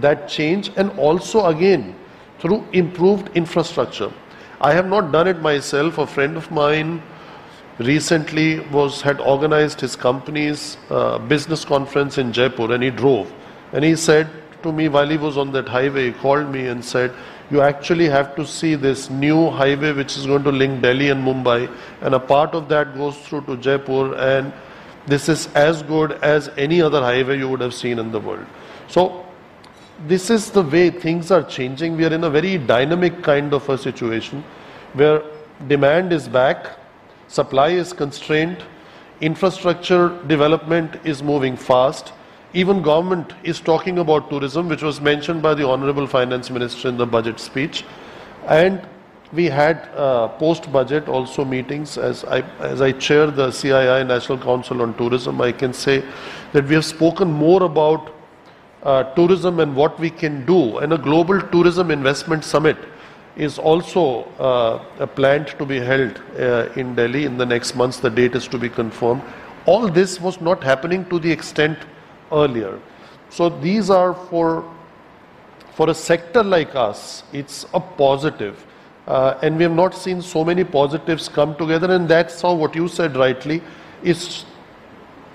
that change, and also again, through improved infrastructure. I have not done it myself. A friend of mine recently had organized his company's business conference in Jaipur, and he drove. He said to me while he was on that highway, he called me and said, "You actually have to see this new highway which is going to link Delhi and Mumbai, and a part of that goes through to Jaipur, and this is as good as any other highway you would have seen in the world." This is the way things are changing. We are in a very dynamic kind of a situation where demand is back, supply is constrained, infrastructure development is moving fast. Even Government is talking about tourism, which was mentioned by the Honorable Finance Minister in the budget speech. We had post-budget also meetings. As I chair the CII National Committee on Tourism, I can say that we have spoken more about tourism and what we can do. A global tourism investment summit is also planned to be held in Delhi in the next months. The date is to be confirmed. All this was not happening to the extent earlier. These are for a sector like us, it's a positive. We have not seen so many positives come together. That's all what you said rightly. It's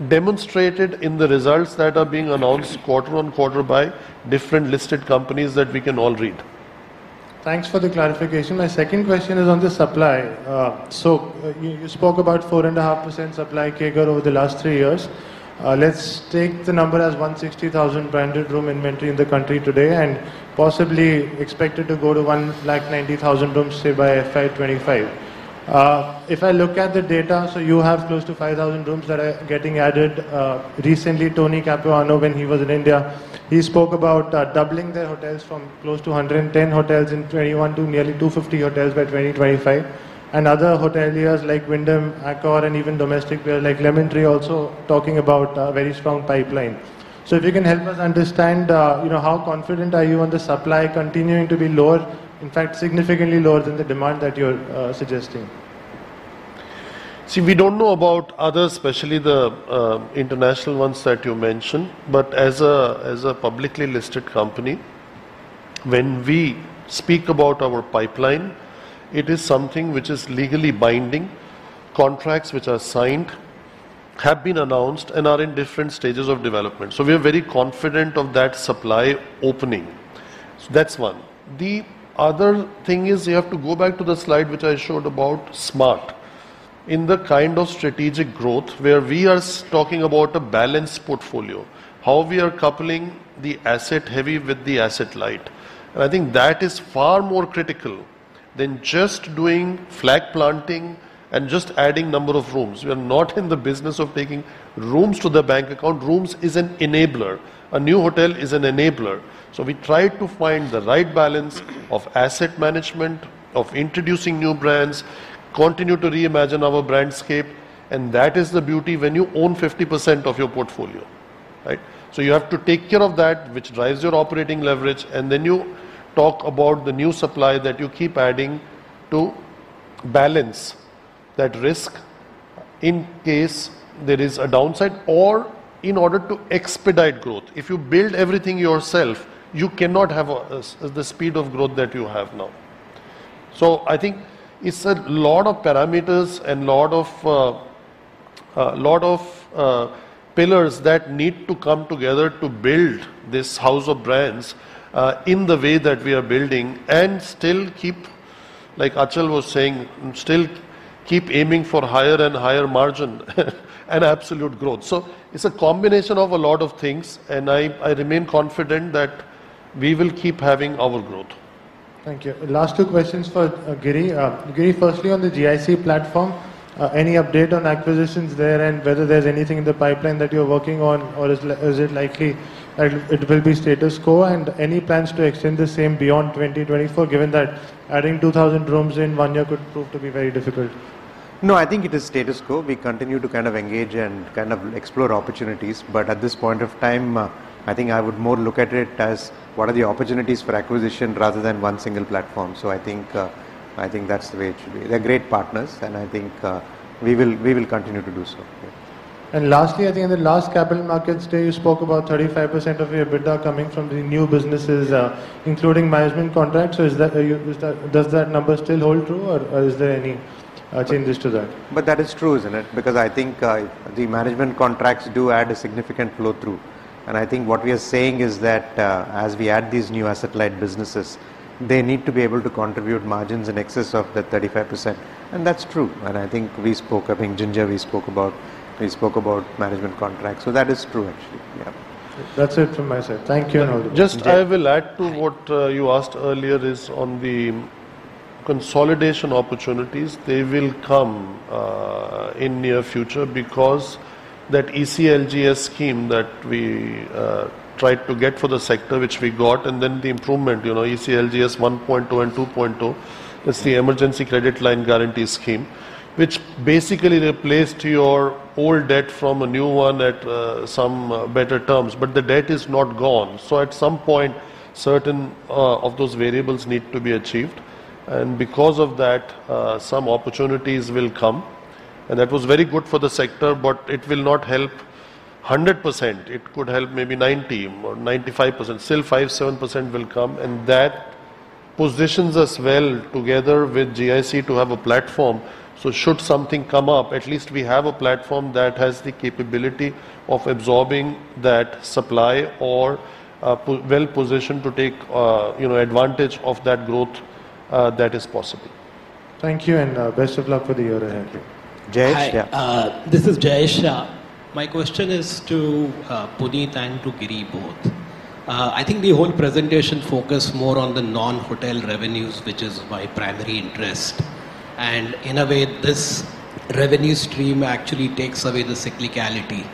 demonstrated in the results that are being announced quarter on quarter by different listed companies that we can all read. Thanks for the clarification. My second question is on the supply. You spoke about 4.5% supply CAGR over the last three years. Let's take the number as 160,000 branded room inventory in the country today and possibly expected to go to 190,000 rooms, say by FY25. If I look at the data, you have close to 5,000 rooms that are getting added. Recently, Tony Capuano, when he was in India, he spoke about doubling their hotels from close to 110 hotels in 2021 to nearly 250 hotels by 2025. Other hoteliers like Wyndham, Accor, and even domestic players like Lemon Tree also talking about a very strong pipeline. If you can help us understand, you know, how confident are you on the supply continuing to be lower, in fact, significantly lower than the demand that you're suggesting? We don't know about others, especially the international ones that you mentioned. As a, as a publicly listed company, when we speak about our pipeline, it is something which is legally binding. Contracts which are signed, have been announced, and are in different stages of development. We are very confident of that supply opening. That's one. The other thing is you have to go back to the slide which I showed about S.M.A.R.T. In the kind of strategic growth where we are talking about a balanced portfolio, how we are coupling the asset heavy with the asset light. I think that is far more critical than just doing flag planting and just adding number of rooms. We are not in the business of taking rooms to the bank account. Rooms is an enabler. A new hotel is an enabler. We try to find the right balance of asset management, of introducing new brands, continue to reimagine our brandscape, and that is the beauty when you own 50% of your portfolio, right? You have to take care of that which drives your operating leverage, and then you talk about the new supply that you keep adding to balance that risk in case there is a downside or in order to expedite growth. If you build everything yourself, you cannot have the speed of growth that you have now. I think it's a lot of parameters and lot of pillars that need to come together to build this house of brands in the way that we are building and still keep, like Achal was saying, aiming for higher and higher margin and absolute growth. It's a combination of a lot of things, and I remain confident that we will keep having our growth. Thank you. Last two questions for Giri. Giri, firstly on the GIC platform, any update on acquisitions there and whether there's anything in the pipeline that you're working on or is it likely that it will be status quo and any plans to extend the same beyond 2024, given that adding 2,000 rooms in one year could prove to be very difficult? No, I think it is status quo. We continue to kind of engage and kind of explore opportunities. At this point of time, I think I would more look at it as what are the opportunities for acquisition rather than one single platform. I think, I think that's the way it should be. They're great partners, and I think, we will continue to do so. Yeah. Lastly, I think in the last Capital Markets Day, you spoke about 35% of your EBITDA coming from the new businesses, including management contracts. Does that number still hold true or is there any changes to that? That is true, isn't it? Because I think, the management contracts do add a significant flow-through. I think what we are saying is that, as we add these new asset light businesses, they need to be able to contribute margins in excess of that 35%. That's true. I think Ginger, we spoke about management contracts. That is true, actually. Yeah. That's it from my side. Thank you and all the best. Just I will add to what you asked earlier is on the consolidation opportunities. They will come in near future because that ECLGS scheme that we tried to get for the sector, which we got, and then the improvement, you know, ECLGS 1.2 and 2.2. It's the Emergency Credit Line Guarantee Scheme, which basically replaced your old debt from a new one at some better terms. But the debt is not gone. At some point, certain of those variables need to be achieved. Because of that, some opportunities will come. That was very good for the sector, but it will not help 100%. It could help maybe 90% or 95%. Still 5%, 7% will come, and that positions us well together with GIC to have a platform. Should something come up, at least we have a platform that has the capability of absorbing that supply or, well-positioned to take, you know, advantage of that growth, that is possible. Thank you and, best of luck for the year ahead. Thank you. Jayesh, yeah. Hi. This is Jayesh Shah. My question is to Puneet and to Giri both. I think the whole presentation focused more on the non-hotel revenues, which is my primary interest. In a way, this revenue stream actually takes away the cyclicality.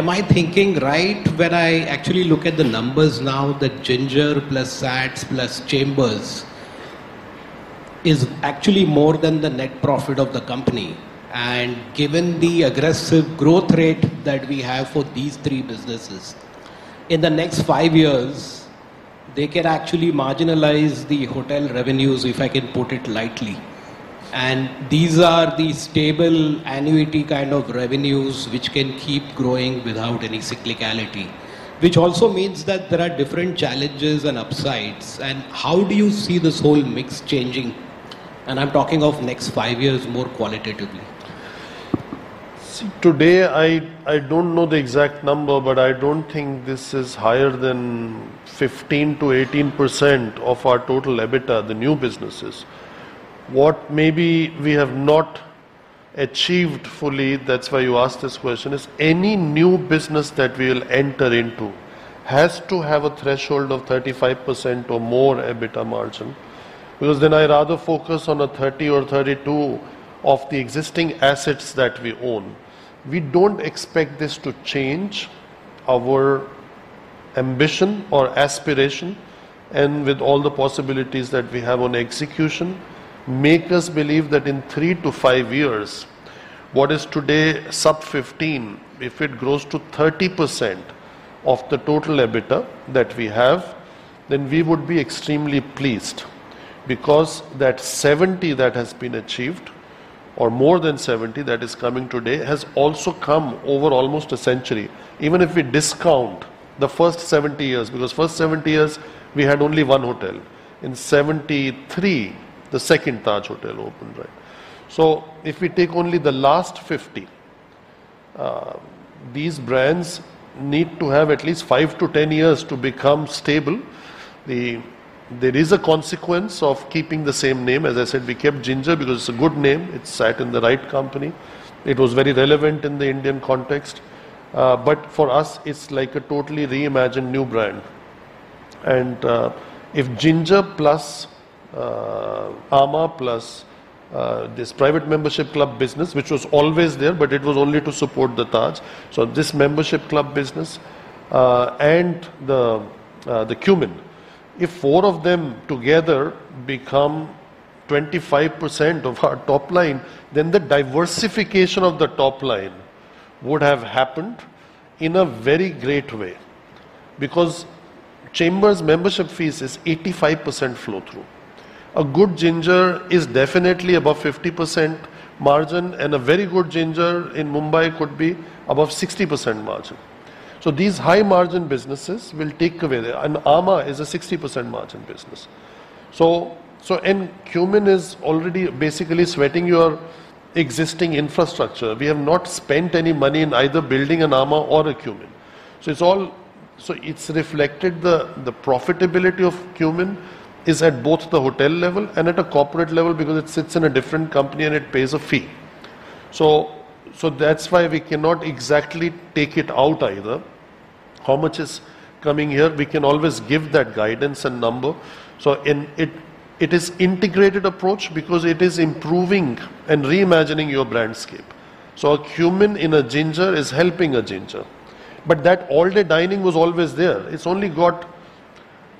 Am I thinking right when I actually look at the numbers now that Ginger plus SATS plus Chambers is actually more than the net profit of the company? Given the aggressive growth rate that we have for these three businesses, in the next five years, they can actually marginalize the hotel revenues, if I can put it lightly. These are the stable annuity kind of revenues which can keep growing without any cyclicality, which also means that there are different challenges and upsides. How do you see this whole mix changing? I'm talking of next five years more qualitatively. Today, I don't know the exact number, but I don't think this is higher than 15%-18% of our total EBITDA, the new businesses. What maybe we have not achieved fully, that's why you asked this question, is any new business that we will enter into has to have a threshold of 35% or more EBITDA margin, because then I rather focus on a 30% or 32% of the existing assets that we own. We don't expect this to change our ambition or aspiration. With all the possibilities that we have on execution, make us believe that in three to five years, what is today sub-15%, if it grows to 30% of the total EBITDA that we have, then we would be extremely pleased. That 70 that has been achieved or more than 70 that is coming today, has also come over almost a century. Even if we discount the first 70 years, because first 70 years we had only one hotel. In 73, the second Taj hotel opened, right? If we take only the last 50, these brands need to have at least five to 10 years to become stable. There is a consequence of keeping the same name. As I said, we kept Ginger because it's a good name. It sat in the right company. It was very relevant in the Indian context. For us it's like a totally reimagined new brand. If Ginger plus, Ama, plus, this private membership club business, which was always there, but it was only to support the Taj. This membership club business and the Qmin, if four of them together become 25% of our top line, then the diversification of the top line would have happened in a very great way. Chambers membership fees is 85% flow through. A good Ginger is definitely above 50% margin, and a very good Ginger in Mumbai could be above 60% margin. These high margin businesses will take away. amã is a 60% margin business. Qmin is already basically sweating your existing infrastructure. We have not spent any money in either building an amã or a Qmin. It's reflected the profitability of Qmin is at both the hotel level and at a corporate level because it sits in a different company and it pays a fee. That's why we cannot exactly take it out either. How much is coming here, we can always give that guidance and number. In it is integrated approach because it is improving and reimagining your brandscape. A Qmin in a Ginger is helping a Ginger. That all-day dining was always there. It's only got,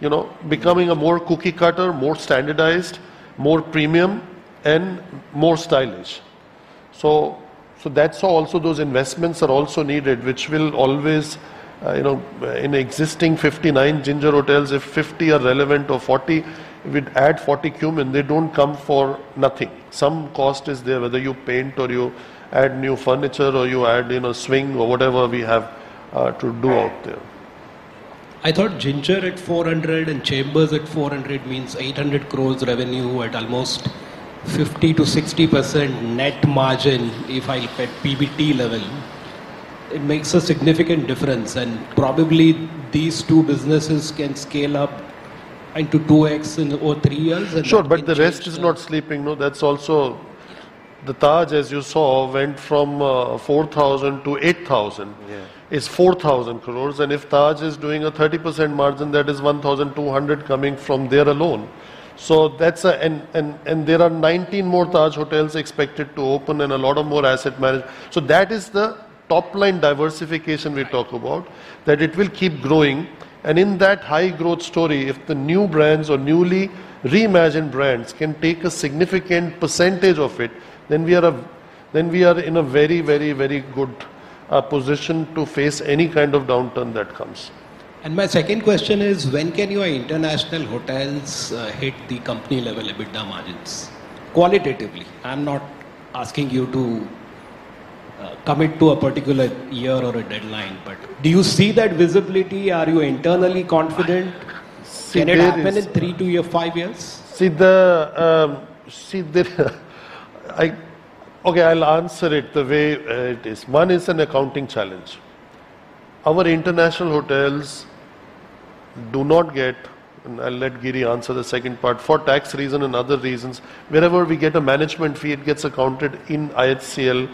you know, becoming a more cookie-cutter, more standardized, more premium and more stylish. That's how also those investments are also needed, which will always, you know, in existing 59 Ginger hotels, if 50 are relevant or 40, if we add 40 Qmin, they don't come for nothing. Some cost is there, whether you paint or you add new furniture or you add, you know, swing or whatever we have to do out there. I thought Ginger at 400 crores and Chambers at 400 crores means 800 crores revenue at almost 50%-60% net margin at PBT level. It makes a significant difference. Probably these two businesses can scale up into 2x in or three years. Sure. The rest is not sleeping. No, The Taj, as you saw, went from 4,000 to 8,000. Yeah. It's 4,000 crores. If Taj is doing a 30% margin, that is 1,200 coming from there alone. There are 19 more Taj hotels expected to open and a lot of more asset manage. That is the top line diversification we talk about, that it will keep growing. In that high growth story, if the new brands or newly reimagined brands can take a significant percentage of it, then we are in a very, very, very good position to face any kind of downturn that comes. My second question is, when can your international hotels hit the company level EBITDA margins qualitatively? I'm not asking you to commit to a particular year or a deadline, but do you see that visibility? Are you internally confident? See. Can it happen in three to five years? I'll answer it the way it is. One is an accounting challenge. Our international hotels do not get, and I'll let Giri answer the second part, for tax reason and other reasons, wherever we get a management fee, it gets accounted in IHCL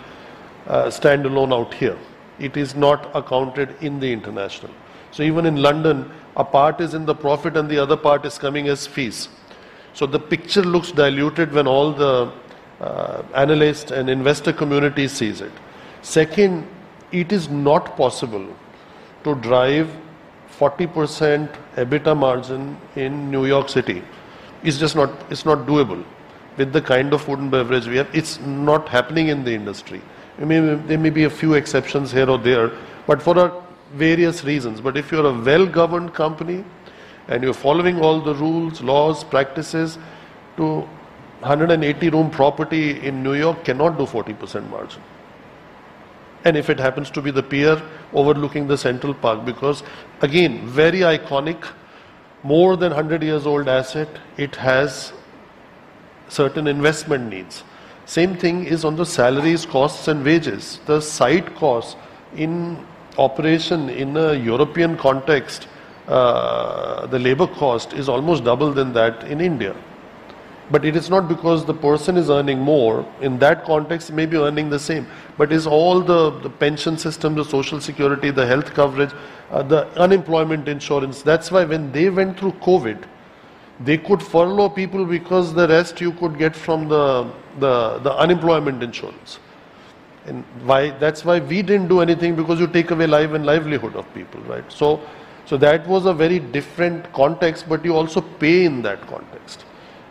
stand alone out here. It is not accounted in the international. Even in London, a part is in the profit and the other part is coming as fees. The picture looks diluted when all the analyst and investor community sees it. It is not possible to drive 40% EBITDA margin in New York City. It's not doable with the kind of food and beverage we have. It's not happening in the industry. There may be a few exceptions here or there, but for various reasons. If you're a well-governed company and you're following all the rules, laws, practices, 280-room property in New York cannot do 40% margin. If it happens to be the pier overlooking Central Park, because again, very iconic, more than 100 years old asset, it has certain investment needs. Same thing is on the salaries, costs and wages. The site cost in operation in a European context, the labor cost is almost double than that in India. It is not because the person is earning more. In that context, maybe earning the same. It's all the pension system, the social security, the health coverage, the unemployment insurance. That's why when they went through COVID, they could furlough people because the rest you could get from the unemployment insurance. That's why we didn't do anything because you take away life and livelihood of people, right? That was a very different context, but you also pay in that context.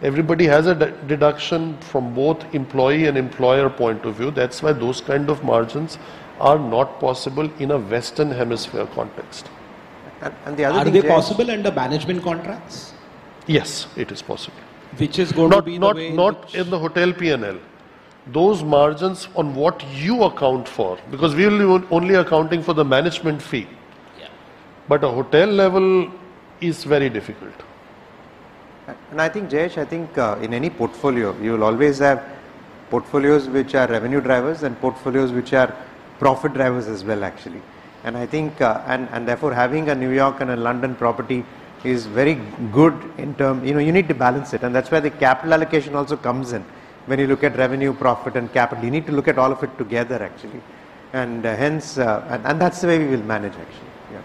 Everybody has a de-deduction from both employee and employer point of view. That's why those kind of margins are not possible in a Western Hemisphere context. The other thing. Are they possible under management contracts? Yes, it is possible. Which is going to be the. Not in the hotel P&L. Those margins on what you account for, because we're only accounting for the management fee. Yeah. A hotel level is very difficult. I think, Jayesh, I think, in any portfolio, you will always have portfolios which are revenue drivers and portfolios which are profit drivers as well, actually. I think, and therefore having a New York and a London property is very good in term. You know, you need to balance it. That's where the capital allocation also comes in when you look at revenue, profit and capital. You need to look at all of it together actually. Hence, and that's the way we will manage actually. Yeah.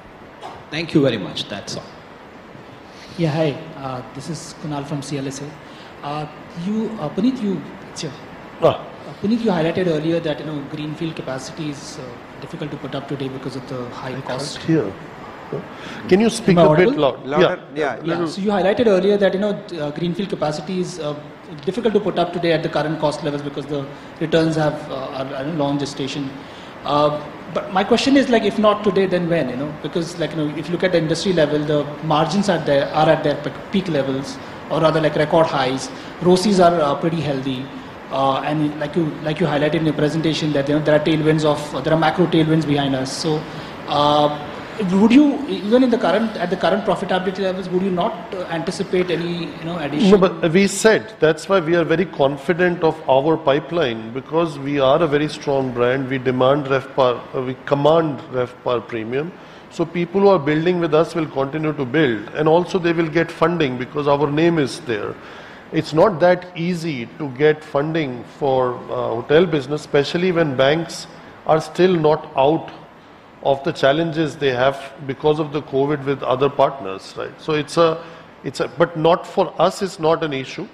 Thank you very much. That's all. Hi. This is Kunal from CLSA. Puneet. Oh. Puneet, you highlighted earlier that, you know, greenfield capacity is difficult to put up today because of the high cost. I can't hear. Can you speak a bit loud? Louder? Yeah. Louder? Yeah. Mm-hmm. You highlighted earlier that, you know, greenfield capacity is difficult to put up today at the current cost levels because the returns are in long gestation. My question is, like if not today, then when, you know? Like, you know, if you look at the industry level, the margins are at their peak levels or rather like record highs. ROSIs are pretty healthy. Like you, like you highlighted in your presentation that, you know, there are macro tailwinds behind us. Would you, even in the current, at the current profitability levels, would you not anticipate any, you know, addition? We said that's why we are very confident of our pipeline, because we are a very strong brand. We command RevPAR premium. People who are building with us will continue to build, and also they will get funding because our name is there. It's not that easy to get funding for hotel business, especially when banks are still not out of the challenges they have because of the COVID with other partners, right? Not for us, it's not an issue,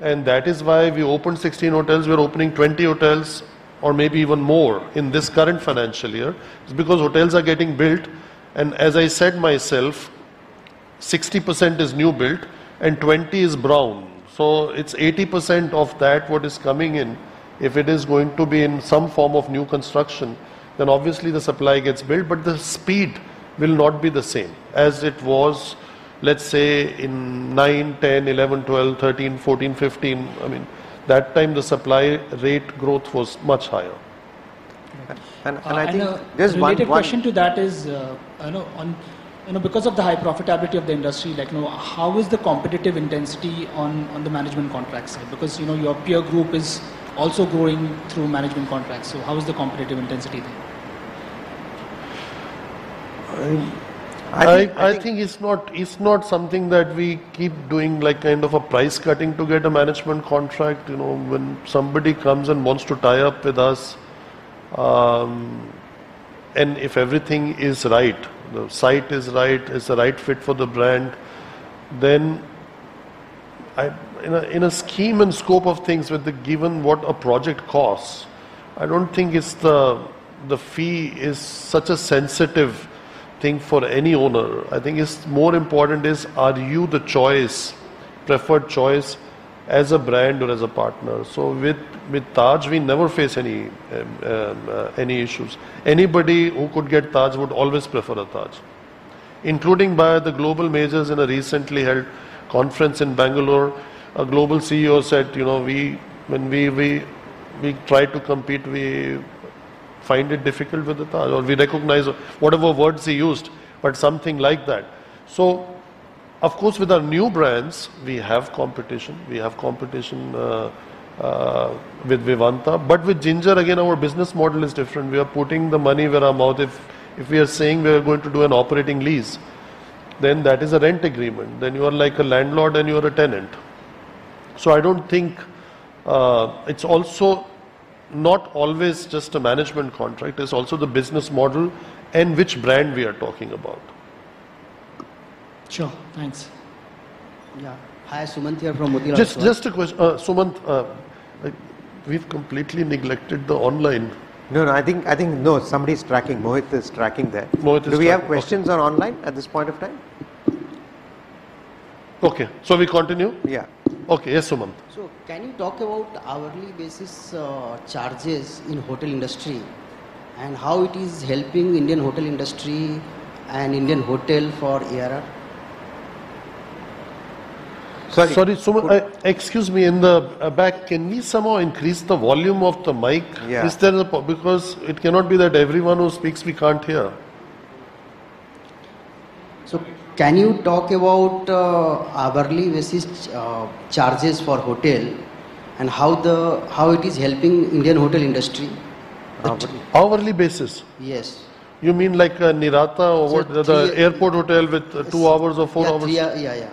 and that is why we opened 16 hotels. We're opening 20 hotels or maybe even more in this current financial year because hotels are getting built. As I said myself, 60% is new build and 20 is brown. It's 80% of that what is coming in. If it is going to be in some form of new construction, then obviously the supply gets built, but the speed will not be the same as it was, let's say in nine, 10, 11, 12, 13, 14, 15. I mean, that time the supply rate growth was much higher. And, and I think- There's one. A related question to that is, You know, because of the high profitability of the industry, like, you know, how is the competitive intensity on the management contract side? You know, your peer group is also growing through management contracts. How is the competitive intensity there? I think it's not something that we keep doing like kind of a price cutting to get a management contract. You know, when somebody comes and wants to tie up with us, and if everything is right, the site is right, it's the right fit for the brand, then in a scheme and scope of things with the given what a project costs, I don't think it's the fee is such a sensitive thing for any owner. I think it's more important is are you the choice, preferred choice as a brand or as a partner? With Taj, we never face any issues. Anybody who could get Taj would always prefer a Taj, including by the global majors. In a recently held conference in Bangalore, a global CEO said, "You know, we try to compete, we find it difficult with the Taj," or, "We recognize," whatever words he used, but something like that. Of course, with our new brands we have competition. We have competition with Vivanta. With Ginger, again, our business model is different. We are putting the money where our mouth if we are saying we are going to do an operating lease, then that is a rent agreement. Then you are like a landlord, and you are a tenant. I don't think. It's also not always just a management contract, it's also the business model and which brand we are talking about. Sure. Thanks. Yeah. Hi, Sumant here from Motilal Oswal. Sumant, we've completely neglected the online. No, I think. No, somebody's tracking. Mohit is tracking there. Mohit is tracking. Okay. Do we have questions on online at this point of time? Okay. Shall we continue? Yeah. Okay. Yes, Sumant. Can you talk about hourly basis, charges in hotel industry and how it is helping Indian hotel industry and Indian hotel for ARR? Sorry, Sumant. Excuse me, in the back, can we somehow increase the volume of the mic? Yeah. Is there a Because it cannot be that everyone who speaks we can't hear. Can you talk about hourly basis charges for hotel and how it is helping Indian hotel industry? Hourly basis? Yes. You mean like a Niranta or what? So three- The airport hotel with two hours or four hours. Yeah, three. Yeah.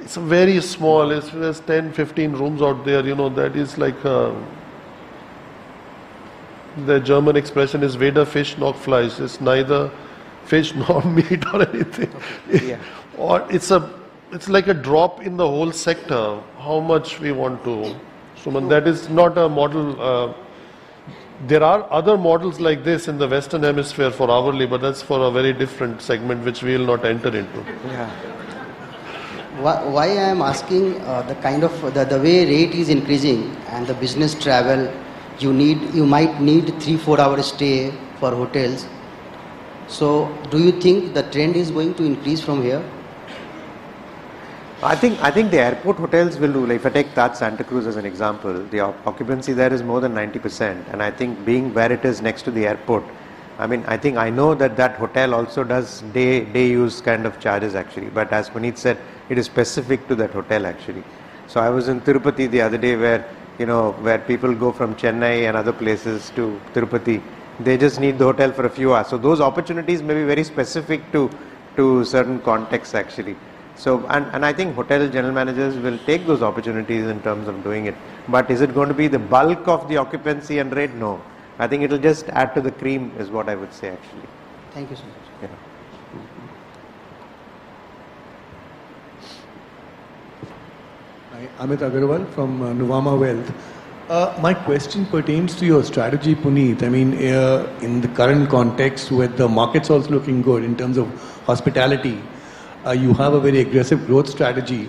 It's very small. It's, there's 10, 15 rooms out there, you know. That is like, The German expression is ""weder Fisch noch Fleisch"" It's neither fish nor meat or anything. Yeah. It's like a drop in the whole sector. How much we want to, Sumant. That is not a model. There are other models like this in the Western Hemisphere for hourly, but that's for a very different segment which we'll not enter into. Yeah. Why I am asking, the way rate is increasing and the business travel you might need three, four-hour stay for hotels. Do you think the trend is going to increase from here? I think the airport hotels will do. Like if I take Taj Santacruz as an example, the occupancy there is more than 90%. I think being where it is next to the airport, I mean, I think I know that that hotel also does day use kind of charges actually. As Puneet said, it is specific to that hotel actually. I was in Tirupati the other day where, you know, where people go from Chennai and other places to Tirupati. They just need the hotel for a few hours. Those opportunities may be very specific to certain contexts actually. I think hotel general managers will take those opportunities in terms of doing it. Is it going to be the bulk of the occupancy and rate? No. I think it'll just add to the cream is what I would say, actually. Thank you so much. Yeah. Hi. Amit Agarwal from Nuvama Wealth. My question pertains to your strategy, Puneet. I mean, in the current context where the market's also looking good in terms of hospitality, you have a very aggressive growth strategy.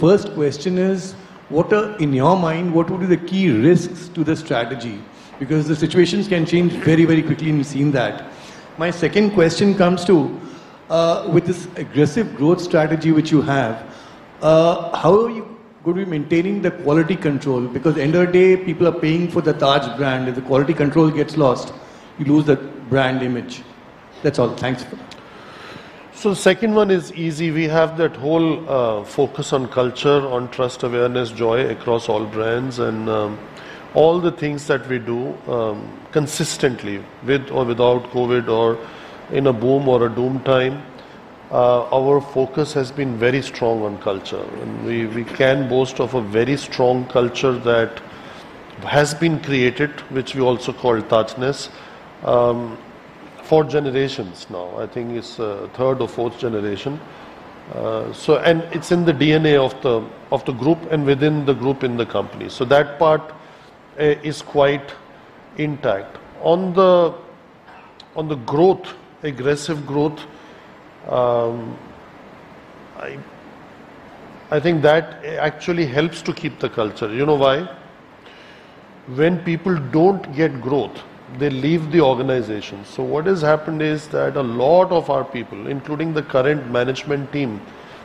First question is, in your mind, what would be the key risks to the strategy? Because the situations can change very, very quickly, and we've seen that. My second question comes to, with this aggressive growth strategy which you have, how are you going to be maintaining the quality control? Because end of the day, people are paying for the Taj brand. If the quality control gets lost, you lose the brand image. That's all. Thanks. Second one is easy. We have that whole focus on culture, on trust, awareness, joy across all brands and all the things that we do consistently with or without COVID or in a boom or a doom time. Our focus has been very strong on culture, and we can boast of a very strong culture that has been created, which we also call Tajness. Four generations now. I think it's third or fourth generation. It's in the DNA of the group and within the group in the company, so that part is quite intact. On the growth, aggressive growth, I think that actually helps to keep the culture. You know why? When people don't get growth, they leave the organization. What has happened is that a lot of our people, including the current management team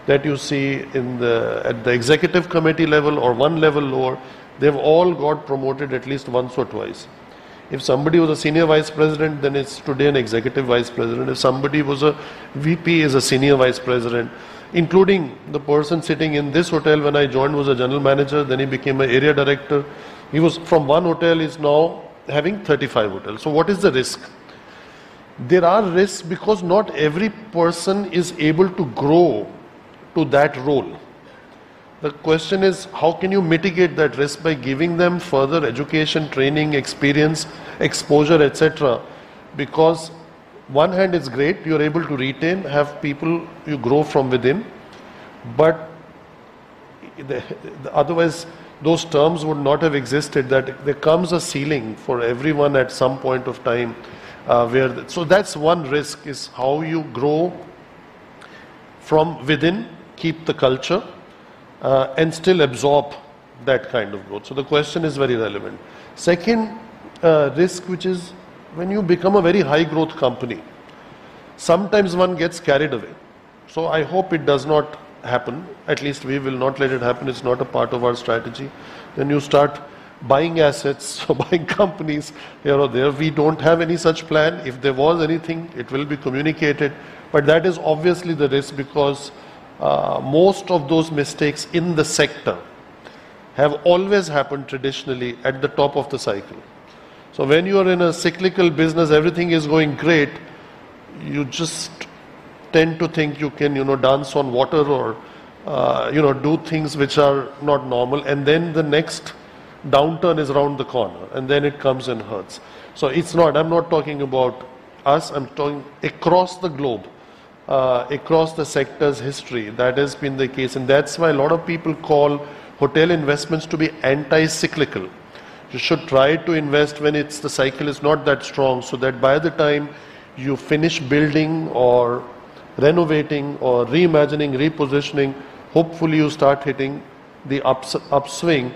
that you see in the, at the executive committee level or one level lower, they've all got promoted at least once or twice. If somebody was a senior vice president, then it's today an executive vice president. If somebody was a VP, is a senior vice president, including the person sitting in this hotel when I joined was a general manager, then he became an area director. He was from one hotel, he's now having 35 hotels. What is the risk? There are risks because not every person is able to grow to that role. The question is how can you mitigate that risk? By giving them further education, training, experience, exposure, et cetera. One hand is great, you're able to retain, have people you grow from within, otherwise those terms would not have existed, that there comes a ceiling for everyone at some point of time, where. That's one risk is how you grow from within, keep the culture, and still absorb that kind of growth. The question is very relevant. Second, risk, which is when you become a very high growth company, sometimes one gets carried away. I hope it does not happen. At least we will not let it happen, it's not a part of our strategy. You start buying assets or buying companies here or there. We don't have any such plan. If there was anything, it will be communicated. That is obviously the risk because most of those mistakes in the sector have always happened traditionally at the top of the cycle. When you are in a cyclical business, everything is going great, you just tend to think you can, you know, dance on water or, you know, do things which are not normal, and then the next downturn is around the corner, and then it comes and hurts. It's not. I'm not talking about us, I'm talking across the globe. Across the sector's history, that has been the case, and that's why a lot of people call hotel investments to be anti-cyclical. You should try to invest when it's, the cycle is not that strong, so that by the time you finish building or renovating or reimagining, repositioning, hopefully you start hitting the upswing.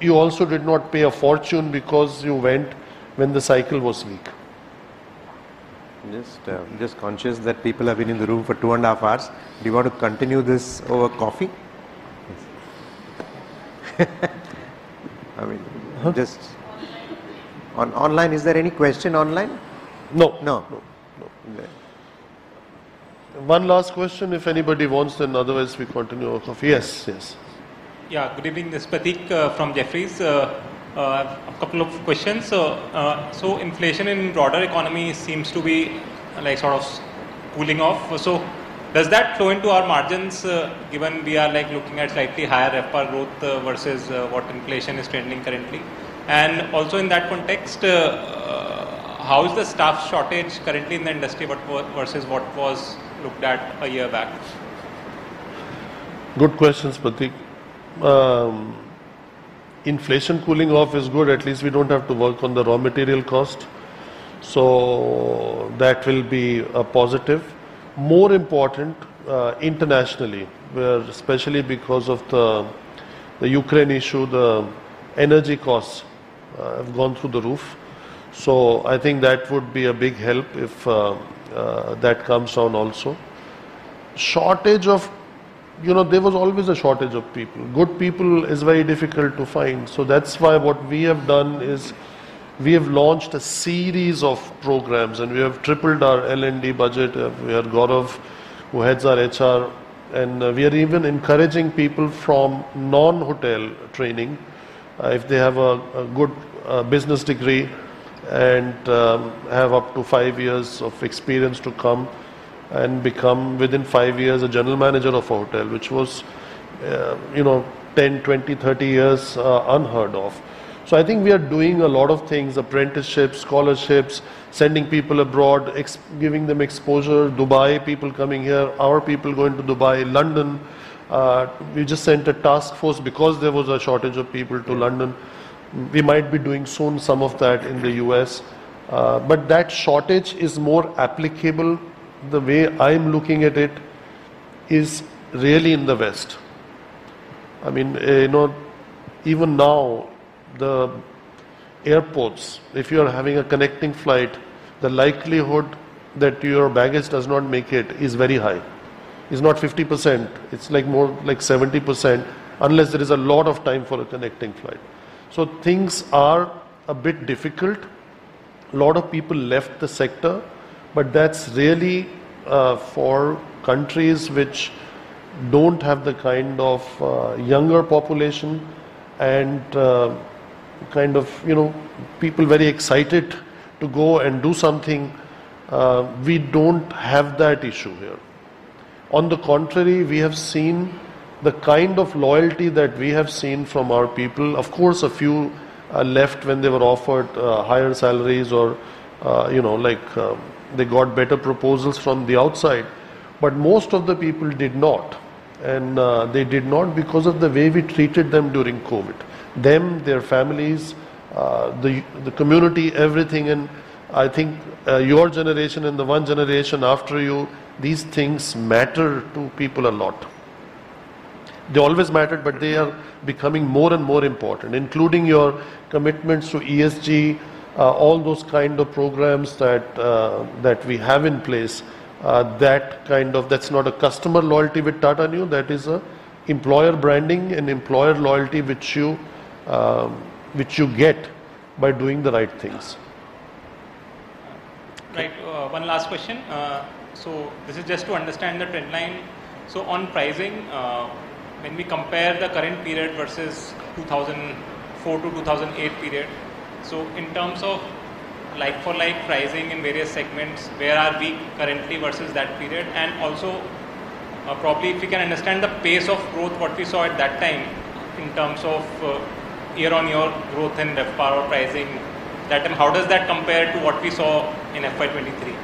You also did not pay a fortune because you went when the cycle was weak. Just conscious that people have been in the room for two and a half hours. Do you want to continue this over coffee? I mean, Online. Online, is there any question online? No. No. No. No. Okay. One last question if anybody wants, then otherwise we continue over coffee. Yes, yes. Good evening. This is Prateek from Jefferies. A couple of questions. Inflation in broader economy seems to be like sort of cooling off. Does that flow into our margins, given we are like looking at slightly higher F&B growth versus what inflation is trending currently? In that context, how is the staff shortage currently in the industry versus what was looked at a year back? Good questions, Prateek. inflation cooling off is good. At least we don't have to work on the raw material cost. That will be a positive. More important, internationally, where especially because of the Ukraine issue, the energy costs have gone through the roof. I think that would be a big help if that comes down also. Shortage of... You know, there was always a shortage of people. Good people is very difficult to find, that's why what we have done is we have launched a series of programs and we have tripled our L&D budget. We have Gaurav, who heads our HR. We are even encouraging people from non-hotel training. If they have a good business degree and have up to 5 years of experience to come and become within 5 years a general manager of a hotel, which was, you know, 10, 20, 30 years unheard of. I think we are doing a lot of things, apprenticeships, scholarships, sending people abroad, giving them exposure. Dubai, people coming here, our people going to Dubai. London, we just sent a task force because there was a shortage of people to London. We might be doing soon some of that in the U.S. That shortage is more applicable, the way I'm looking at it, is really in the West. I mean, you know, even now the airports, if you're having a connecting flight, the likelihood that your baggage does not make it is very high. It's not 50%, it's like more like 70%, unless there is a lot of time for a connecting flight. Things are a bit difficult. A lot of people left the sector, but that's really for countries which don't have the kind of younger population and, you know, people very excited to go and do something. We don't have that issue here. On the contrary, we have seen the kind of loyalty that we have seen from our people. Of course, a few left when they were offered higher salaries or, you know, like they got better proposals from the outside. Most of the people did not, and they did not because of the way we treated them during COVID. Them, their families, the community, everything, and I think, your generation and the one generation after you, these things matter to people a lot. They always mattered. They are becoming more and more important, including your commitments to ESG, all those kind of programs that we have in place. That's not a customer loyalty with Tata Neu. That is a employer branding and employer loyalty which you get by doing the right things. Right. One last question. This is just to understand the trend line. On pricing, when we compare the current period versus 2004-2008 period, in terms of like-for-like pricing in various segments, where are we currently versus that period? Also, probably if you can understand the pace of growth, what we saw at that time in terms of, year-on-year growth in RevPAR or pricing, that and how does that compare to what we saw in FY23?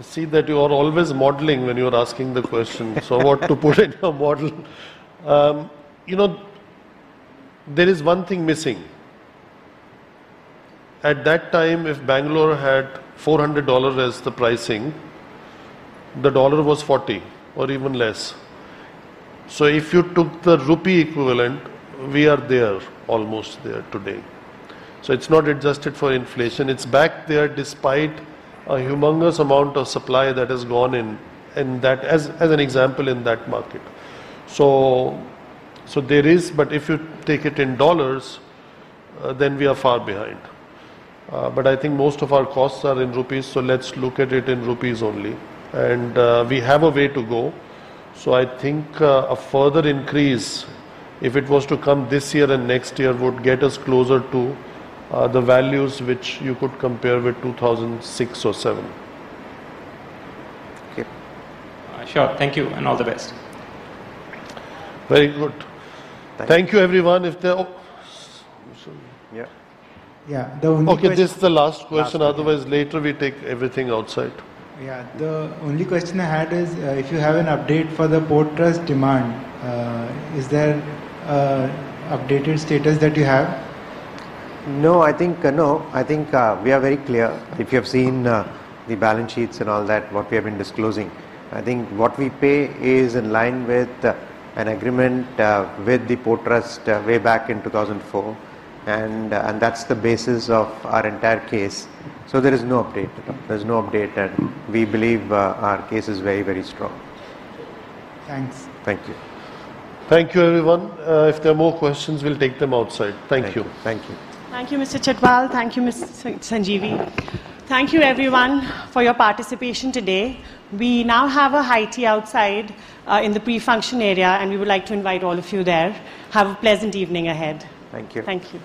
I see that you are always modeling when you are asking the question so what to put in a model. You know, there is one thing missing. At that time, if Bangalore had $400 as the pricing, the dollar was 40 or even less. If you took the rupee equivalent, we are there, almost there today. It's not adjusted for inflation. It's back there despite a humongous amount of supply that has gone in that, as an example in that market. There is, if you take it in dollars, then we are far behind. I think most of our costs are in rupees, so let's look at it in rupees only. We have a way to go. I think, a further increase, if it was to come this year and next year, would get us closer to, the values which you could compare with 2006 or 2007. Okay. sure. Thank you, and all the best. Very good. Thank you. Thank you, everyone. If there... Oh. Yeah. Yeah. The only question... Okay, this is the last question. Last one. Otherwise, later we take everything outside. Yeah. The only question I had is, if you have an update for the Port Trust demand, is there a updated status that you have? No, I think, no. I think, we are very clear. If you have seen, the balance sheets and all that, what we have been disclosing. I think what we pay is in line with an agreement with the Port Trust way back in 2004, and that's the basis of our entire case. There is no update. There's no update, and we believe, our case is very, very strong. Thanks. Thank you. Thank you, everyone. If there are more questions, we'll take them outside. Thank you. Thank you. Thank you. Thank you, Mr. Chhatwal. Thank you, Mr. Sanjeevi. Thank you everyone for your participation today. We now have a high tea outside in the pre-function area, and we would like to invite all of you there. Have a pleasant evening ahead. Thank you. Thank you.